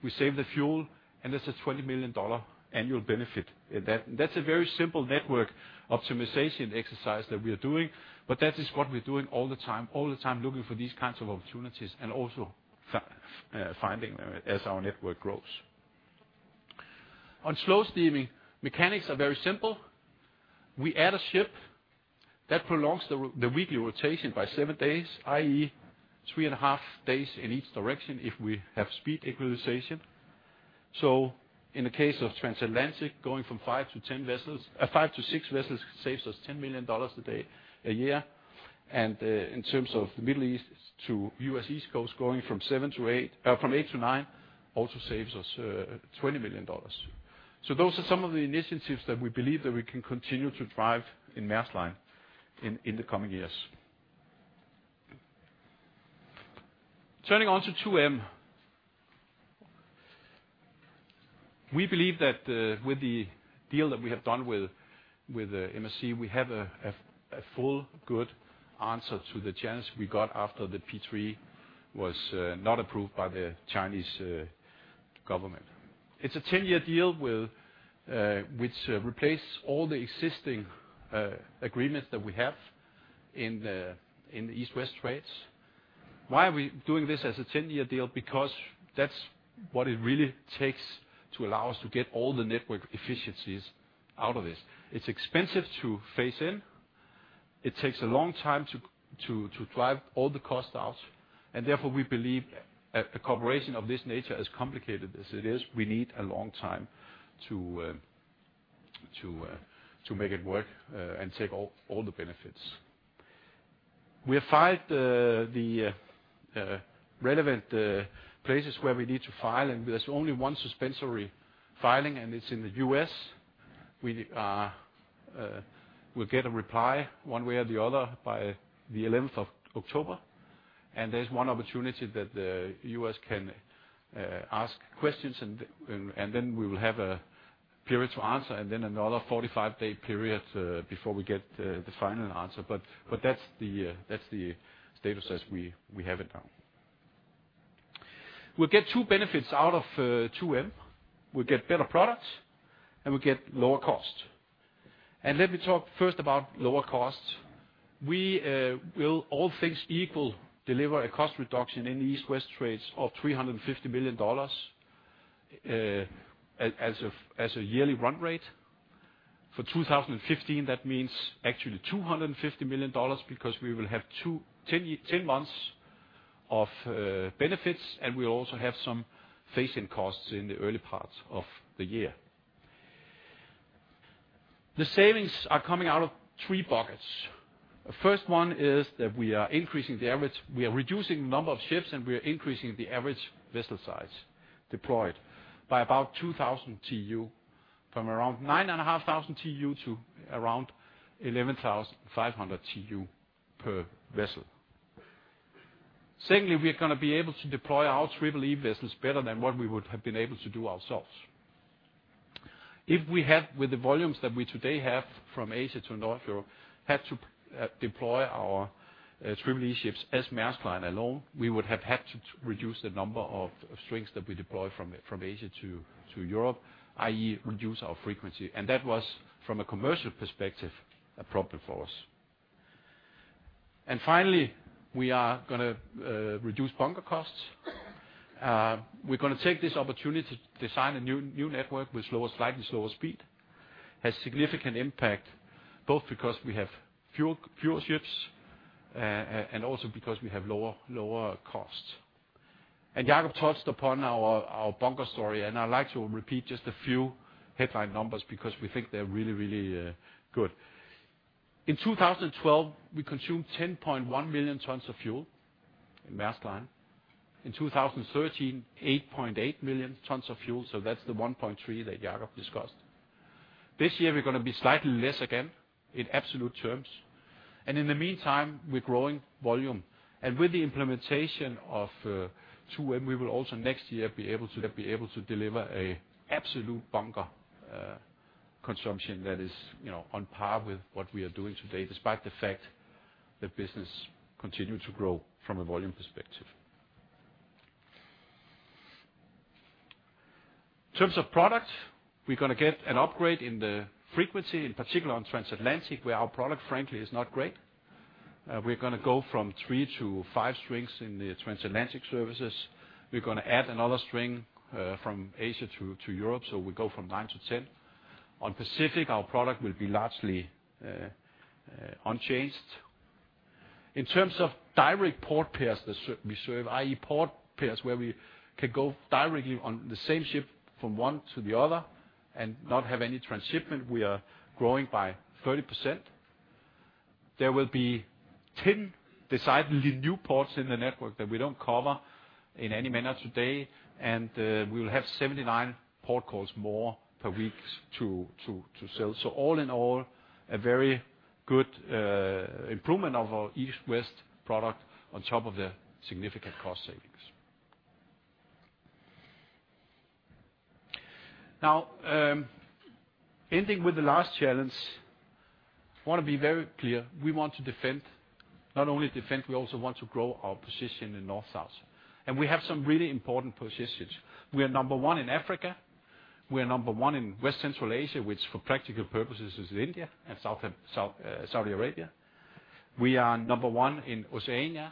We save the fuel, and there's a $20 million annual benefit. That's a very simple network optimization exercise that we are doing, but that is what we're doing all the time looking for these kinds of opportunities and also finding them as our network grows. On slow steaming, mechanics are very simple. We add a ship that prolongs the weekly rotation by seven days, i.e. three and a half days in each direction if we have speed equalization. In the case of transatlantic, going from five to six vessels saves us $10 million a day, a year. In terms of the Middle East to U.S. East Coast, going from eight to nine also saves us $20 million. Those are some of the initiatives that we believe that we can continue to drive in Maersk Line in the coming years. Turning to 2M. We believe that with the deal that we have done with MSC, we have a full good answer to the chance we got after the P3 was not approved by the Chinese government. It's a ten-year deal which replaces all the existing agreements that we have in the East-West trades. Why are we doing this as a ten-year deal? Because that's what it really takes to allow us to get all the network efficiencies out of this. It's expensive to phase in. It takes a long time to drive all the costs out. Therefore, we believe a cooperation of this nature, as complicated as it is, we need a long time to make it work and take all the benefits. We have filed the relevant places where we need to file, and there's only one suspensory filing, and it's in the U.S. We'll get a reply one way or the other by the eleventh of October. There's one opportunity that the U.S. can ask questions and then we will have a period to answer and then another 45-day period before we get the final answer. That's the status as we have it now. We'll get two benefits out of 2M. We'll get better products, and we'll get lower costs. Let me talk first about lower costs. We will all things equal, deliver a cost reduction in the East-West trades of $350 million as a yearly run rate. For 2015, that means actually $250 million because we will have 10 months of benefits, and we'll also have some phase-in costs in the early part of the year. The savings are coming out of three buckets. The first one is that we are increasing the average, we are reducing the number of ships, and we are increasing the average vessel size deployed by about 2,000 TEU from around 9,500 TEU to around 11,500 TEU per vessel. Secondly, we are gonna be able to deploy our Triple-E vessels better than what we would have been able to do ourselves. If we had, with the volumes that we today have from Asia to North Europe, had to deploy our Triple-E ships as Maersk Line alone, we would have had to reduce the number of strings that we deploy from Asia to Europe, i.e. reduce our frequency. That was, from a commercial perspective, a problem for us. Finally, we are gonna reduce bunker costs. We're gonna take this opportunity to design a new network with slower, slightly slower speed. Has significant impact, both because we have fewer ships and also because we have lower costs. Jakob touched upon our bunker story, and I'd like to repeat just a few headline numbers because we think they're really good. In 2012, we consumed 10.1 million tons of fuel in Maersk Line. In 2013, 8.8 million tons of fuel, so that's the 1.3 that Jakob discussed. This year, we're gonna be slightly less again in absolute terms. In the meantime, we're growing volume. With the implementation of 2M, we will also next year be able to deliver an absolute bunker consumption that is, you know, on par with what we are doing today, despite the fact that business continue to grow from a volume perspective. In terms of product, we're gonna get an upgrade in the frequency, in particular on transatlantic, where our product frankly is not great. We're gonna go from three to five strings in the transatlantic services. We're gonna add another string from Asia to Europe, so we go from nine to 10. On Pacific, our product will be largely unchanged. In terms of direct port pairs that we serve, i.e. port pairs where we can go directly on the same ship from one to the other and not have any transshipment, we are growing by 30%. There will be 10 decidedly new ports in the network that we don't cover in any manner today, and we will have 79 port calls more per week to sell. All in all, a very good improvement of our East-West product on top of the significant cost savings. Now, ending with the last challenge, I wanna be very clear, we want to defend, not only defend, we also want to grow our position in North-South. We have some really important positions. We are number one in Africa. We are number one in West & Central Asia, which for practical purposes is India and Saudi Arabia. We are number one in Oceania,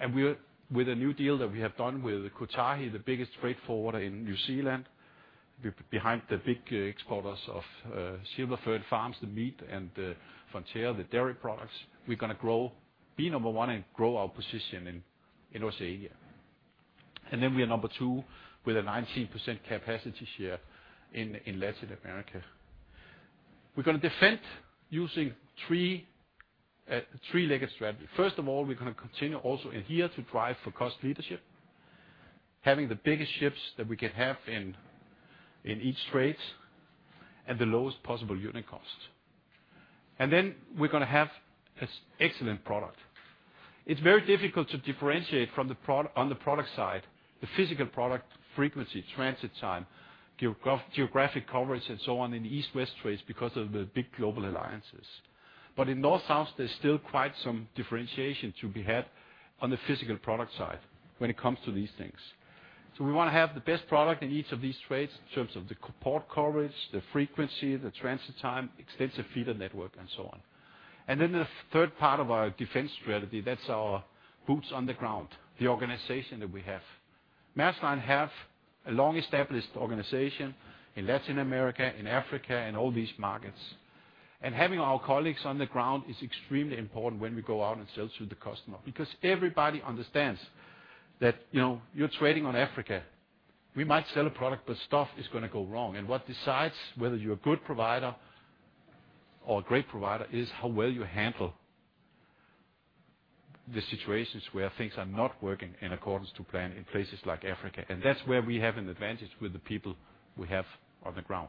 and we are, with a new deal that we have done with Kotahi, the biggest freight forwarder in New Zealand, behind the big exporters of Silver Fern Farms, the meat, and Fonterra, the dairy products. We're gonna grow, be number one and grow our position in Oceania. We are number two with a 19% capacity share in Latin America. We're gonna defend using three-legged strategy. First of all, we're gonna continue also in here to drive for cost leadership, having the biggest ships that we can have in each trade and the lowest possible unit cost. We're gonna have excellent product. It's very difficult to differentiate on the product side, the physical product frequency, transit time, geographic coverage, and so on in the East-West trades because of the big global alliances. In North-South, there's still quite some differentiation to be had on the physical product side when it comes to these things. We wanna have the best product in each of these trades in terms of the port coverage, the frequency, the transit time, extensive feeder network, and so on. The third part of our defense strategy, that's our boots on the ground, the organization that we have. Maersk Line have a long-established organization in Latin America, in Africa, in all these markets. Having our colleagues on the ground is extremely important when we go out and sell to the customer because everybody understands that, you know, you're trading on Africa. We might sell a product, but stuff is gonna go wrong and what decides whether you're a good provider or a great provider is how well you handle the situations where things are not working in accordance to plan in places like Africa. That's where we have an advantage with the people we have on the ground.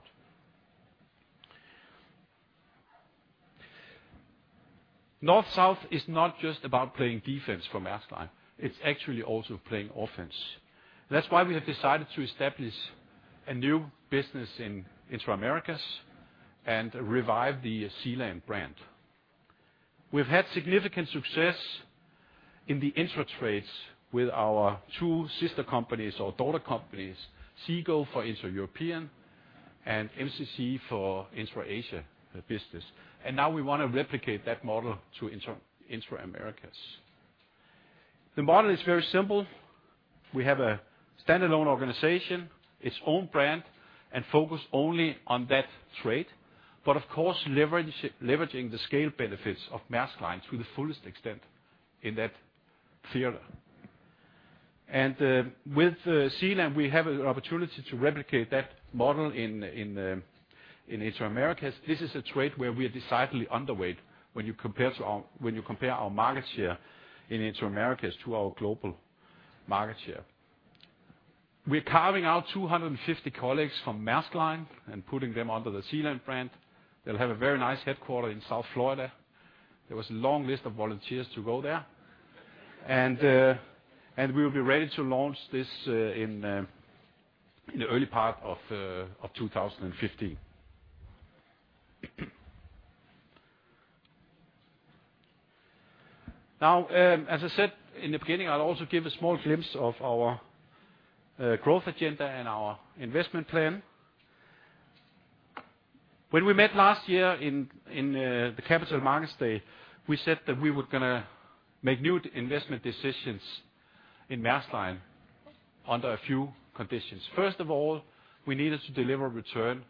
North-South is not just about playing defense for Maersk Line, it's actually also playing offense. That's why we have decided to establish a new business in Intra-Americas and revive the Sealand brand. We've had significant success in the intra trades with our two sister companies or daughter companies, Seago Line for Intra-European and MCC for Intra-Asia business. Now we want to replicate that model to Intra-Americas. The model is very simple. We have a standalone organization, its own brand, and focus only on that trade. Of course, leveraging the scale benefits of Maersk Line to the fullest extent in that theater. With Sealand, we have an opportunity to replicate that model in Intra-Americas. This is a trade where we are decidedly underweight when you compare our market share in Intra-Americas to our global market share. We're carving out 250 colleagues from Maersk Line and putting them under the Sealand brand. They'll have a very nice headquarters in South Florida. There was a long list of volunteers to go there. We'll be ready to launch this in the early part of 2015. Now, as I said in the beginning, I'll also give a small glimpse of our growth agenda and our investment plan. When we met last year in the Capital Markets Day, we said that we were gonna make new investment decisions in Maersk Line under a few conditions. First of all, we needed to deliver return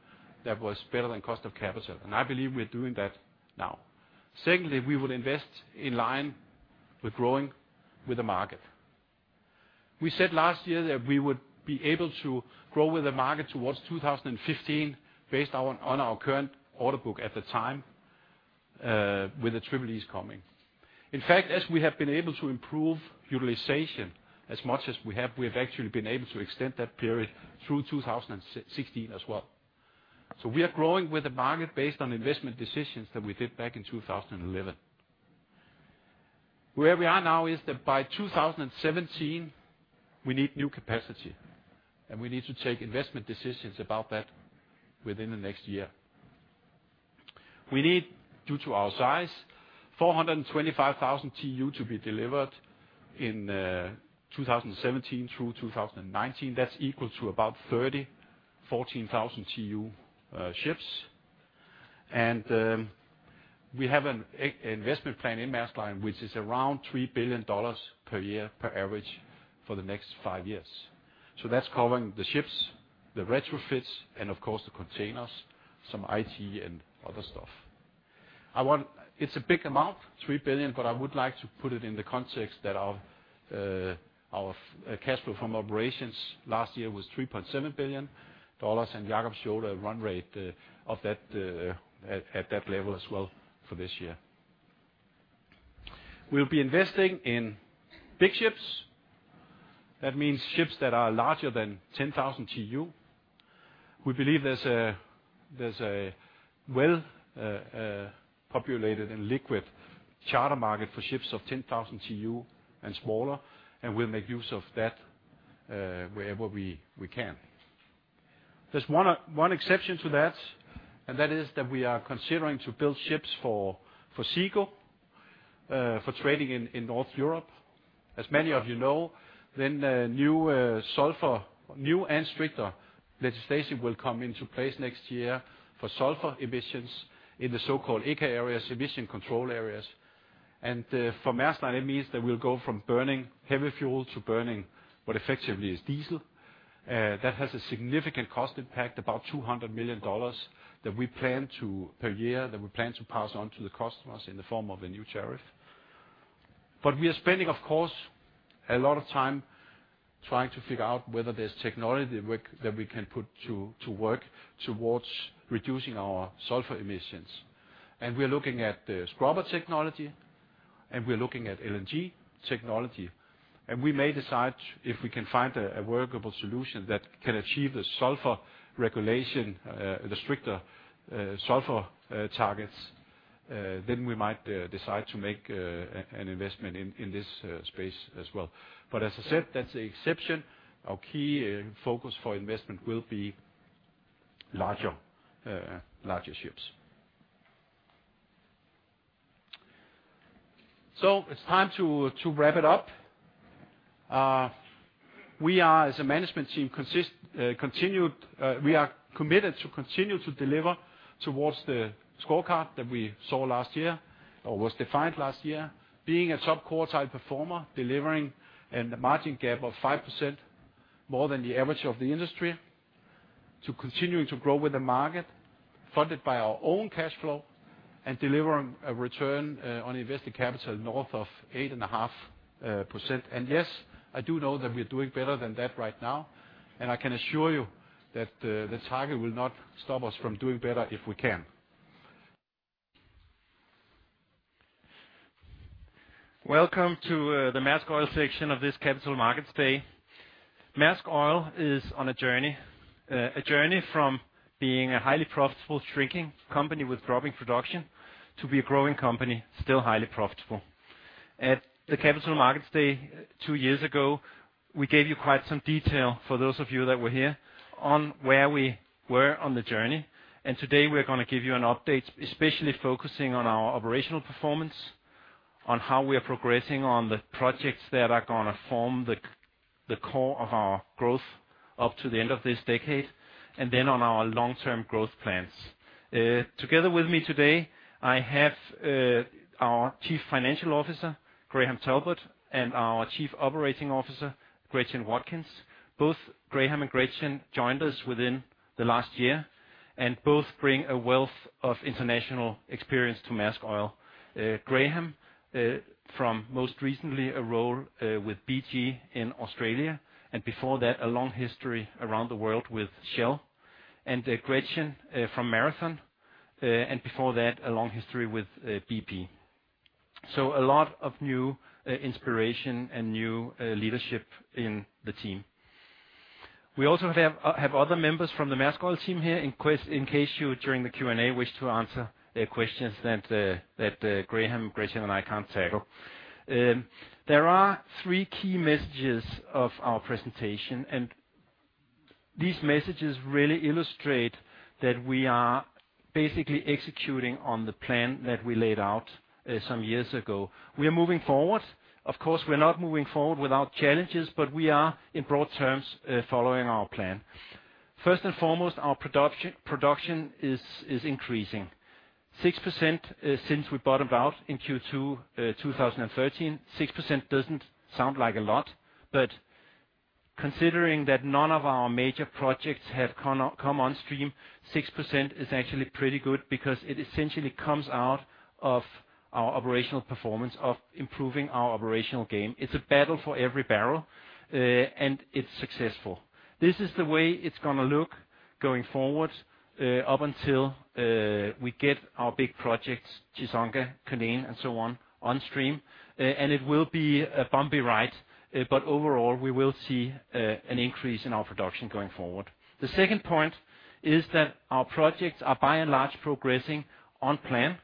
that was better than cost of capital, and I believe we're doing that now. Secondly, we will invest in line with growing with the market. We said last year that we would be able to grow with the market towards 2015 based on our current order book at the time, with the Triple-E's coming. In fact, as we have been able to improve utilization as much as we have, we have actually been able to extend that period through 2016 as well. We are growing with the market based on investment decisions that we did back in 2011. Where we are now is that by 2017, we need new capacity, and we need to take investment decisions about that within the next year. We need, due to our size, 425,000 TEU to be delivered in 2017 through 2019. That's equal to about 30 14,000-TEU ships. We have an investment plan in Maersk Line which is around $3 billion per year on average for the next five years. That's covering the ships, the retrofits, and of course, the containers, some IT, and other stuff. It's a big amount, $3 billion, but I would like to put it in the context that our cash flow from operations last year was $3.7 billion, and Jakob showed a run rate of that at that level as well for this year. We'll be investing in big ships. That means ships that are larger than 10,000 TEU. We believe there's a well populated and liquid charter market for ships of 10,000 TEU and smaller, and we'll make use of that wherever we can. There's one exception to that, and that is that we are considering to build ships for Seago for trading in North Europe. As many of you know, new and stricter legislation will come into place next year for sulfur emissions in the so-called ECA areas, emission control areas. For Maersk Line, that means that we'll go from burning heavy fuel to burning what effectively is diesel. That has a significant cost impact, about $200 million per year that we plan to pass on to the customers in the form of a new tariff. We are spending, of course, a lot of time trying to figure out whether there's technology we can put to work towards reducing our sulfur emissions. We're looking at the scrubber technology, and we're looking at LNG technology. We may decide if we can find a workable solution that can achieve the sulfur regulation, the stricter sulfur targets, then we might decide to make an investment in this space as well. As I said, that's the exception. Our key focus for investment will be larger ships. It's time to wrap it up. We are, as a management team, committed to continue to deliver towards the scorecard that we saw last year or was defined last year. Being a top quartile performer, delivering on the margin gap of 5% more than the average of the industry, to continuing to grow with the market funded by our own cash flow and delivering a return on invested capital north of 8.5%. Yes, I do know that we're doing better than that right now, and I can assure you that the target will not stop us from doing better if we can. Welcome to the Maersk Oil section of this Capital Markets Day. Maersk Oil is on a journey from being a highly profitable shrinking company with dropping production to be a growing company, still highly profitable. At the Capital Markets Day two years ago, we gave you quite some detail for those of you that were here on where we were on the journey. Today we're gonna give you an update, especially focusing on our operational performance, on how we are progressing on the projects that are gonna form the core of our growth up to the end of this decade, and then on our long-term growth plans. Together with me today, I have our Chief Financial Officer, Graham Talbot, and our Chief Operating Officer, Gretchen Watkins. Both Graham and Gretchen joined us within the last year and both bring a wealth of international experience to Maersk Oil. Graham, from most recently a role with BG Group in Australia, and before that, a long history around the world with Shell. Gretchen, from Marathon Oil, and before that, a long history with BP. A lot of new inspiration and new leadership in the team. We also have other members from the Maersk Oil team here in case you, during the Q&A, wish to ask questions that Graham, Gretchen, and I can't tackle. There are three key messages of our presentation, and these messages really illustrate that we are basically executing on the plan that we laid out some years ago. We are moving forward. Of course, we're not moving forward without challenges, but we are, in broad terms, following our plan. First and foremost, our production is increasing. 6%, since we bottomed out in Q2 2013. 6% doesn't sound like a lot, but considering that none of our major projects have come on stream, 6% is actually pretty good because it essentially comes out of our operational performance of improving our operational game. It's a battle for every barrel, and it's successful. This is the way it's gonna look going forward, up until we get our big projects, Chissonga, Culzean, and so on stream. It will be a bumpy ride, but overall, we will see an increase in our production going forward. The second point is that our projects are by and large progressing on plan.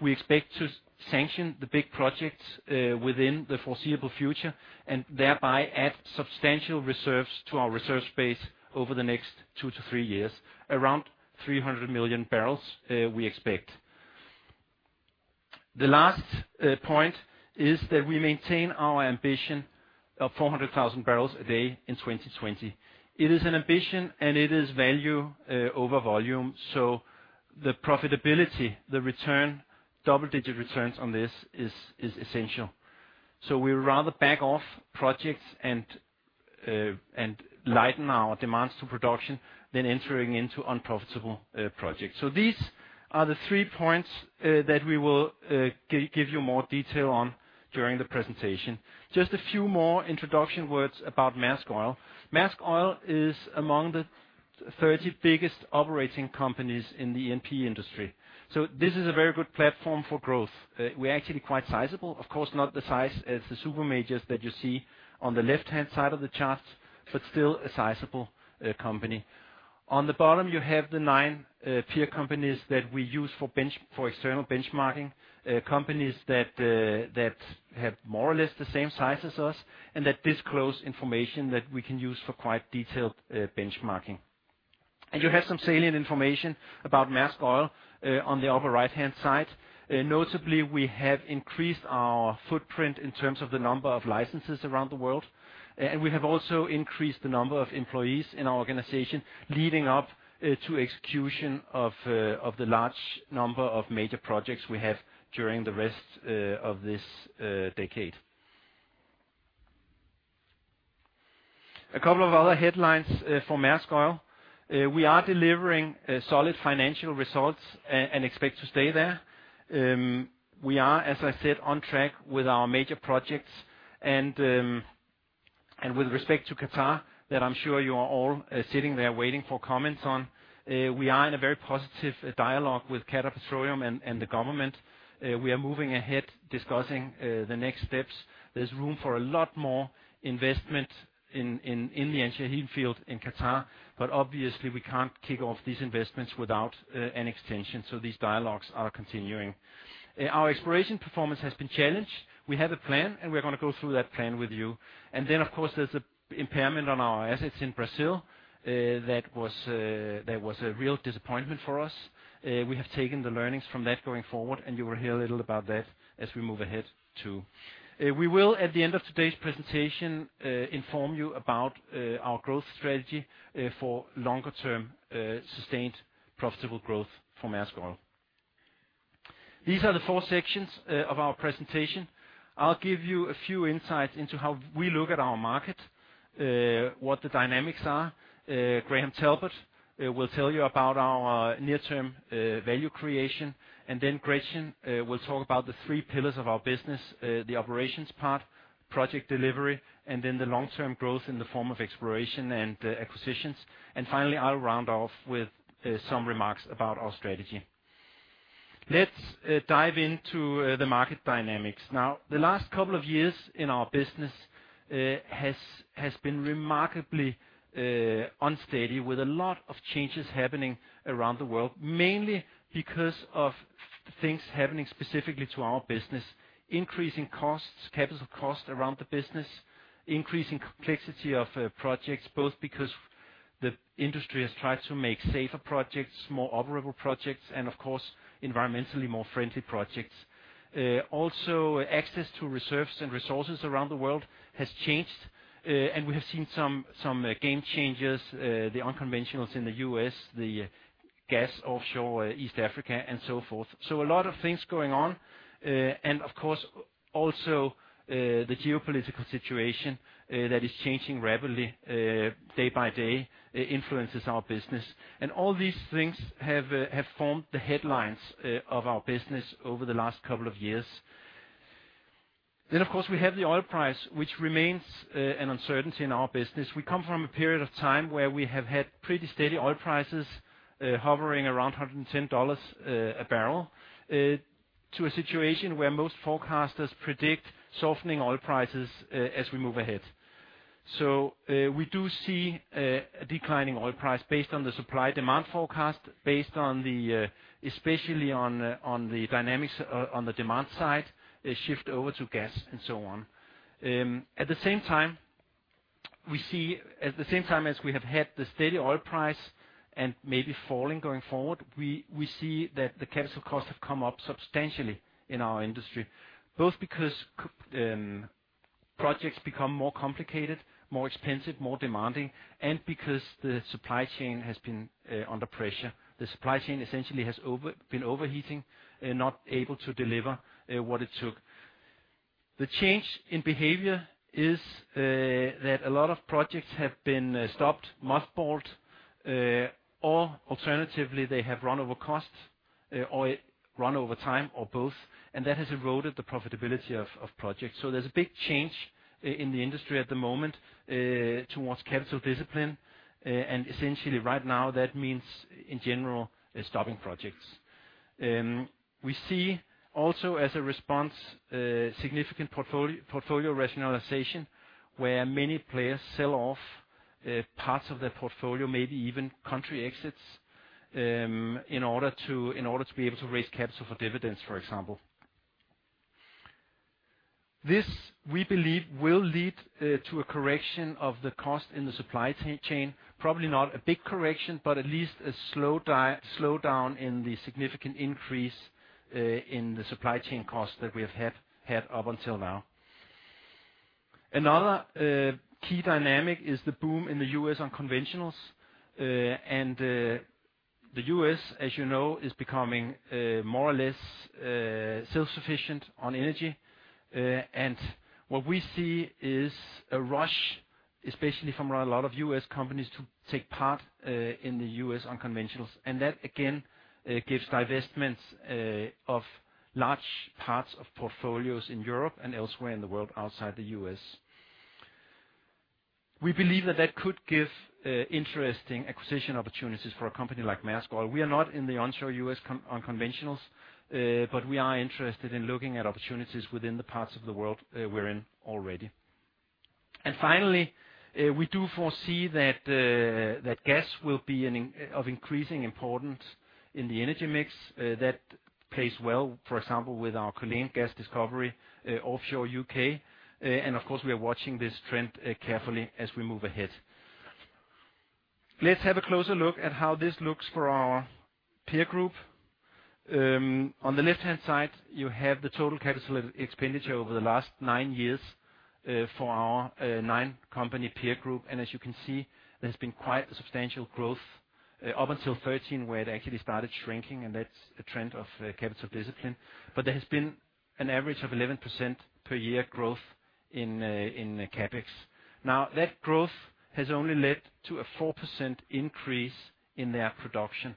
We expect to sanction the big projects within the foreseeable future, and thereby add substantial reserves to our reserve space over the next two to three years, around 300 million barrels, we expect. The last point is that we maintain our ambition of 400,000 barrels a day in 2020. It is an ambition, and it is value over volume. The profitability, the return, double-digit returns on this is essential. We rather back off projects and lighten our demands to production than entering into unprofitable projects. These are the three points that we will give you more detail on during the presentation. Just a few more introduction words about Maersk Oil. Maersk Oil is among the 30 biggest operating companies in the E&P industry. This is a very good platform for growth. We're actually quite sizable. Of course, not the size as the super majors that you see on the left-hand side of the chart, but still a sizable company. On the bottom, you have the nine peer companies that we use for external benchmarking, companies that have more or less the same size as us and that disclose information that we can use for quite detailed benchmarking. You have some salient information about Maersk Oil on the upper right-hand side. Notably, we have increased our footprint in terms of the number of licenses around the world. We have also increased the number of employees in our organization leading up to execution of the large number of major projects we have during the rest of this decade. A couple of other headlines for Maersk Oil. We are delivering solid financial results and expect to stay there. We are, as I said, on track with our major projects. With respect to Qatar, that I'm sure you are all sitting there waiting for comments on, we are in a very positive dialogue with Qatar Petroleum and the government. We are moving ahead discussing the next steps. There's room for a lot more investment in the Al Shaheen field in Qatar, but obviously we can't kick off these investments without an extension. These dialogues are continuing. Our exploration performance has been challenged. We have a plan, and we're gonna go through that plan with you. Of course, there's the impairment on our assets in Brazil, that was a real disappointment for us. We have taken the learnings from that going forward, and you will hear a little about that as we move ahead too. We will, at the end of today's presentation, inform you about our growth strategy for longer-term sustained profitable growth for Maersk Oil. These are the four sections of our presentation. I'll give you a few insights into how we look at our market, what the dynamics are. Graham Talbot will tell you about our near-term value creation. Gretchen will talk about the three pillars of our business, the operations part, project delivery, and then the long-term growth in the form of exploration and acquisitions. Finally, I'll round off with some remarks about our strategy. Let's dive into the market dynamics. The last couple of years in our business has been remarkably unsteady with a lot of changes happening around the world, mainly because of things happening specifically to our business. Increasing costs, capital costs around the business, increasing complexity of projects, both because the industry has tried to make safer projects, more operable projects, and of course, environmentally more friendly projects. Also access to reserves and resources around the world has changed, and we have seen some game changes, the unconventionals in the U.S., the gas offshore East Africa, and so forth. A lot of things going on. Of course, also, the geopolitical situation that is changing rapidly, day by day influences our business. All these things have formed the headlines of our business over the last couple of years. Then, of course, we have the oil price, which remains an uncertainty in our business. We come from a period of time where we have had pretty steady oil prices hovering around $110 a barrel to a situation where most forecasters predict softening oil prices as we move ahead. We do see a declining oil price based on the supply-demand forecast, based on especially the dynamics on the demand side, a shift over to gas, and so on. At the same time, we see. At the same time as we have had the steady oil price and maybe falling going forward, we see that the capital costs have come up substantially in our industry, both because projects become more complicated, more expensive, more demanding, and because the supply chain has been under pressure. The supply chain essentially has been overheating, not able to deliver what it took. The change in behavior is that a lot of projects have been stopped, mothballed, or alternatively, they have run over costs or run over time or both, and that has eroded the profitability of projects. There's a big change in the industry at the moment towards capital discipline. Essentially right now, that means, in general, stopping projects. We see also as a response significant portfolio rationalization, where many players sell off parts of their portfolio, maybe even country exits, in order to be able to raise capital for dividends, for example. This, we believe, will lead to a correction of the cost in the supply chain. Probably not a big correction, but at least a slowdown in the significant increase in the supply chain costs that we have had up until now. Another key dynamic is the boom in the U.S. unconventionals. The U.S., as you know, is becoming more or less self-sufficient on energy. What we see is a rush, especially from a lot of U.S. companies to take part in the U.S. unconventionals. That again gives divestments of large parts of portfolios in Europe and elsewhere in the world outside the U.S. We believe that that could give interesting acquisition opportunities for a company like Maersk Oil. We are not in the onshore U.S. unconventionals, but we are interested in looking at opportunities within the parts of the world we're in already. Finally, we do foresee that that gas will be of increasing importance in the energy mix, that plays well, for example, with our Culzean gas discovery offshore U.K. Of course, we are watching this trend carefully as we move ahead. Let's have a closer look at how this looks for our peer group. On the left-hand side, you have the total capital expenditure over the last nine years for our nine-company peer group. As you can see, there's been quite a substantial growth up until 2013, where it actually started shrinking, and that's a trend of capital discipline. There has been an average of 11% per year growth in Capex. Now, that growth has only led to a 4% increase in their production.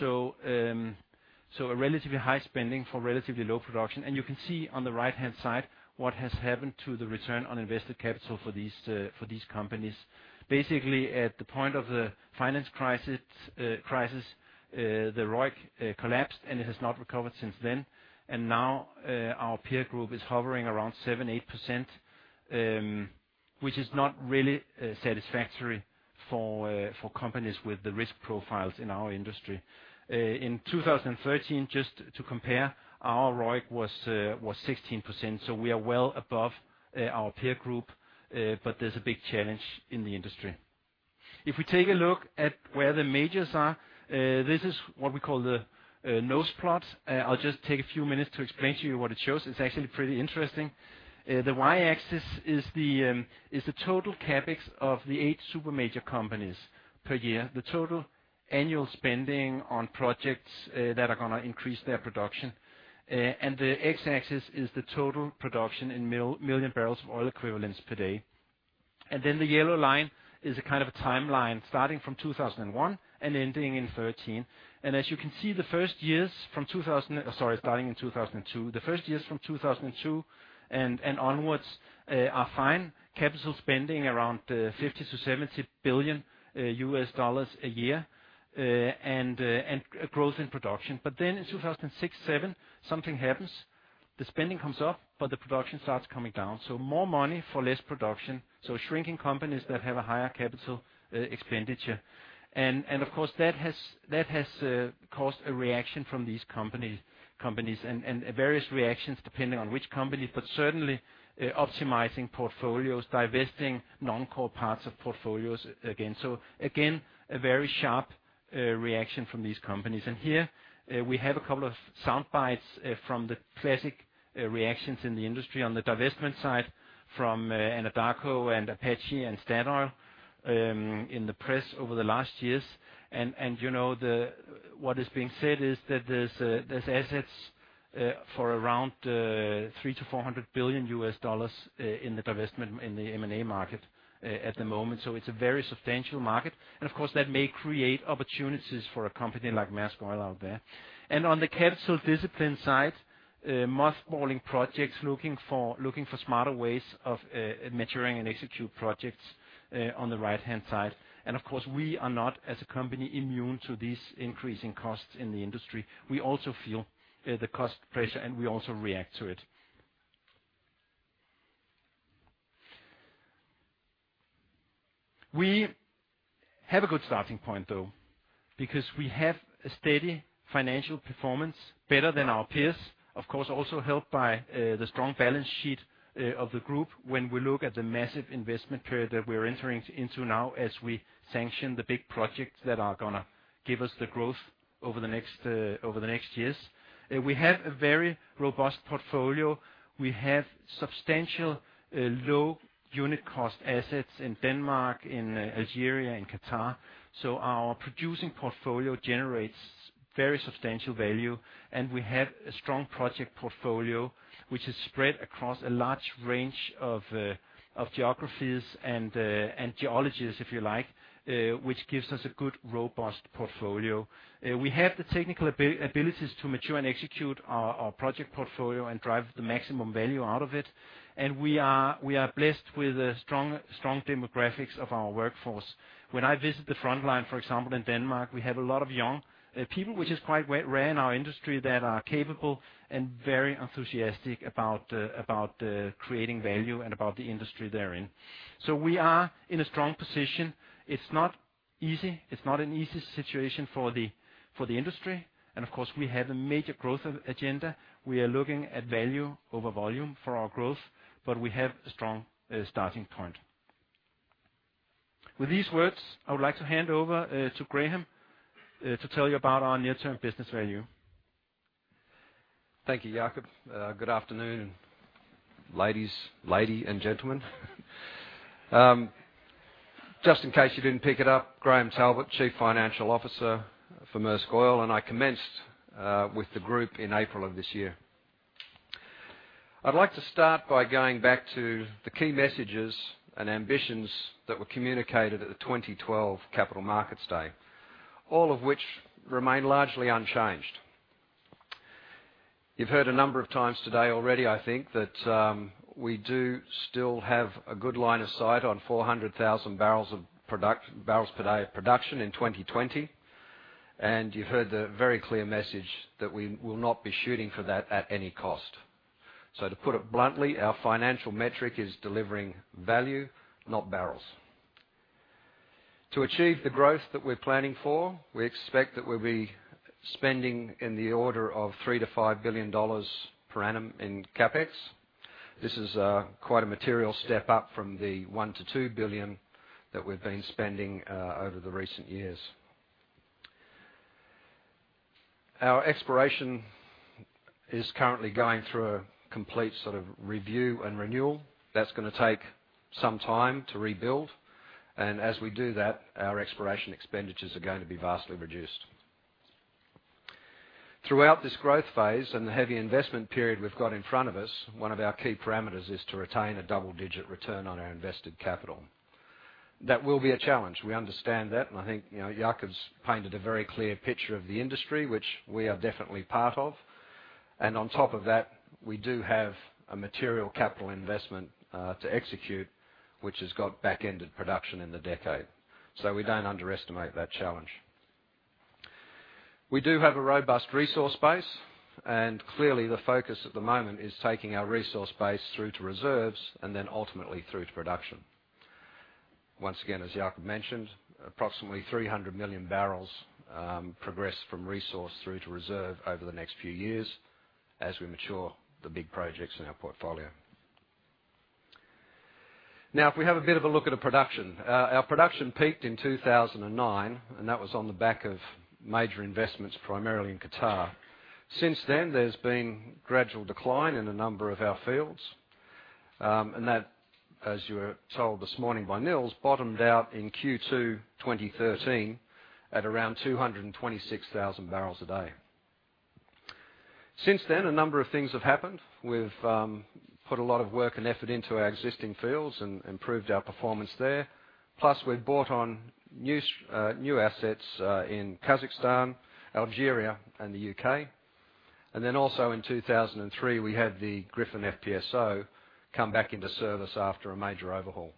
A relatively high spending for relatively low production. You can see on the right-hand side what has happened to the return on invested capital for these companies. Basically, at the point of the financial crisis, the ROIC collapsed, and it has not recovered since then. Now, our peer group is hovering around 7%-8%, which is not really satisfactory for companies with the risk profiles in our industry. In 2013, just to compare, our ROIC was 16%, so we are well above our peer group, but there's a big challenge in the industry. If we take a look at where the majors are, this is what we call the nose plots. I'll just take a few minutes to explain to you what it shows. It's actually pretty interesting. The Y-axis is the total Capex of the eight super major companies per year, the total annual spending on projects that are gonna increase their production. The X-axis is the total production in million barrels of oil equivalents per day. Then the yellow line is a kind of a timeline, starting from 2001 and ending in 2013. As you can see, the first years from 2002 and onwards are fine. Capital spending around $50 billion-$70 billion a year, and growth in production. Then in 2006-2007, something happens. The spending comes up, but the production starts coming down. More money for less production. Shrinking companies that have a higher capital expenditure. Of course, that has caused a reaction from these companies and various reactions depending on which company. Certainly, optimizing portfolios, divesting non-core parts of portfolios again. Again, a very sharp reaction from these companies. Here, we have a couple of sound bites from the classic reactions in the industry on the divestment side from Anadarko and Apache and Statoil in the press over the last years. You know, what is being said is that there's assets for around $300 billion-$400 billion in the divestment, in the M&A market at the moment. It's a very substantial market. Of course, that may create opportunities for a company like Maersk Oil out there. On the capital discipline side, mothballing projects, looking for smarter ways of maturing and execute projects on the right-hand side. Of course, we are not, as a company, immune to these increasing costs in the industry. We also feel the cost pressure, and we also react to it. We have a good starting point, though, because we have a steady financial performance better than our peers. Of course, also helped by the strong balance sheet of the group when we look at the massive investment period that we're entering into now as we sanction the big projects that are gonna give us the growth over the next years. We have a very robust portfolio. We have substantial low unit cost assets in Denmark, in Algeria and Qatar. So our producing portfolio generates very substantial value, and we have a strong project portfolio which is spread across a large range of geographies and geologies, if you like, which gives us a good, robust portfolio. We have the technical abilities to mature and execute our project portfolio and drive the maximum value out of it. We are blessed with a strong demographics of our workforce. When I visit the frontline, for example, in Denmark, we have a lot of young people which is quite rare in our industry, that are capable and very enthusiastic about creating value and about the industry they're in. We are in a strong position. It's not easy. It's not an easy situation for the industry. Of course, we have a major growth agenda. We are looking at value over volume for our growth, but we have a strong starting point. With these words, I would like to hand over to Graham to tell you about our near-term business value. Thank you, Jakob. Good afternoon, ladies and gentlemen. Just in case you didn't pick it up, Graham Talbot, Chief Financial Officer for Maersk Oil, and I commenced with the group in April of this year. I'd like to start by going back to the key messages and ambitions that were communicated at the 2012 capital markets day, all of which remain largely unchanged. You've heard a number of times today already, I think, that we do still have a good line of sight on 400,000 barrels per day of production in 2020. You've heard the very clear message that we will not be shooting for that at any cost. To put it bluntly, our financial metric is delivering value, not barrels. To achieve the growth that we're planning for, we expect that we'll be spending in the order of $3 billion-$5 billion per annum in Capex. This is quite a material step up from the $1 billion-$2 billion that we've been spending over the recent years. Our exploration is currently going through a complete sort of review and renewal. That's gonna take some time to rebuild. As we do that, our exploration expenditures are going to be vastly reduced. Throughout this growth phase and the heavy investment period we've got in front of us, one of our key parameters is to retain a double-digit return on our invested capital. That will be a challenge. We understand that, and I think, you know, Jakob's painted a very clear picture of the industry, which we are definitely part of. On top of that, we do have a material capital investment to execute, which has got back-ended production in the decade. We don't underestimate that challenge. We do have a robust resource base, and clearly, the focus at the moment is taking our resource base through to reserves and then ultimately through to production. Once again, as Jakob mentioned, approximately 300 million barrels, progress from resource through to reserve over the next few years as we mature the big projects in our portfolio. Now, if we have a bit of a look at the production. Our production peaked in 2009, and that was on the back of major investments, primarily in Qatar. Since then, there's been gradual decline in a number of our fields. That, as you were told this morning by Nils, bottomed out in Q2 2013 at around 226,000 barrels a day. Since then, a number of things have happened. We've put a lot of work and effort into our existing fields and improved our performance there. Plus, we've brought on new assets in Kazakhstan, Algeria, and the U.K. Then also in 2013, we had the Gryphon FPSO come back into service after a major overhaul.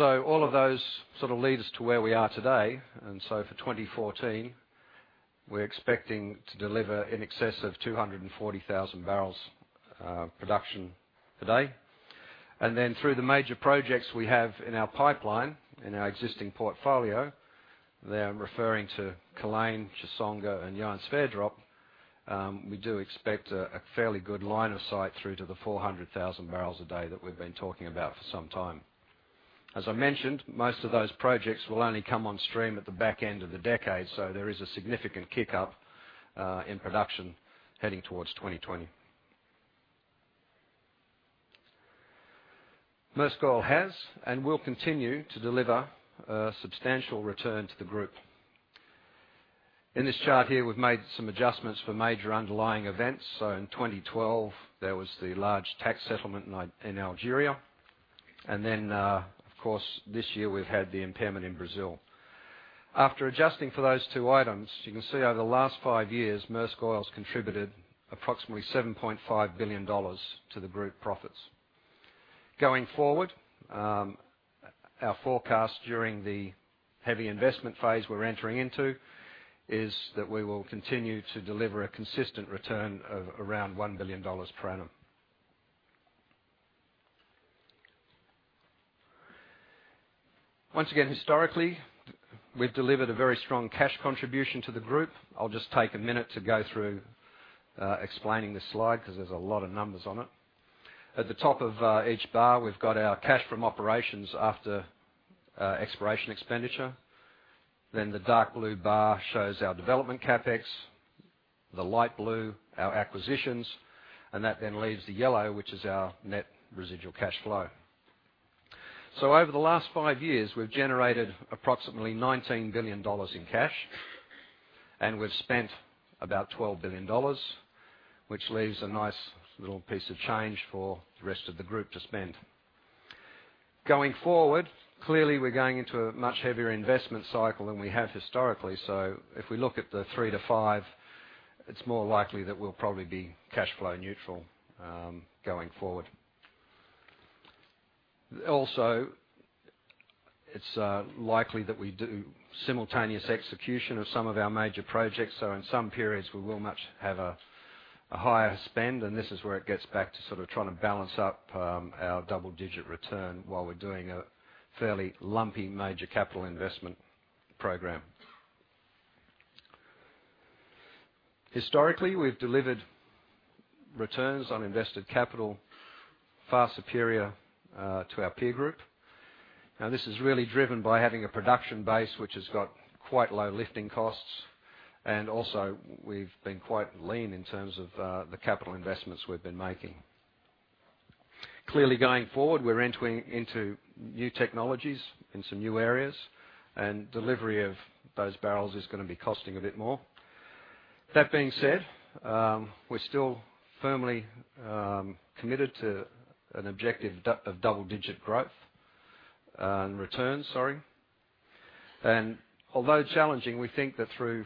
All of those sort of lead us to where we are today. For 2014, we're expecting to deliver in excess of 240,000 barrels a day. Through the major projects we have in our pipeline, in our existing portfolio, there I'm referring to Culzean, Chissonga, and Johan Sverdrup, we do expect a fairly good line of sight through to the 400,000 barrels a day that we've been talking about for some time. As I mentioned, most of those projects will only come on stream at the back end of the decade, so there is a significant kick up in production heading towards 2020. Maersk Oil has and will continue to deliver a substantial return to the group. In this chart here, we've made some adjustments for major underlying events. In 2012, there was the large tax settlement in Algeria. Of course, this year we've had the impairment in Brazil. After adjusting for those two items, you can see over the last five years, Maersk Oil has contributed approximately $7.5 billion to the group profits. Going forward, our forecast during the heavy investment phase we're entering into is that we will continue to deliver a consistent return of around $1 billion per annum. Once again, historically, we've delivered a very strong cash contribution to the group. I'll just take a minute to go through explaining this slide because there's a lot of numbers on it. At the top of each bar, we've got our cash from operations after exploration expenditure. Then the dark blue bar shows our development Capex, the light blue, our acquisitions, and that then leaves the yellow, which is our net residual cash flow. Over the last five years, we've generated approximately $19 billion in cash. We've spent about $12 billion, which leaves a nice little piece of change for the rest of the group to spend. Going forward, clearly, we're going into a much heavier investment cycle than we have historically. If we look at the three to five, it's more likely that we'll probably be cash flow neutral, going forward. Also, it's likely that we do simultaneous execution of some of our major projects. In some periods, we will much have a higher spend. This is where it gets back to sort of trying to balance up our double-digit return while we're doing a fairly lumpy major capital investment program. Historically, we've delivered returns on invested capital far superior to our peer group. Now, this is really driven by having a production base which has got quite low lifting costs. Also we've been quite lean in terms of the capital investments we've been making. Clearly, going forward, we're entering into new technologies in some new areas, and delivery of those barrels is gonna be costing a bit more. That being said, we're still firmly committed to an objective of double-digit growth and return, sorry. Although challenging, we think that through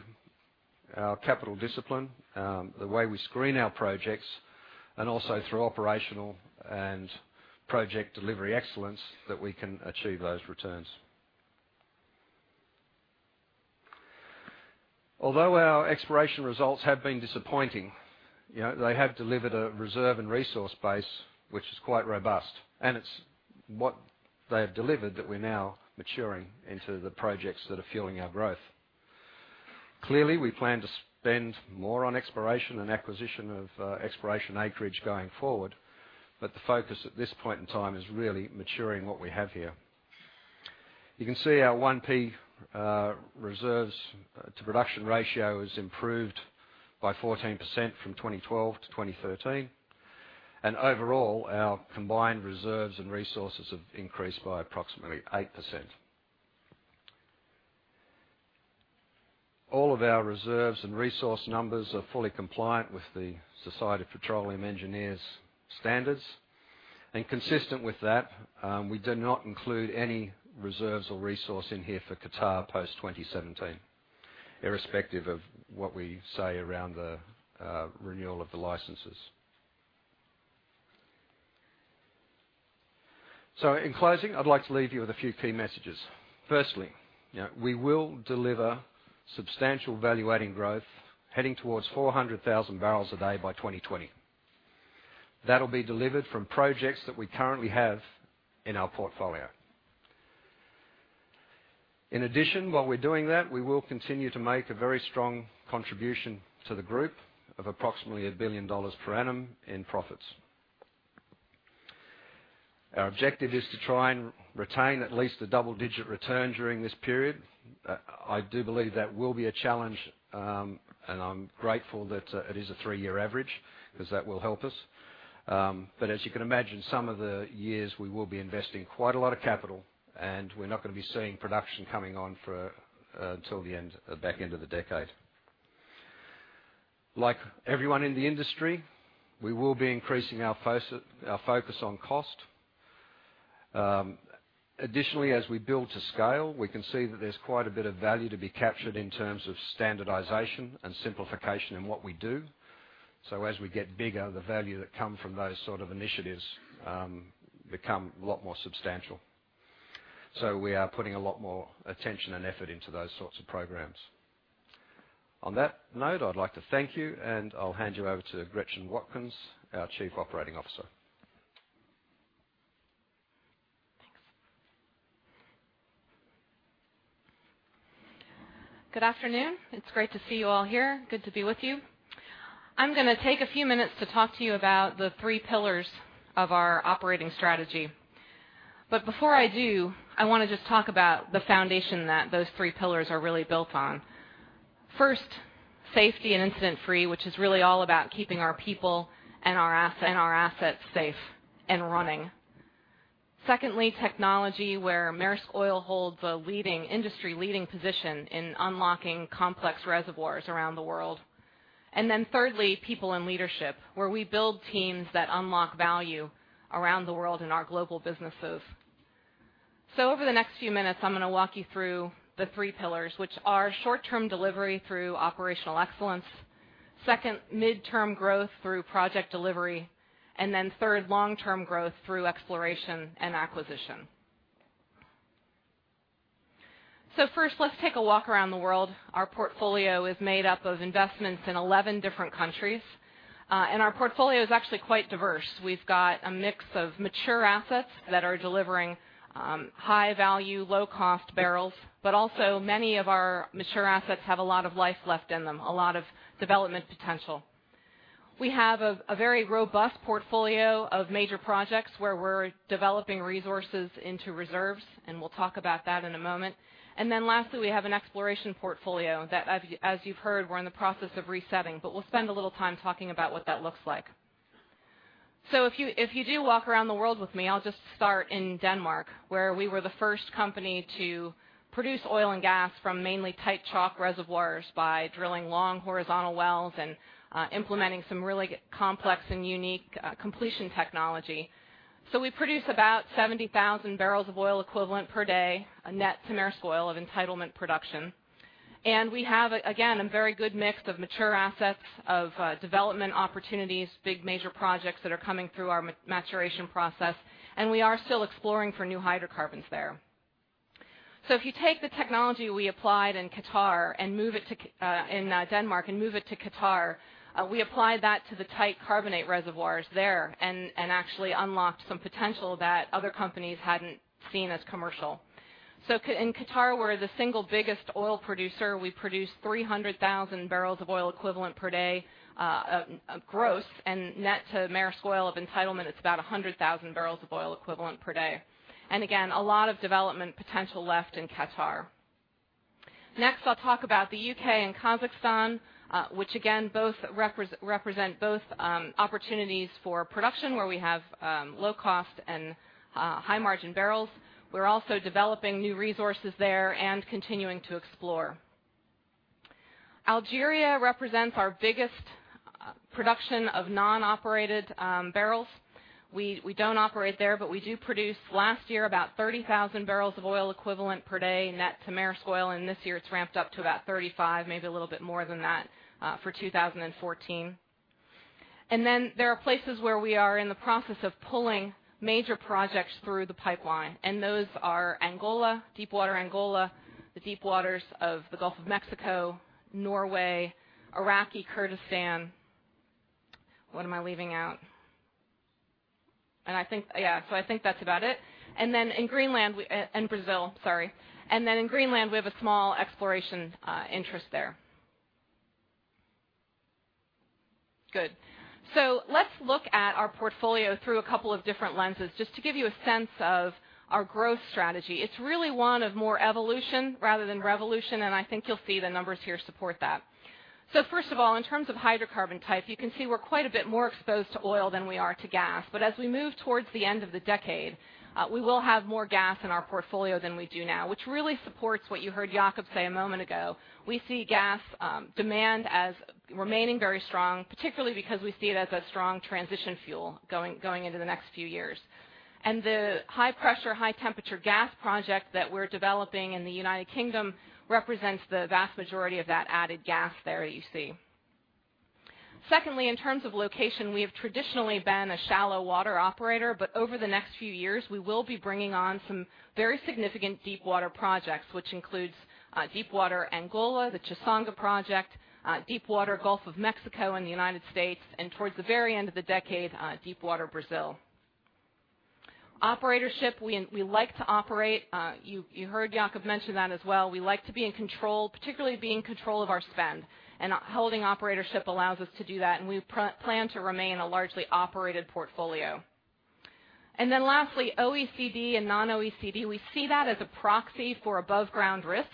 our capital discipline the way we screen our projects, and also through operational and project delivery excellence, that we can achieve those returns. Although our exploration results have been disappointing, you know, they have delivered a reserve and resource base which is quite robust. It's what they have delivered that we're now maturing into the projects that are fueling our growth. Clearly, we plan to spend more on exploration and acquisition of exploration acreage going forward. The focus at this point in time is really maturing what we have here. You can see our 1P reserves to production ratio has improved by 14% from 2012 to 2013. Overall, our combined reserves and resources have increased by approximately 8%. All of our reserves and resource numbers are fully compliant with the Society of Petroleum Engineers standards. Consistent with that, we do not include any reserves or resource in here for Qatar post-2017, irrespective of what we say around the renewal of the licenses. In closing, I'd like to leave you with a few key messages. Firstly, you know, we will deliver substantial value-adding growth heading towards 400,000 barrels a day by 2020. That'll be delivered from projects that we currently have in our portfolio. In addition, while we're doing that, we will continue to make a very strong contribution to the group of approximately $1 billion per annum in profits. Our objective is to try and retain at least a double-digit return during this period. I do believe that will be a challenge, and I'm grateful that it is a three-year average 'cause that will help us. As you can imagine, some of the years we will be investing quite a lot of capital, and we're not gonna be seeing production coming on for till the end, back end of the decade. Like everyone in the industry, we will be increasing our focus on cost. Additionally, as we build to scale, we can see that there's quite a bit of value to be captured in terms of standardization and simplification in what we do. As we get bigger, the value that come from those sort of initiatives, become a lot more substantial. We are putting a lot more attention and effort into those sorts of programs. On that note, I'd like to thank you, and I'll hand you over to Gretchen Watkins, our Chief Operating Officer. Thanks. Good afternoon. It's great to see you all here. Good to be with you. I'm gonna take a few minutes to talk to you about the three pillars of our operating strategy. Before I do, I wanna just talk about the foundation that those three pillars are really built on. First, safety and incident free, which is really all about keeping our people and our assets safe and running. Secondly, technology, where Maersk Oil holds a leading, industry-leading position in unlocking complex reservoirs around the world. Thirdly, people and leadership, where we build teams that unlock value around the world in our global businesses. Over the next few minutes, I'm gonna walk you through the three pillars, which are short-term delivery through operational excellence, second, midterm growth through project delivery, and then third, long-term growth through exploration and acquisition. First, let's take a walk around the world. Our portfolio is made up of investments in 11 different countries. Our portfolio is actually quite diverse. We've got a mix of mature assets that are delivering high value, low cost barrels. Many of our mature assets have a lot of life left in them, a lot of development potential. We have a very robust portfolio of major projects where we're developing resources into reserves, and we'll talk about that in a moment. Lastly, we have an exploration portfolio that as you've heard, we're in the process of resetting, but we'll spend a little time talking about what that looks like. If you do walk around the world with me, I'll just start in Denmark, where we were the first company to produce oil and gas from mainly tight chalk reservoirs by drilling long horizontal wells and implementing some really complex and unique completion technology. We produce about 70,000 barrels of oil equivalent per day, a net to Maersk Oil of entitlement production. We have, again, a very good mix of mature assets, of development opportunities, big major projects that are coming through our maturation process, and we are still exploring for new hydrocarbons there. If you take the technology we applied in Qatar and move it to in Denmark, and move it to Qatar, we applied that to the tight carbonate reservoirs there and actually unlocked some potential that other companies hadn't seen as commercial. In Qatar, we're the single biggest oil producer. We produce 300,000 barrels of oil equivalent per day, gross and net to Maersk Oil of entitlement, it's about 100,000 barrels of oil equivalent per day. Again, a lot of development potential left in Qatar. Next, I'll talk about the U.K. and Kazakhstan, which again, both represent opportunities for production where we have low cost and high margin barrels. We're also developing new resources there and continuing to explore. Algeria represents our biggest production of non-operated barrels. We don't operate there, but we do produce last year about 30,000 barrels of oil equivalent per day net to Maersk Oil, and this year it's ramped up to about 35,000, maybe a little bit more than that, for 2014. There are places where we are in the process of pulling major projects through the pipeline, and those are Angola, deepwater Angola, the deep waters of the Gulf of Mexico, Norway, Iraqi Kurdistan. What am I leaving out? I think that's about it. In Greenland and Brazil, sorry. In Greenland, we have a small exploration interest there. Good. Let's look at our portfolio through a couple of different lenses just to give you a sense of our growth strategy. It's really more of an evolution rather than revolution, and I think you'll see the numbers here support that. First of all, in terms of hydrocarbon type, you can see we're quite a bit more exposed to oil than we are to gas. As we move towards the end of the decade, we will have more gas in our portfolio than we do now, which really supports what you heard Jakob say a moment ago. We see gas demand as remaining very strong, particularly because we see it as a strong transition fuel going into the next few years. The high-pressure, high-temperature gas project that we're developing in the United Kingdom represents the vast majority of that added gas there you see. Secondly, in terms of location, we have traditionally been a shallow water operator, but over the next few years, we will be bringing on some very significant deepwater projects, which includes Deepwater Angola, the Chissonga project, Deepwater Gulf of Mexico in the United States, and towards the very end of the decade, Deepwater Brazil. Operatorship, we like to operate. You heard Jakob mention that as well. We like to be in control, particularly be in control of our spend. Holding operatorship allows us to do that, and we plan to remain a largely operated portfolio. Then lastly, OECD and non-OECD, we see that as a proxy for above ground risk,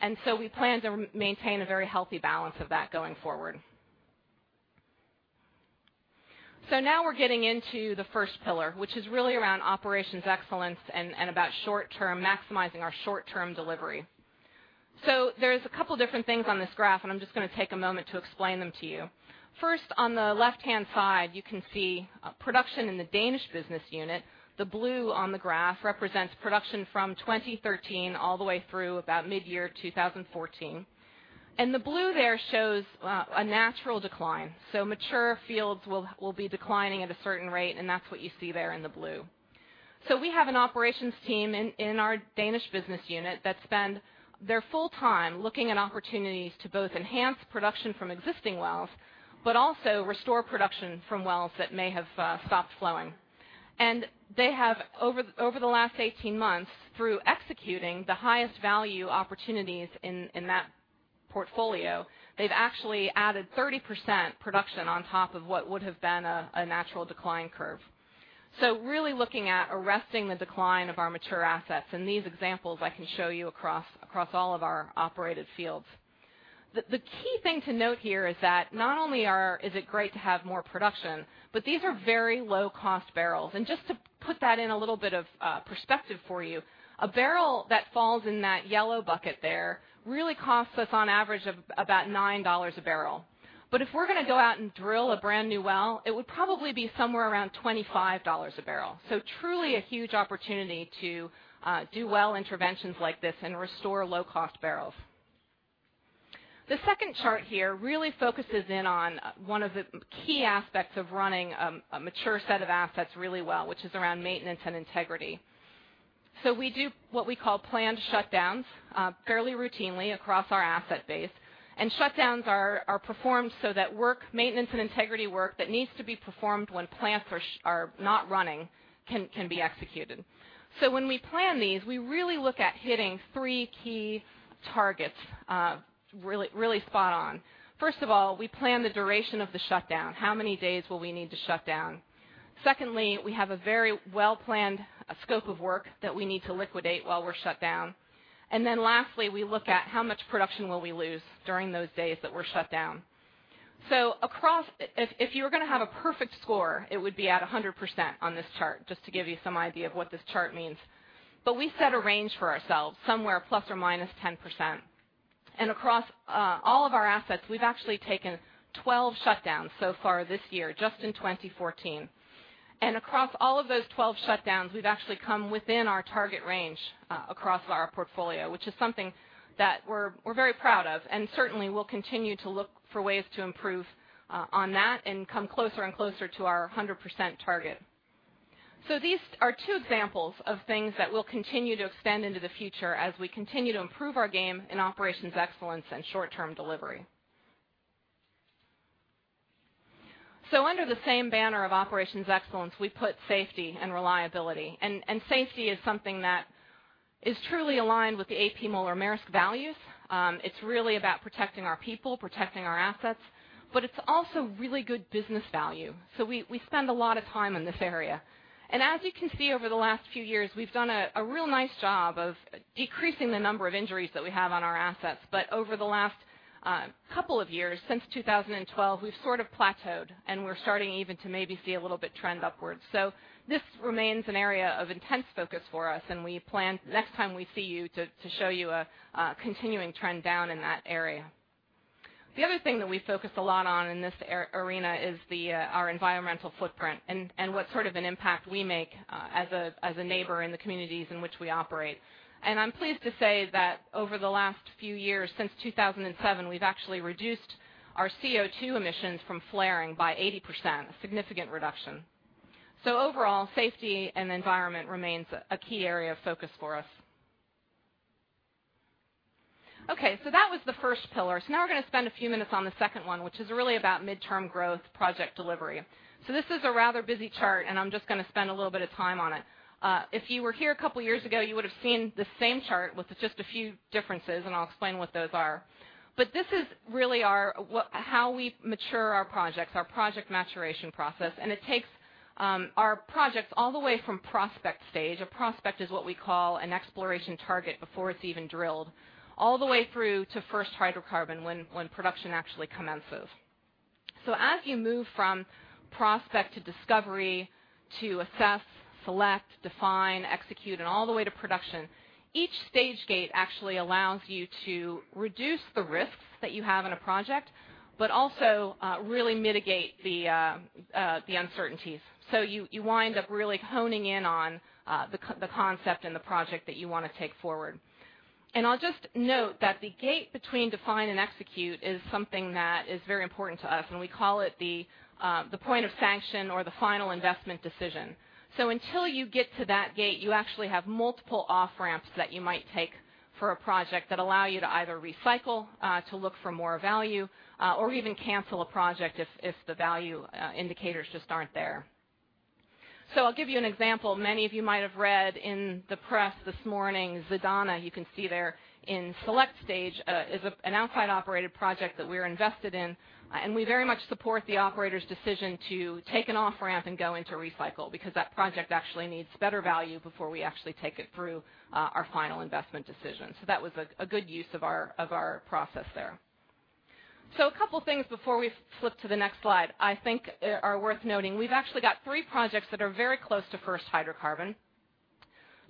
and so we plan to maintain a very healthy balance of that going forward. Now we're getting into the first pillar, which is really around operations excellence and about short term, maximizing our short-term delivery. There's a couple different things on this graph, and I'm just gonna take a moment to explain them to you. First, on the left-hand side, you can see production in the Danish business unit. The blue on the graph represents production from 2013 all the way through about midyear 2014. The blue there shows a natural decline. Mature fields will be declining at a certain rate, and that's what you see there in the blue. We have an operations team in our Danish business unit that spend their full time looking at opportunities to both enhance production from existing wells, but also restore production from wells that may have stopped flowing. They have over the last 18 months through executing the highest value opportunities in that portfolio, they've actually added 30% production on top of what would have been a natural decline curve. Really looking at arresting the decline of our mature assets, and these examples I can show you across all of our operated fields. The key thing to note here is that not only is it great to have more production, but these are very low cost barrels. Just to put that in a little bit of perspective for you, a barrel that falls in that yellow bucket there really costs us on average of about $9 a barrel. If we're gonna go out and drill a brand new well, it would probably be somewhere around $25 a barrel. Truly a huge opportunity to do well interventions like this and restore low cost barrels. The second chart here really focuses in on one of the key aspects of running a mature set of assets really well, which is around maintenance and integrity. We do what we call planned shutdowns fairly routinely across our asset base. Shutdowns are performed so that work, maintenance and integrity work that needs to be performed when plants are not running can be executed. When we plan these, we really look at hitting three key targets really spot on. First of all, we plan the duration of the shutdown. How many days will we need to shut down? Secondly, we have a very well-planned scope of work that we need to liquidate while we're shut down. Lastly, we look at how much production will we lose during those days that we're shut down. Across, if you were gonna have a perfect score, it would be at 100% on this chart, just to give you some idea of what this chart means. We set a range for ourselves, somewhere plus or minus 10%. Across all of our assets, we've actually taken 12 shutdowns so far this year, just in 2014. Across all of those 12 shutdowns, we've actually come within our target range, across our portfolio, which is something that we're very proud of, and certainly we'll continue to look for ways to improve on that and come closer and closer to our 100% target. These are two examples of things that we'll continue to extend into the future as we continue to improve our game in operations excellence and short-term delivery. Under the same banner of operations excellence, we put safety and reliability. Safety is something that is truly aligned with the A.P. Møller - Mærsk values. It's really about protecting our people, protecting our assets, but it's also really good business value. We spend a lot of time in this area. As you can see over the last few years, we've done a real nice job of decreasing the number of injuries that we have on our assets. But over the last couple of years, since 2012, we've sort of plateaued, and we're starting even to maybe see a little bit trend upwards. This remains an area of intense focus for us, and we plan, next time we see you, to show you a continuing trend down in that area. The other thing that we focus a lot on in this arena is our environmental footprint and what sort of an impact we make, as a neighbor in the communities in which we operate. I'm pleased to say that over the last few years, since 2007, we've actually reduced our CO2 emissions from flaring by 80%, a significant reduction. Overall, safety and the environment remains a key area of focus for us. Okay, that was the first pillar. Now we're gonna spend a few minutes on the second one, which is really about midterm growth project delivery. This is a rather busy chart, and I'm just gonna spend a little bit of time on it. If you were here a couple years ago, you would have seen the same chart with just a few differences, and I'll explain what those are. This is really how we mature our projects, our project maturation process, and it takes our projects all the way from prospect stage, a prospect is what we call an exploration target before it's even drilled, all the way through to first hydrocarbon when production actually commences. As you move from prospect to discovery, to assess, select, define, execute, and all the way to production, each stage gate actually allows you to reduce the risks that you have in a project, but also really mitigate the uncertainties. You wind up really honing in on the concept and the project that you wanna take forward. I'll just note that the gate between define and execute is something that is very important to us, and we call it the point of sanction or the final investment decision. Until you get to that gate, you actually have multiple off-ramps that you might take for a project that allow you to either recycle to look for more value or even cancel a project if the value indicators just aren't there. I'll give you an example. Many of you might have read in the press this morning, Zidan, you can see there in select stage, is a non-operated project that we're invested in, and we very much support the operator's decision to take an off-ramp and go into recycle because that project actually needs better value before we actually take it through our final investment decision. That was a good use of our process there. A couple things before we flip to the next slide I think are worth noting. We've actually got three projects that are very close to first hydrocarbon.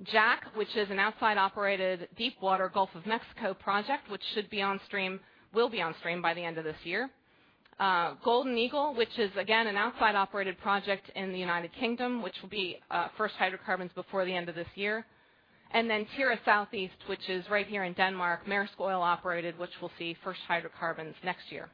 Jack, which is a non-operated deepwater Gulf of Mexico project, which should be on stream, will be on stream by the end of this year. Golden Eagle, which is again, an outside-operated project in the United Kingdom, which will be first hydrocarbons before the end of this year. Tyra Southeast, which is right here in Denmark, Maersk Oil-operated, which will see first hydrocarbons next year.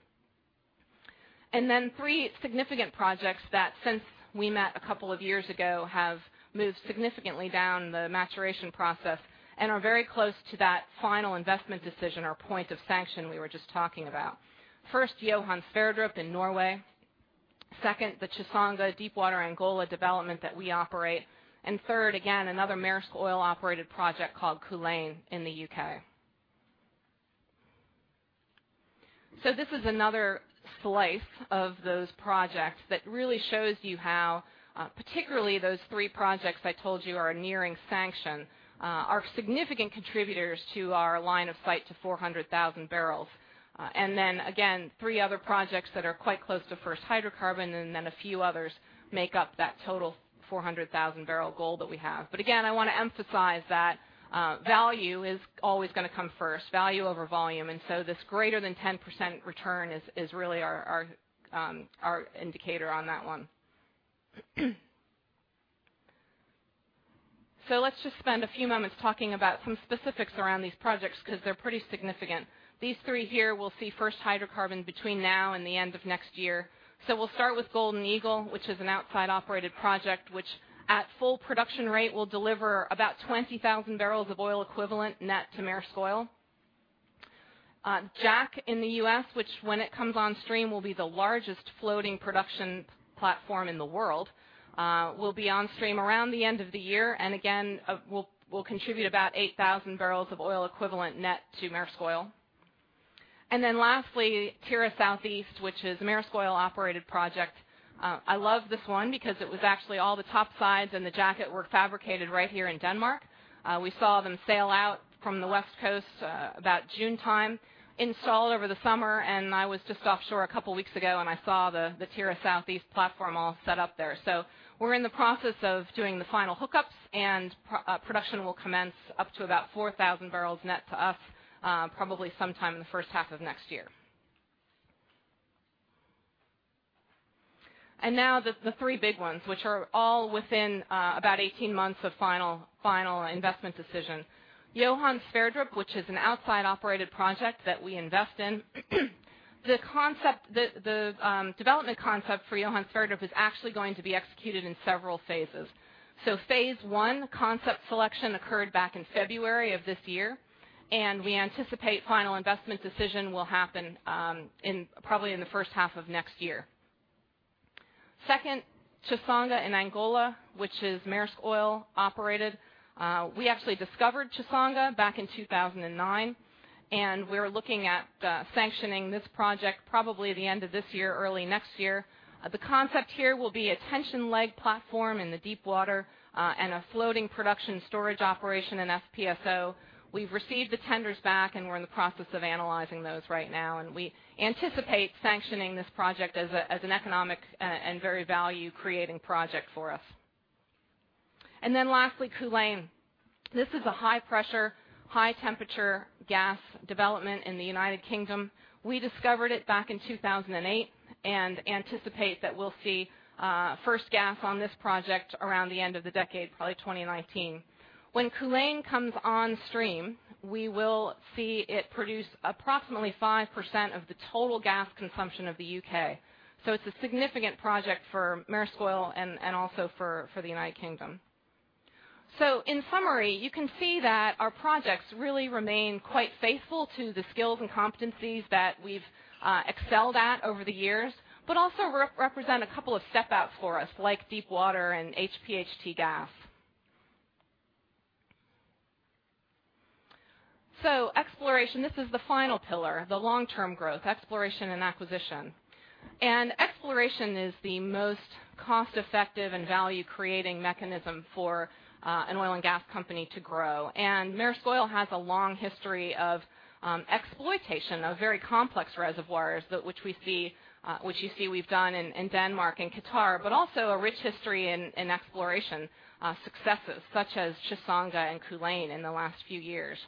Three significant projects that since we met a couple of years ago, have moved significantly down the maturation process and are very close to that final investment decision or point of sanction we were just talking about. First, Johan Sverdrup in Norway. Second, the Chissonga deepwater Angola development that we operate. Third, again, another Maersk Oil-operated project called Culzean in the U.K. This is another slice of those projects that really shows you how, particularly those three projects I told you are nearing sanction, are significant contributors to our line of sight to 400,000 barrels. Three other projects that are quite close to first hydrocarbon and then a few others make up that total 400,000 barrel goal that we have. I wanna emphasize that, value is always gonna come first, value over volume. This greater than 10% return is really our indicator on that one. Let's just spend a few moments talking about some specifics around these projects 'cause they're pretty significant. These three here will see first hydrocarbon between now and the end of next year. We'll start with Golden Eagle, which is a non-operated project, which at full production rate will deliver about 20,000 barrels of oil equivalent net to Maersk Oil. Jack in the U.S., which when it comes on stream, will be the largest floating production platform in the world, will be on stream around the end of the year, and again, will contribute about 8,000 barrels of oil equivalent net to Maersk Oil. Then lastly, Tyra Southeast, which is a Maersk Oil-operated project. I love this one because it was actually all the topsides and the jacket were fabricated right here in Denmark. We saw them sail out from the West Coast about June time, installed over the summer, and I was just offshore a couple weeks ago, and I saw the Tyra Southeast platform all set up there. We're in the process of doing the final hookups, and production will commence up to about 4,000 barrels net to us, probably sometime in the first half of next year. Now the three big ones, which are all within about 18 months of final investment decision. Johan Sverdrup, which is an outside operated project that we invest in. The development concept for Johan Sverdrup is actually going to be executed in several phases. Phase I, concept selection occurred back in February of this year, and we anticipate final investment decision will happen probably in the first half of next year. Second, Chissonga in Angola, which is Maersk Oil operated. We actually discovered Chissonga back in 2009, and we're looking at sanctioning this project probably the end of this year or early next year. The concept here will be a tension leg platform in the deep water, and a floating production storage and offloading, an FPSO. We've received the tenders back, and we're in the process of analyzing those right now, and we anticipate sanctioning this project as an economic and very value creating project for us. Then lastly, Culzean. This is a high pressure, high temperature gas development in the United Kingdom. We discovered it back in 2008 and anticipate that we'll see first gas on this project around the end of the decade, probably 2019. When Culzean comes on stream, we will see it produce approximately 5% of the total gas consumption of the U.K. It's a significant project for Maersk Oil and also for the United Kingdom. In summary, you can see that our projects really remain quite faithful to the skills and competencies that we've excelled at over the years, but also represent a couple of step-outs for us, like deep water and HPHT gas. Exploration, this is the final pillar, the long-term growth, exploration and acquisition. Exploration is the most cost-effective and value-creating mechanism for an oil and gas company to grow. Maersk Oil has a long history of exploitation of very complex reservoirs, but which you see we've done in Denmark and Qatar, but also a rich history in exploration successes such as Chissonga and Culzean in the last few years.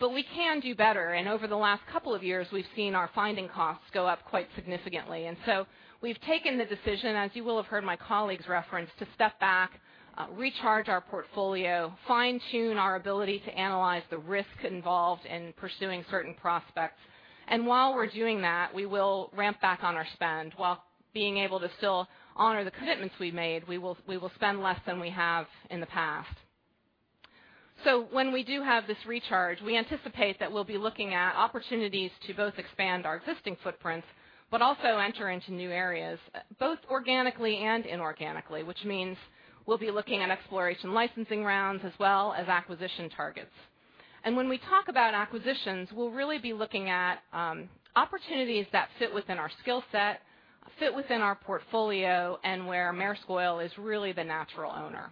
We can do better. Over the last couple of years, we've seen our finding costs go up quite significantly. We've taken the decision, as you will have heard my colleagues reference, to step back, recharge our portfolio, fine-tune our ability to analyze the risk involved in pursuing certain prospects. While we're doing that, we will ramp back on our spend. While being able to still honor the commitments we made, we will spend less than we have in the past. When we do have this recharge, we anticipate that we'll be looking at opportunities to both expand our existing footprints but also enter into new areas, both organically and inorganically, which means we'll be looking at exploration licensing rounds as well as acquisition targets. When we talk about acquisitions, we'll really be looking at opportunities that fit within our skill set, fit within our portfolio, and where Maersk Oil is really the natural owner.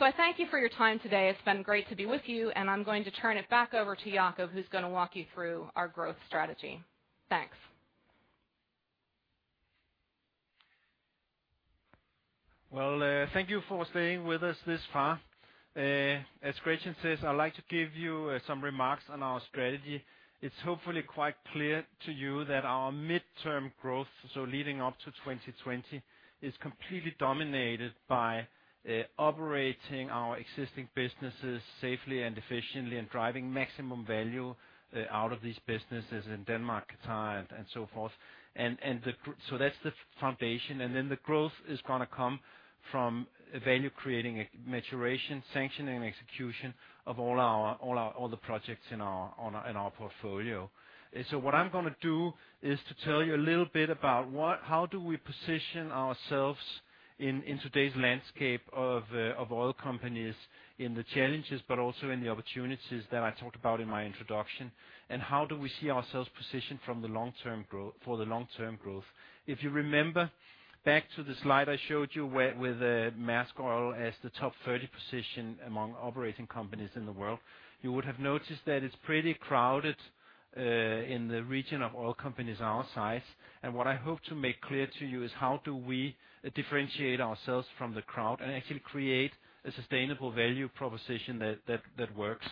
I thank you for your time today. It's been great to be with you, and I'm going to turn it back over to Jakob, who's going to walk you through our growth strategy. Thanks. Well, thank you for staying with us this far. As Gretchen says, I'd like to give you some remarks on our strategy. It's hopefully quite clear to you that our midterm growth, so leading up to 2020, is completely dominated by operating our existing businesses safely and efficiently and driving maximum value out of these businesses in Denmark, Qatar, and so forth. That's the foundation. The growth is gonna come from value creating maturation, sanctioning, and execution of all the projects in our portfolio. What I'm gonna do is to tell you a little bit about how do we position ourselves in today's landscape of oil companies in the challenges, but also in the opportunities that I talked about in my introduction, and how do we see ourselves positioned for the long-term growth. If you remember back to the slide I showed you where with Maersk Oil as the top 30 position among operating companies in the world, you would have noticed that it's pretty crowded in the region of oil companies our size. What I hope to make clear to you is how do we differentiate ourselves from the crowd and actually create a sustainable value proposition that works.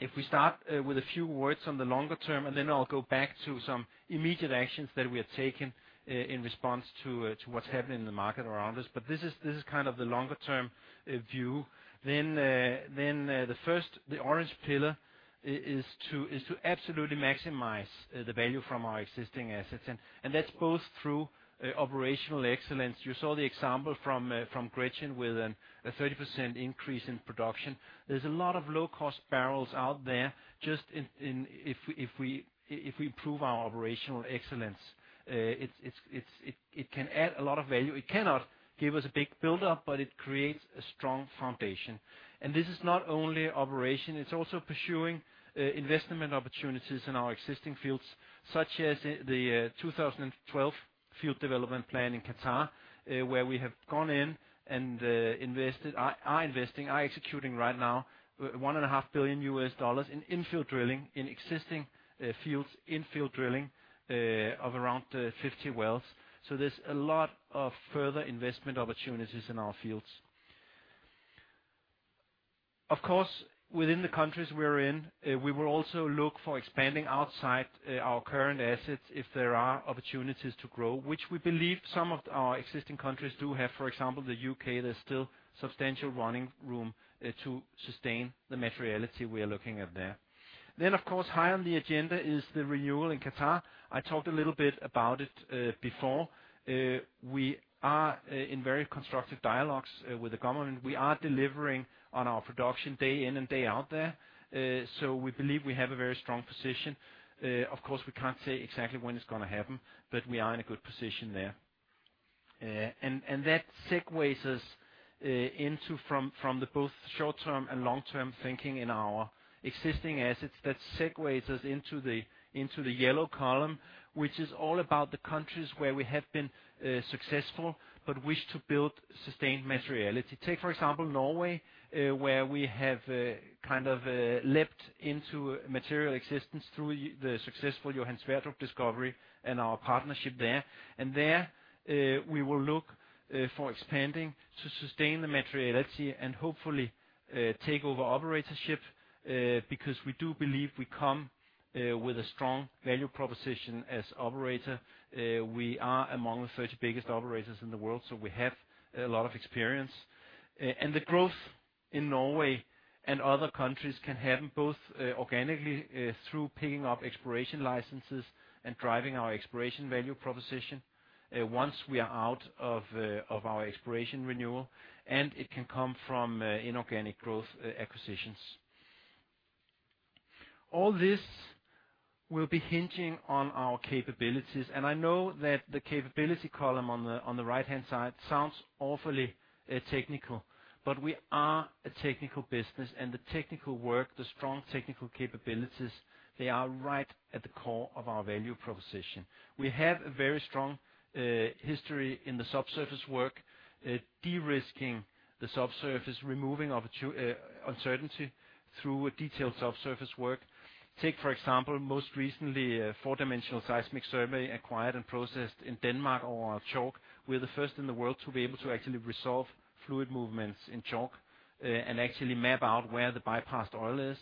If we start with a few words on the longer term, and then I'll go back to some immediate actions that we are taking in response to what's happening in the market around us. This is kind of the longer-term view. The first, the orange pillar is to absolutely maximize the value from our existing assets. That's both through operational excellence. You saw the example from Gretchen with a 30% increase in production. There's a lot of low-cost barrels out there just in if we prove our operational excellence. It can add a lot of value. It cannot give us a big buildup, but it creates a strong foundation. This is not only operation, it's also pursuing investment opportunities in our existing fields, such as the 2012 field development plan in Qatar, where we have gone in and invested, are investing, are executing right now $1.5 billion in in-field drilling in existing fields, in-field drilling of around 50 wells. There's a lot of further investment opportunities in our fields. Of course, within the countries we are in, we will also look for expanding outside our current assets if there are opportunities to grow, which we believe some of our existing countries do have. For example, the U.K., there's still substantial running room to sustain the materiality we are looking at there. Of course, high on the agenda is the renewal in Qatar. I talked a little bit about it before. We are in very constructive dialogues with the government. We are delivering on our production day in and day out there. We believe we have a very strong position. Of course, we can't say exactly when it's gonna happen, but we are in a good position there. And that segues us from both short-term and long-term thinking in our existing assets into the yellow column, which is all about the countries where we have been successful but wish to build sustained materiality. Take, for example, Norway, where we have kind of leapt into material existence through the successful Johan Sverdrup discovery and our partnership there. There, we will look for expanding to sustain the materiality and hopefully take over operatorship, because we do believe we come with a strong value proposition as operator. We are among the 30 biggest operators in the world, so we have a lot of experience. The growth in Norway and other countries can happen both organically through picking up exploration licenses and driving our exploration value proposition, once we are out of our exploration renewal, and it can come from inorganic growth, acquisitions. All this will be hinging on our capabilities. I know that the capability column on the right-hand side sounds awfully technical, but we are a technical business, and the technical work, the strong technical capabilities, they are right at the core of our value proposition. We have a very strong history in the subsurface work, de-risking the subsurface, removing uncertainty through a detailed subsurface work. Take, for example, most recently, a four-dimensional seismic survey acquired and processed in Denmark over chalk. We're the first in the world to be able to actually resolve fluid movements in chalk, and actually map out where the bypassed oil is.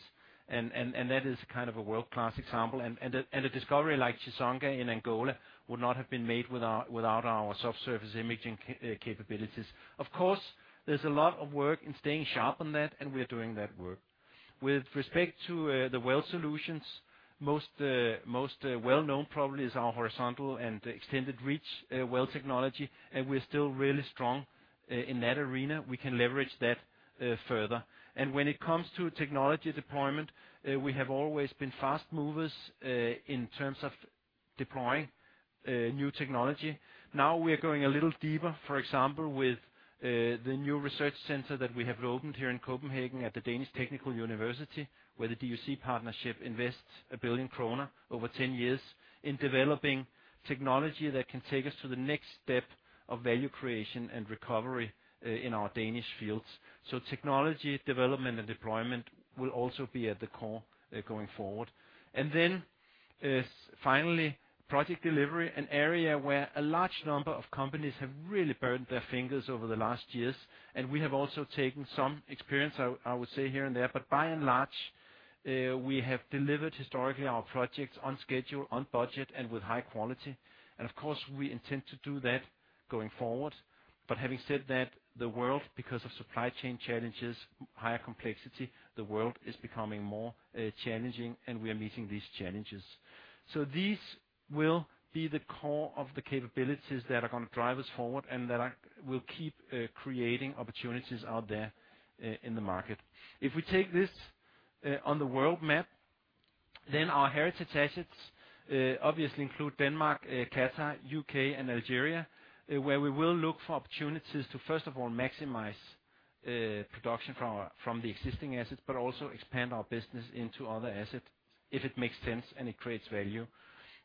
That is kind of a world-class example. A discovery like Chissonga in Angola would not have been made without our subsurface imaging capabilities. Of course, there's a lot of work in staying sharp on that, and we are doing that work. With respect to the well solutions, most well-known probably is our horizontal and extended reach well technology. We're still really strong in that arena. We can leverage that further. When it comes to technology deployment, we have always been fast movers in terms of deploying new technology. Now we are going a little deeper, for example, with the new research center that we have opened here in Copenhagen at the Technical University of Denmark, where the DUC partnership invests 1 billion kroner over 10 years in developing technology that can take us to the next step of value creation and recovery in our Danish fields. Technology development and deployment will also be at the core going forward. Finally, project delivery, an area where a large number of companies have really burned their fingers over the last years. We have also taken some experience, I would say, here and there. By and large, we have delivered historically our projects on schedule, on budget, and with high quality. Of course, we intend to do that going forward. Having said that, the world, because of supply chain challenges, higher complexity, the world is becoming more challenging, and we are meeting these challenges. These will be the core of the capabilities that are gonna drive us forward and that will keep creating opportunities out there in the market. If we take this on the world map, then our heritage assets obviously include Denmark, Qatar, U.K., and Algeria, where we will look for opportunities to, first of all, maximize production from the existing assets, but also expand our business into other assets if it makes sense and it creates value.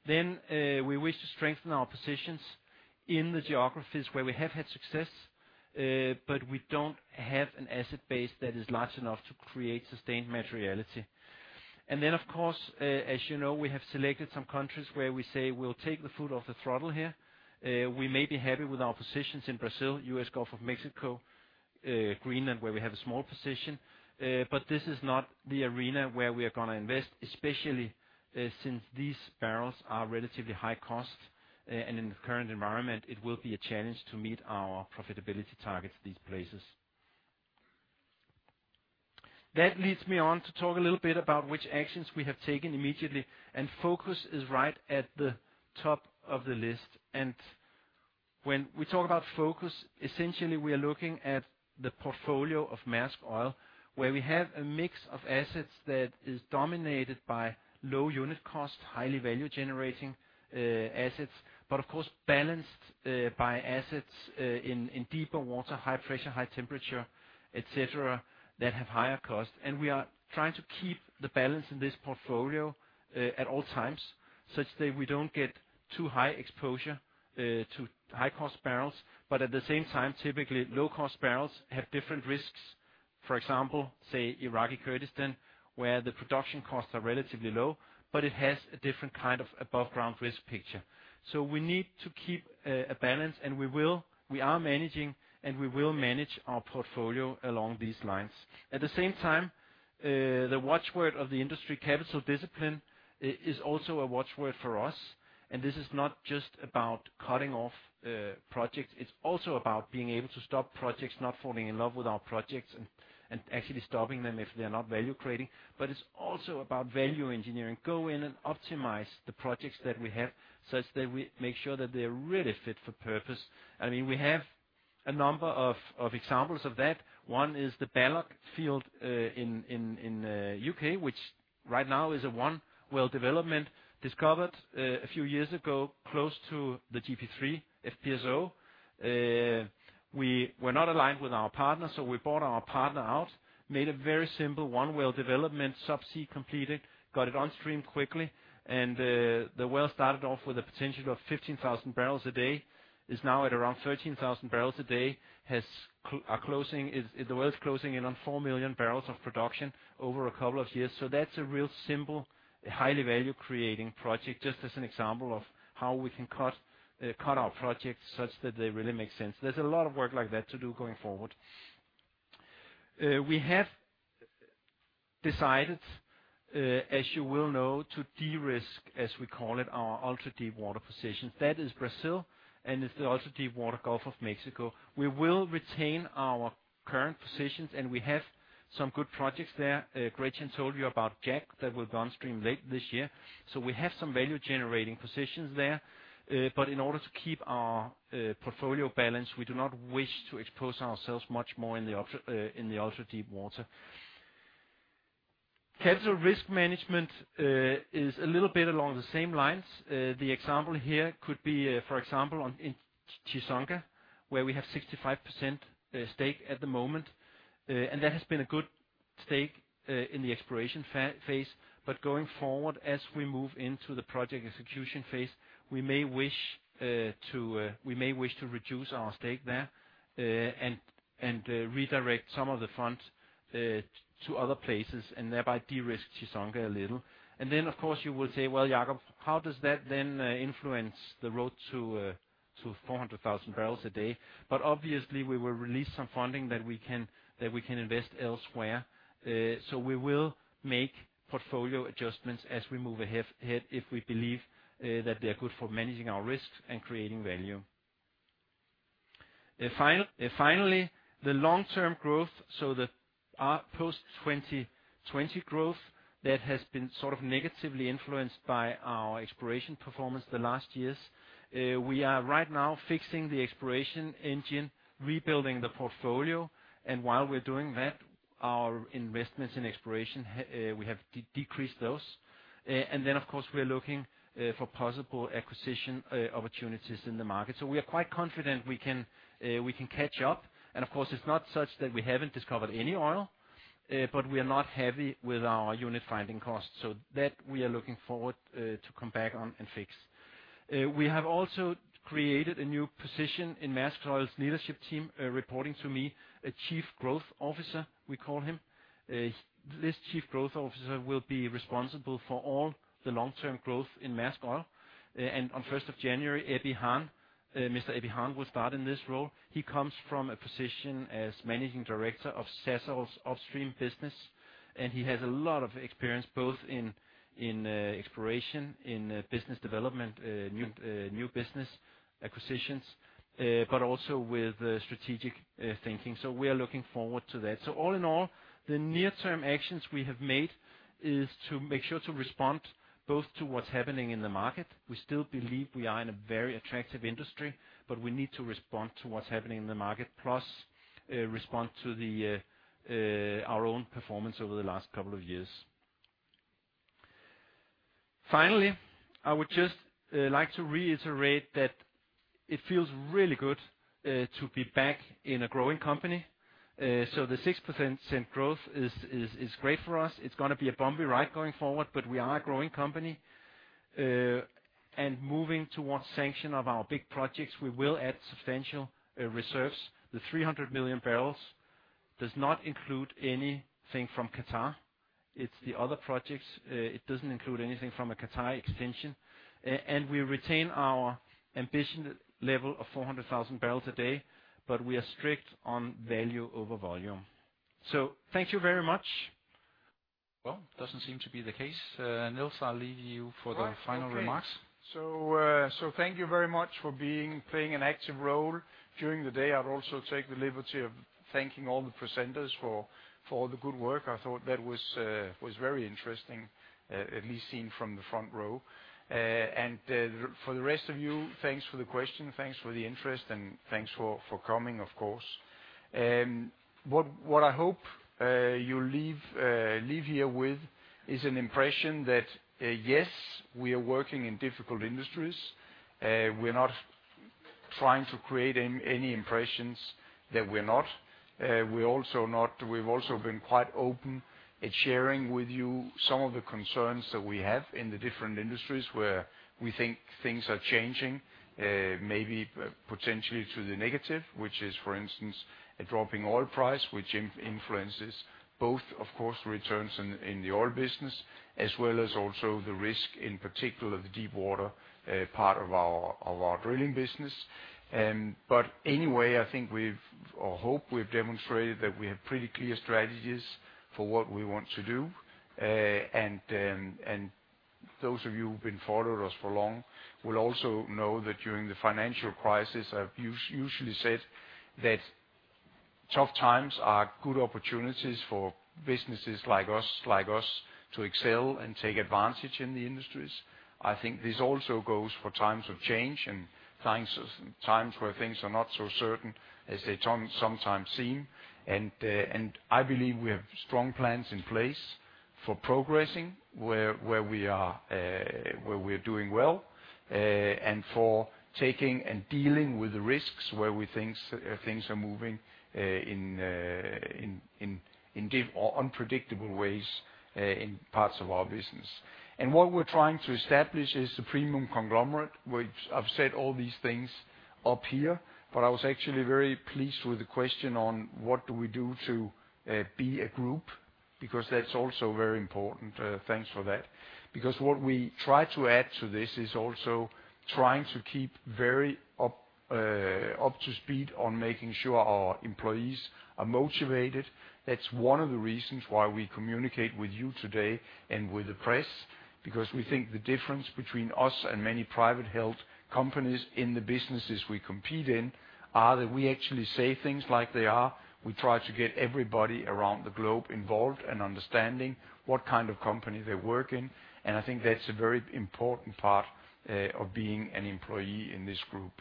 We wish to strengthen our positions in the geographies where we have had success, but we don't have an asset base that is large enough to create sustained materiality. Of course, as you know, we have selected some countries where we say we'll take the foot off the throttle here. We may be happy with our positions in Brazil, U.S. Gulf of Mexico, Greenland, where we have a small position. But this is not the arena where we are gonna invest, especially, since these barrels are relatively high cost. In the current environment, it will be a challenge to meet our profitability targets these places. That leads me on to talk a little bit about which actions we have taken immediately, and focus is right at the top of the list. When we talk about focus, essentially, we are looking at the portfolio of Maersk Oil, where we have a mix of assets that is dominated by low unit cost, highly value-generating, assets, but of course balanced by assets in deeper water, high pressure, high temperature, et cetera, that have higher cost. We are trying to keep the balance in this portfolio at all times, such that we don't get too high exposure to high-cost barrels. But at the same time, typically low-cost barrels have different risks. For example, say Iraqi Kurdistan, where the production costs are relatively low, but it has a different kind of above-ground risk picture. We need to keep a balance, and we will. We are managing, and we will manage our portfolio along these lines. At the same time, the watchword of the industry, capital discipline, is also a watchword for us. This is not just about cutting off projects. It's also about being able to stop projects, not falling in love with our projects and actually stopping them if they're not value-creating. It's also about value engineering. Go in and optimize the projects that we have such that we make sure that they're really fit for purpose. I mean, we have a number of examples of that. One is the Balloch field in the U.K., which right now is a one-well development discovered a few years ago, close to the Global Producer III FPSO. We were not aligned with our partner, so we bought our partner out, made a very simple one-well development, subsea completed, got it on stream quickly, and the well started off with a potential of 15,000 barrels a day. It's now at around 13,000 barrels a day. The well's closing in on 4 million barrels of production over a couple of years. That's a real simple, highly value-creating project, just as an example of how we can cut our projects such that they really make sense. There's a lot of work like that to do going forward. We have decided, as you well know, to de-risk, as we call it, our ultra-deepwater positions. That is Brazil, and it's the ultra-deepwater Gulf of Mexico. We will retain our current positions, and we have some good projects there. Gretchen told you about Jack that will go on stream late this year. We have some value-generating positions there. In order to keep our portfolio balanced, we do not wish to expose ourselves much more in the ultra-deepwater. Capital risk management is a little bit along the same lines. The example here could be, for example, in Chissonga, where we have 65% stake at the moment. That has been a good stake in the exploration phase. Going forward, as we move into the project execution phase, we may wish to reduce our stake there, and redirect some of the funds to other places and thereby de-risk Chissonga a little. Of course, you will say, "Well, Jakob, how does that then influence the road to 400,000 barrels a day?" Obviously, we will release some funding that we can invest elsewhere. We will make portfolio adjustments as we move ahead, if we believe that they are good for managing our risks and creating value. Finally, our post-2020 growth that has been sort of negatively influenced by our exploration performance the last years. We are right now fixing the exploration engine, rebuilding the portfolio, and while we're doing that, our investments in exploration, we have decreased those. We are looking for possible acquisition opportunities in the market. We are quite confident we can catch up. Of course, it's not such that we haven't discovered any oil, but we are not happy with our unit finding costs. We are looking forward to come back on and fix. We have also created a new position in Maersk Oil's leadership team, reporting to me, a chief growth officer, we call him. This chief growth officer will be responsible for all the long-term growth in Maersk Oil. On first of January, Ebbie Haan, Mr. Ebbie Haan will start in this role. He comes from a position as managing director of Sasol's upstream business, and he has a lot of experience, both in exploration, in business development, new business acquisitions, but also with strategic thinking. We are looking forward to that. All in all, the near-term actions we have made is to make sure to respond both to what's happening in the market. We still believe we are in a very attractive industry, but we need to respond to what's happening in the market, plus respond to our own performance over the last couple of years. Finally, I would just like to reiterate that it feels really good to be back in a growing company. The 6% growth is great for us. It's gonna be a bumpy ride going forward, but we are a growing company. Moving towards sanction of our big projects, we will add substantial reserves. The 300 million barrels does not include anything from Qatar. It's the other projects. It doesn't include anything from a Qatar extension. We retain our ambition level of 400,000 barrels a day, but we are strict on value over volume. Thank you very much. Well, doesn't seem to be the case. Nils, I'll leave you for the final remarks. Thank you very much for playing an active role during the day. I'd also take the liberty of thanking all the presenters for all the good work. I thought that was very interesting, at least seen from the front row. For the rest of you, thanks for the question, thanks for the interest, and thanks for coming, of course. What I hope you leave here with is an impression that, yes, we are working in difficult industries. We're not trying to create any impressions that we're not. We're also not. We've also been quite open about sharing with you some of the concerns that we have in the different industries where we think things are changing, maybe potentially to the negative, which is, for instance, a dropping oil price, which influences both, of course, returns in the oil business, as well as also the risk in particular the deep water part of our drilling business. I think or hope we've demonstrated that we have pretty clear strategies for what we want to do. Those of you who've been following us for long will also know that during the financial crisis, I've usually said that tough times are good opportunities for businesses like us to excel and take advantage in the industries. I think this also goes for times of change and times where things are not so certain as they sometimes seem. I believe we have strong plans in place for progressing where we are, where we're doing well, and for taking and dealing with the risks where we think things are moving in deep or unpredictable ways, in parts of our business. What we're trying to establish is the premium conglomerate, which I've said all these things up here. I was actually very pleased with the question on what do we do to be a group, because that's also very important. Thanks for that. Because what we try to add to this is also trying to keep up to speed on making sure our employees are motivated. That's one of the reasons why we communicate with you today and with the press, because we think the difference between us and many privately held companies in the businesses we compete in are that we actually say things like they are. We try to get everybody around the globe involved and understanding what kind of company they work in, and I think that's a very important part of being an employee in this group.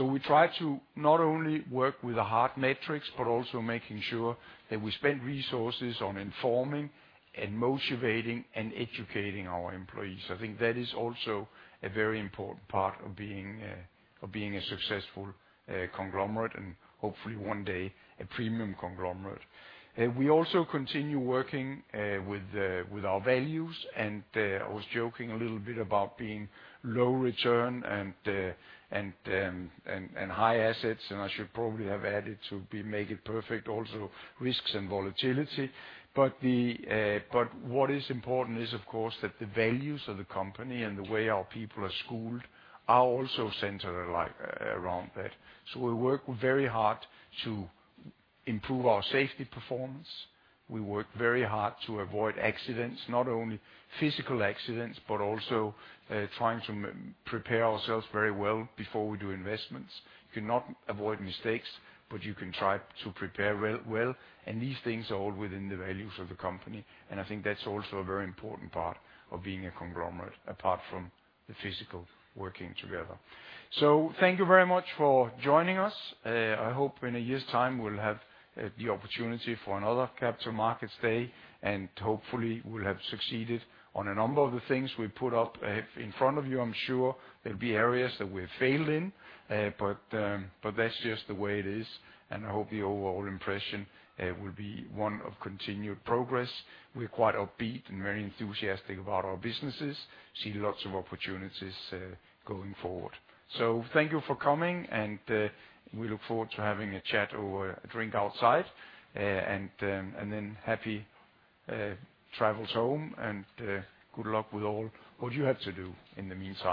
We try to not only work with the hard metrics, but also making sure that we spend resources on informing and motivating and educating our employees. I think that is also a very important part of being a successful conglomerate and hopefully one day a premium conglomerate. We also continue working with our values, and I was joking a little bit about being low return and high assets, and I should probably have added to make it perfect also risks and volatility. What is important is, of course, that the values of the company and the way our people are schooled are also centered, like, around that. We work very hard to improve our safety performance. We work very hard to avoid accidents, not only physical accidents, but also trying to prepare ourselves very well before we do investments. You cannot avoid mistakes, but you can try to prepare well, and these things are all within the values of the company, and I think that's also a very important part of being a conglomerate, apart from the physical working together. Thank you very much for joining us. I hope in a year's time we'll have the opportunity for another Capital Markets Day, and hopefully we'll have succeeded on a number of the things we put up in front of you. I'm sure there'll be areas that we've failed in, but that's just the way it is, and I hope the overall impression will be one of continued progress. We're quite upbeat and very enthusiastic about our businesses. See lots of opportunities going forward. Thank you for coming, and we look forward to having a chat or a drink outside. Happy travels home, and good luck with all what you have to do in the meantime.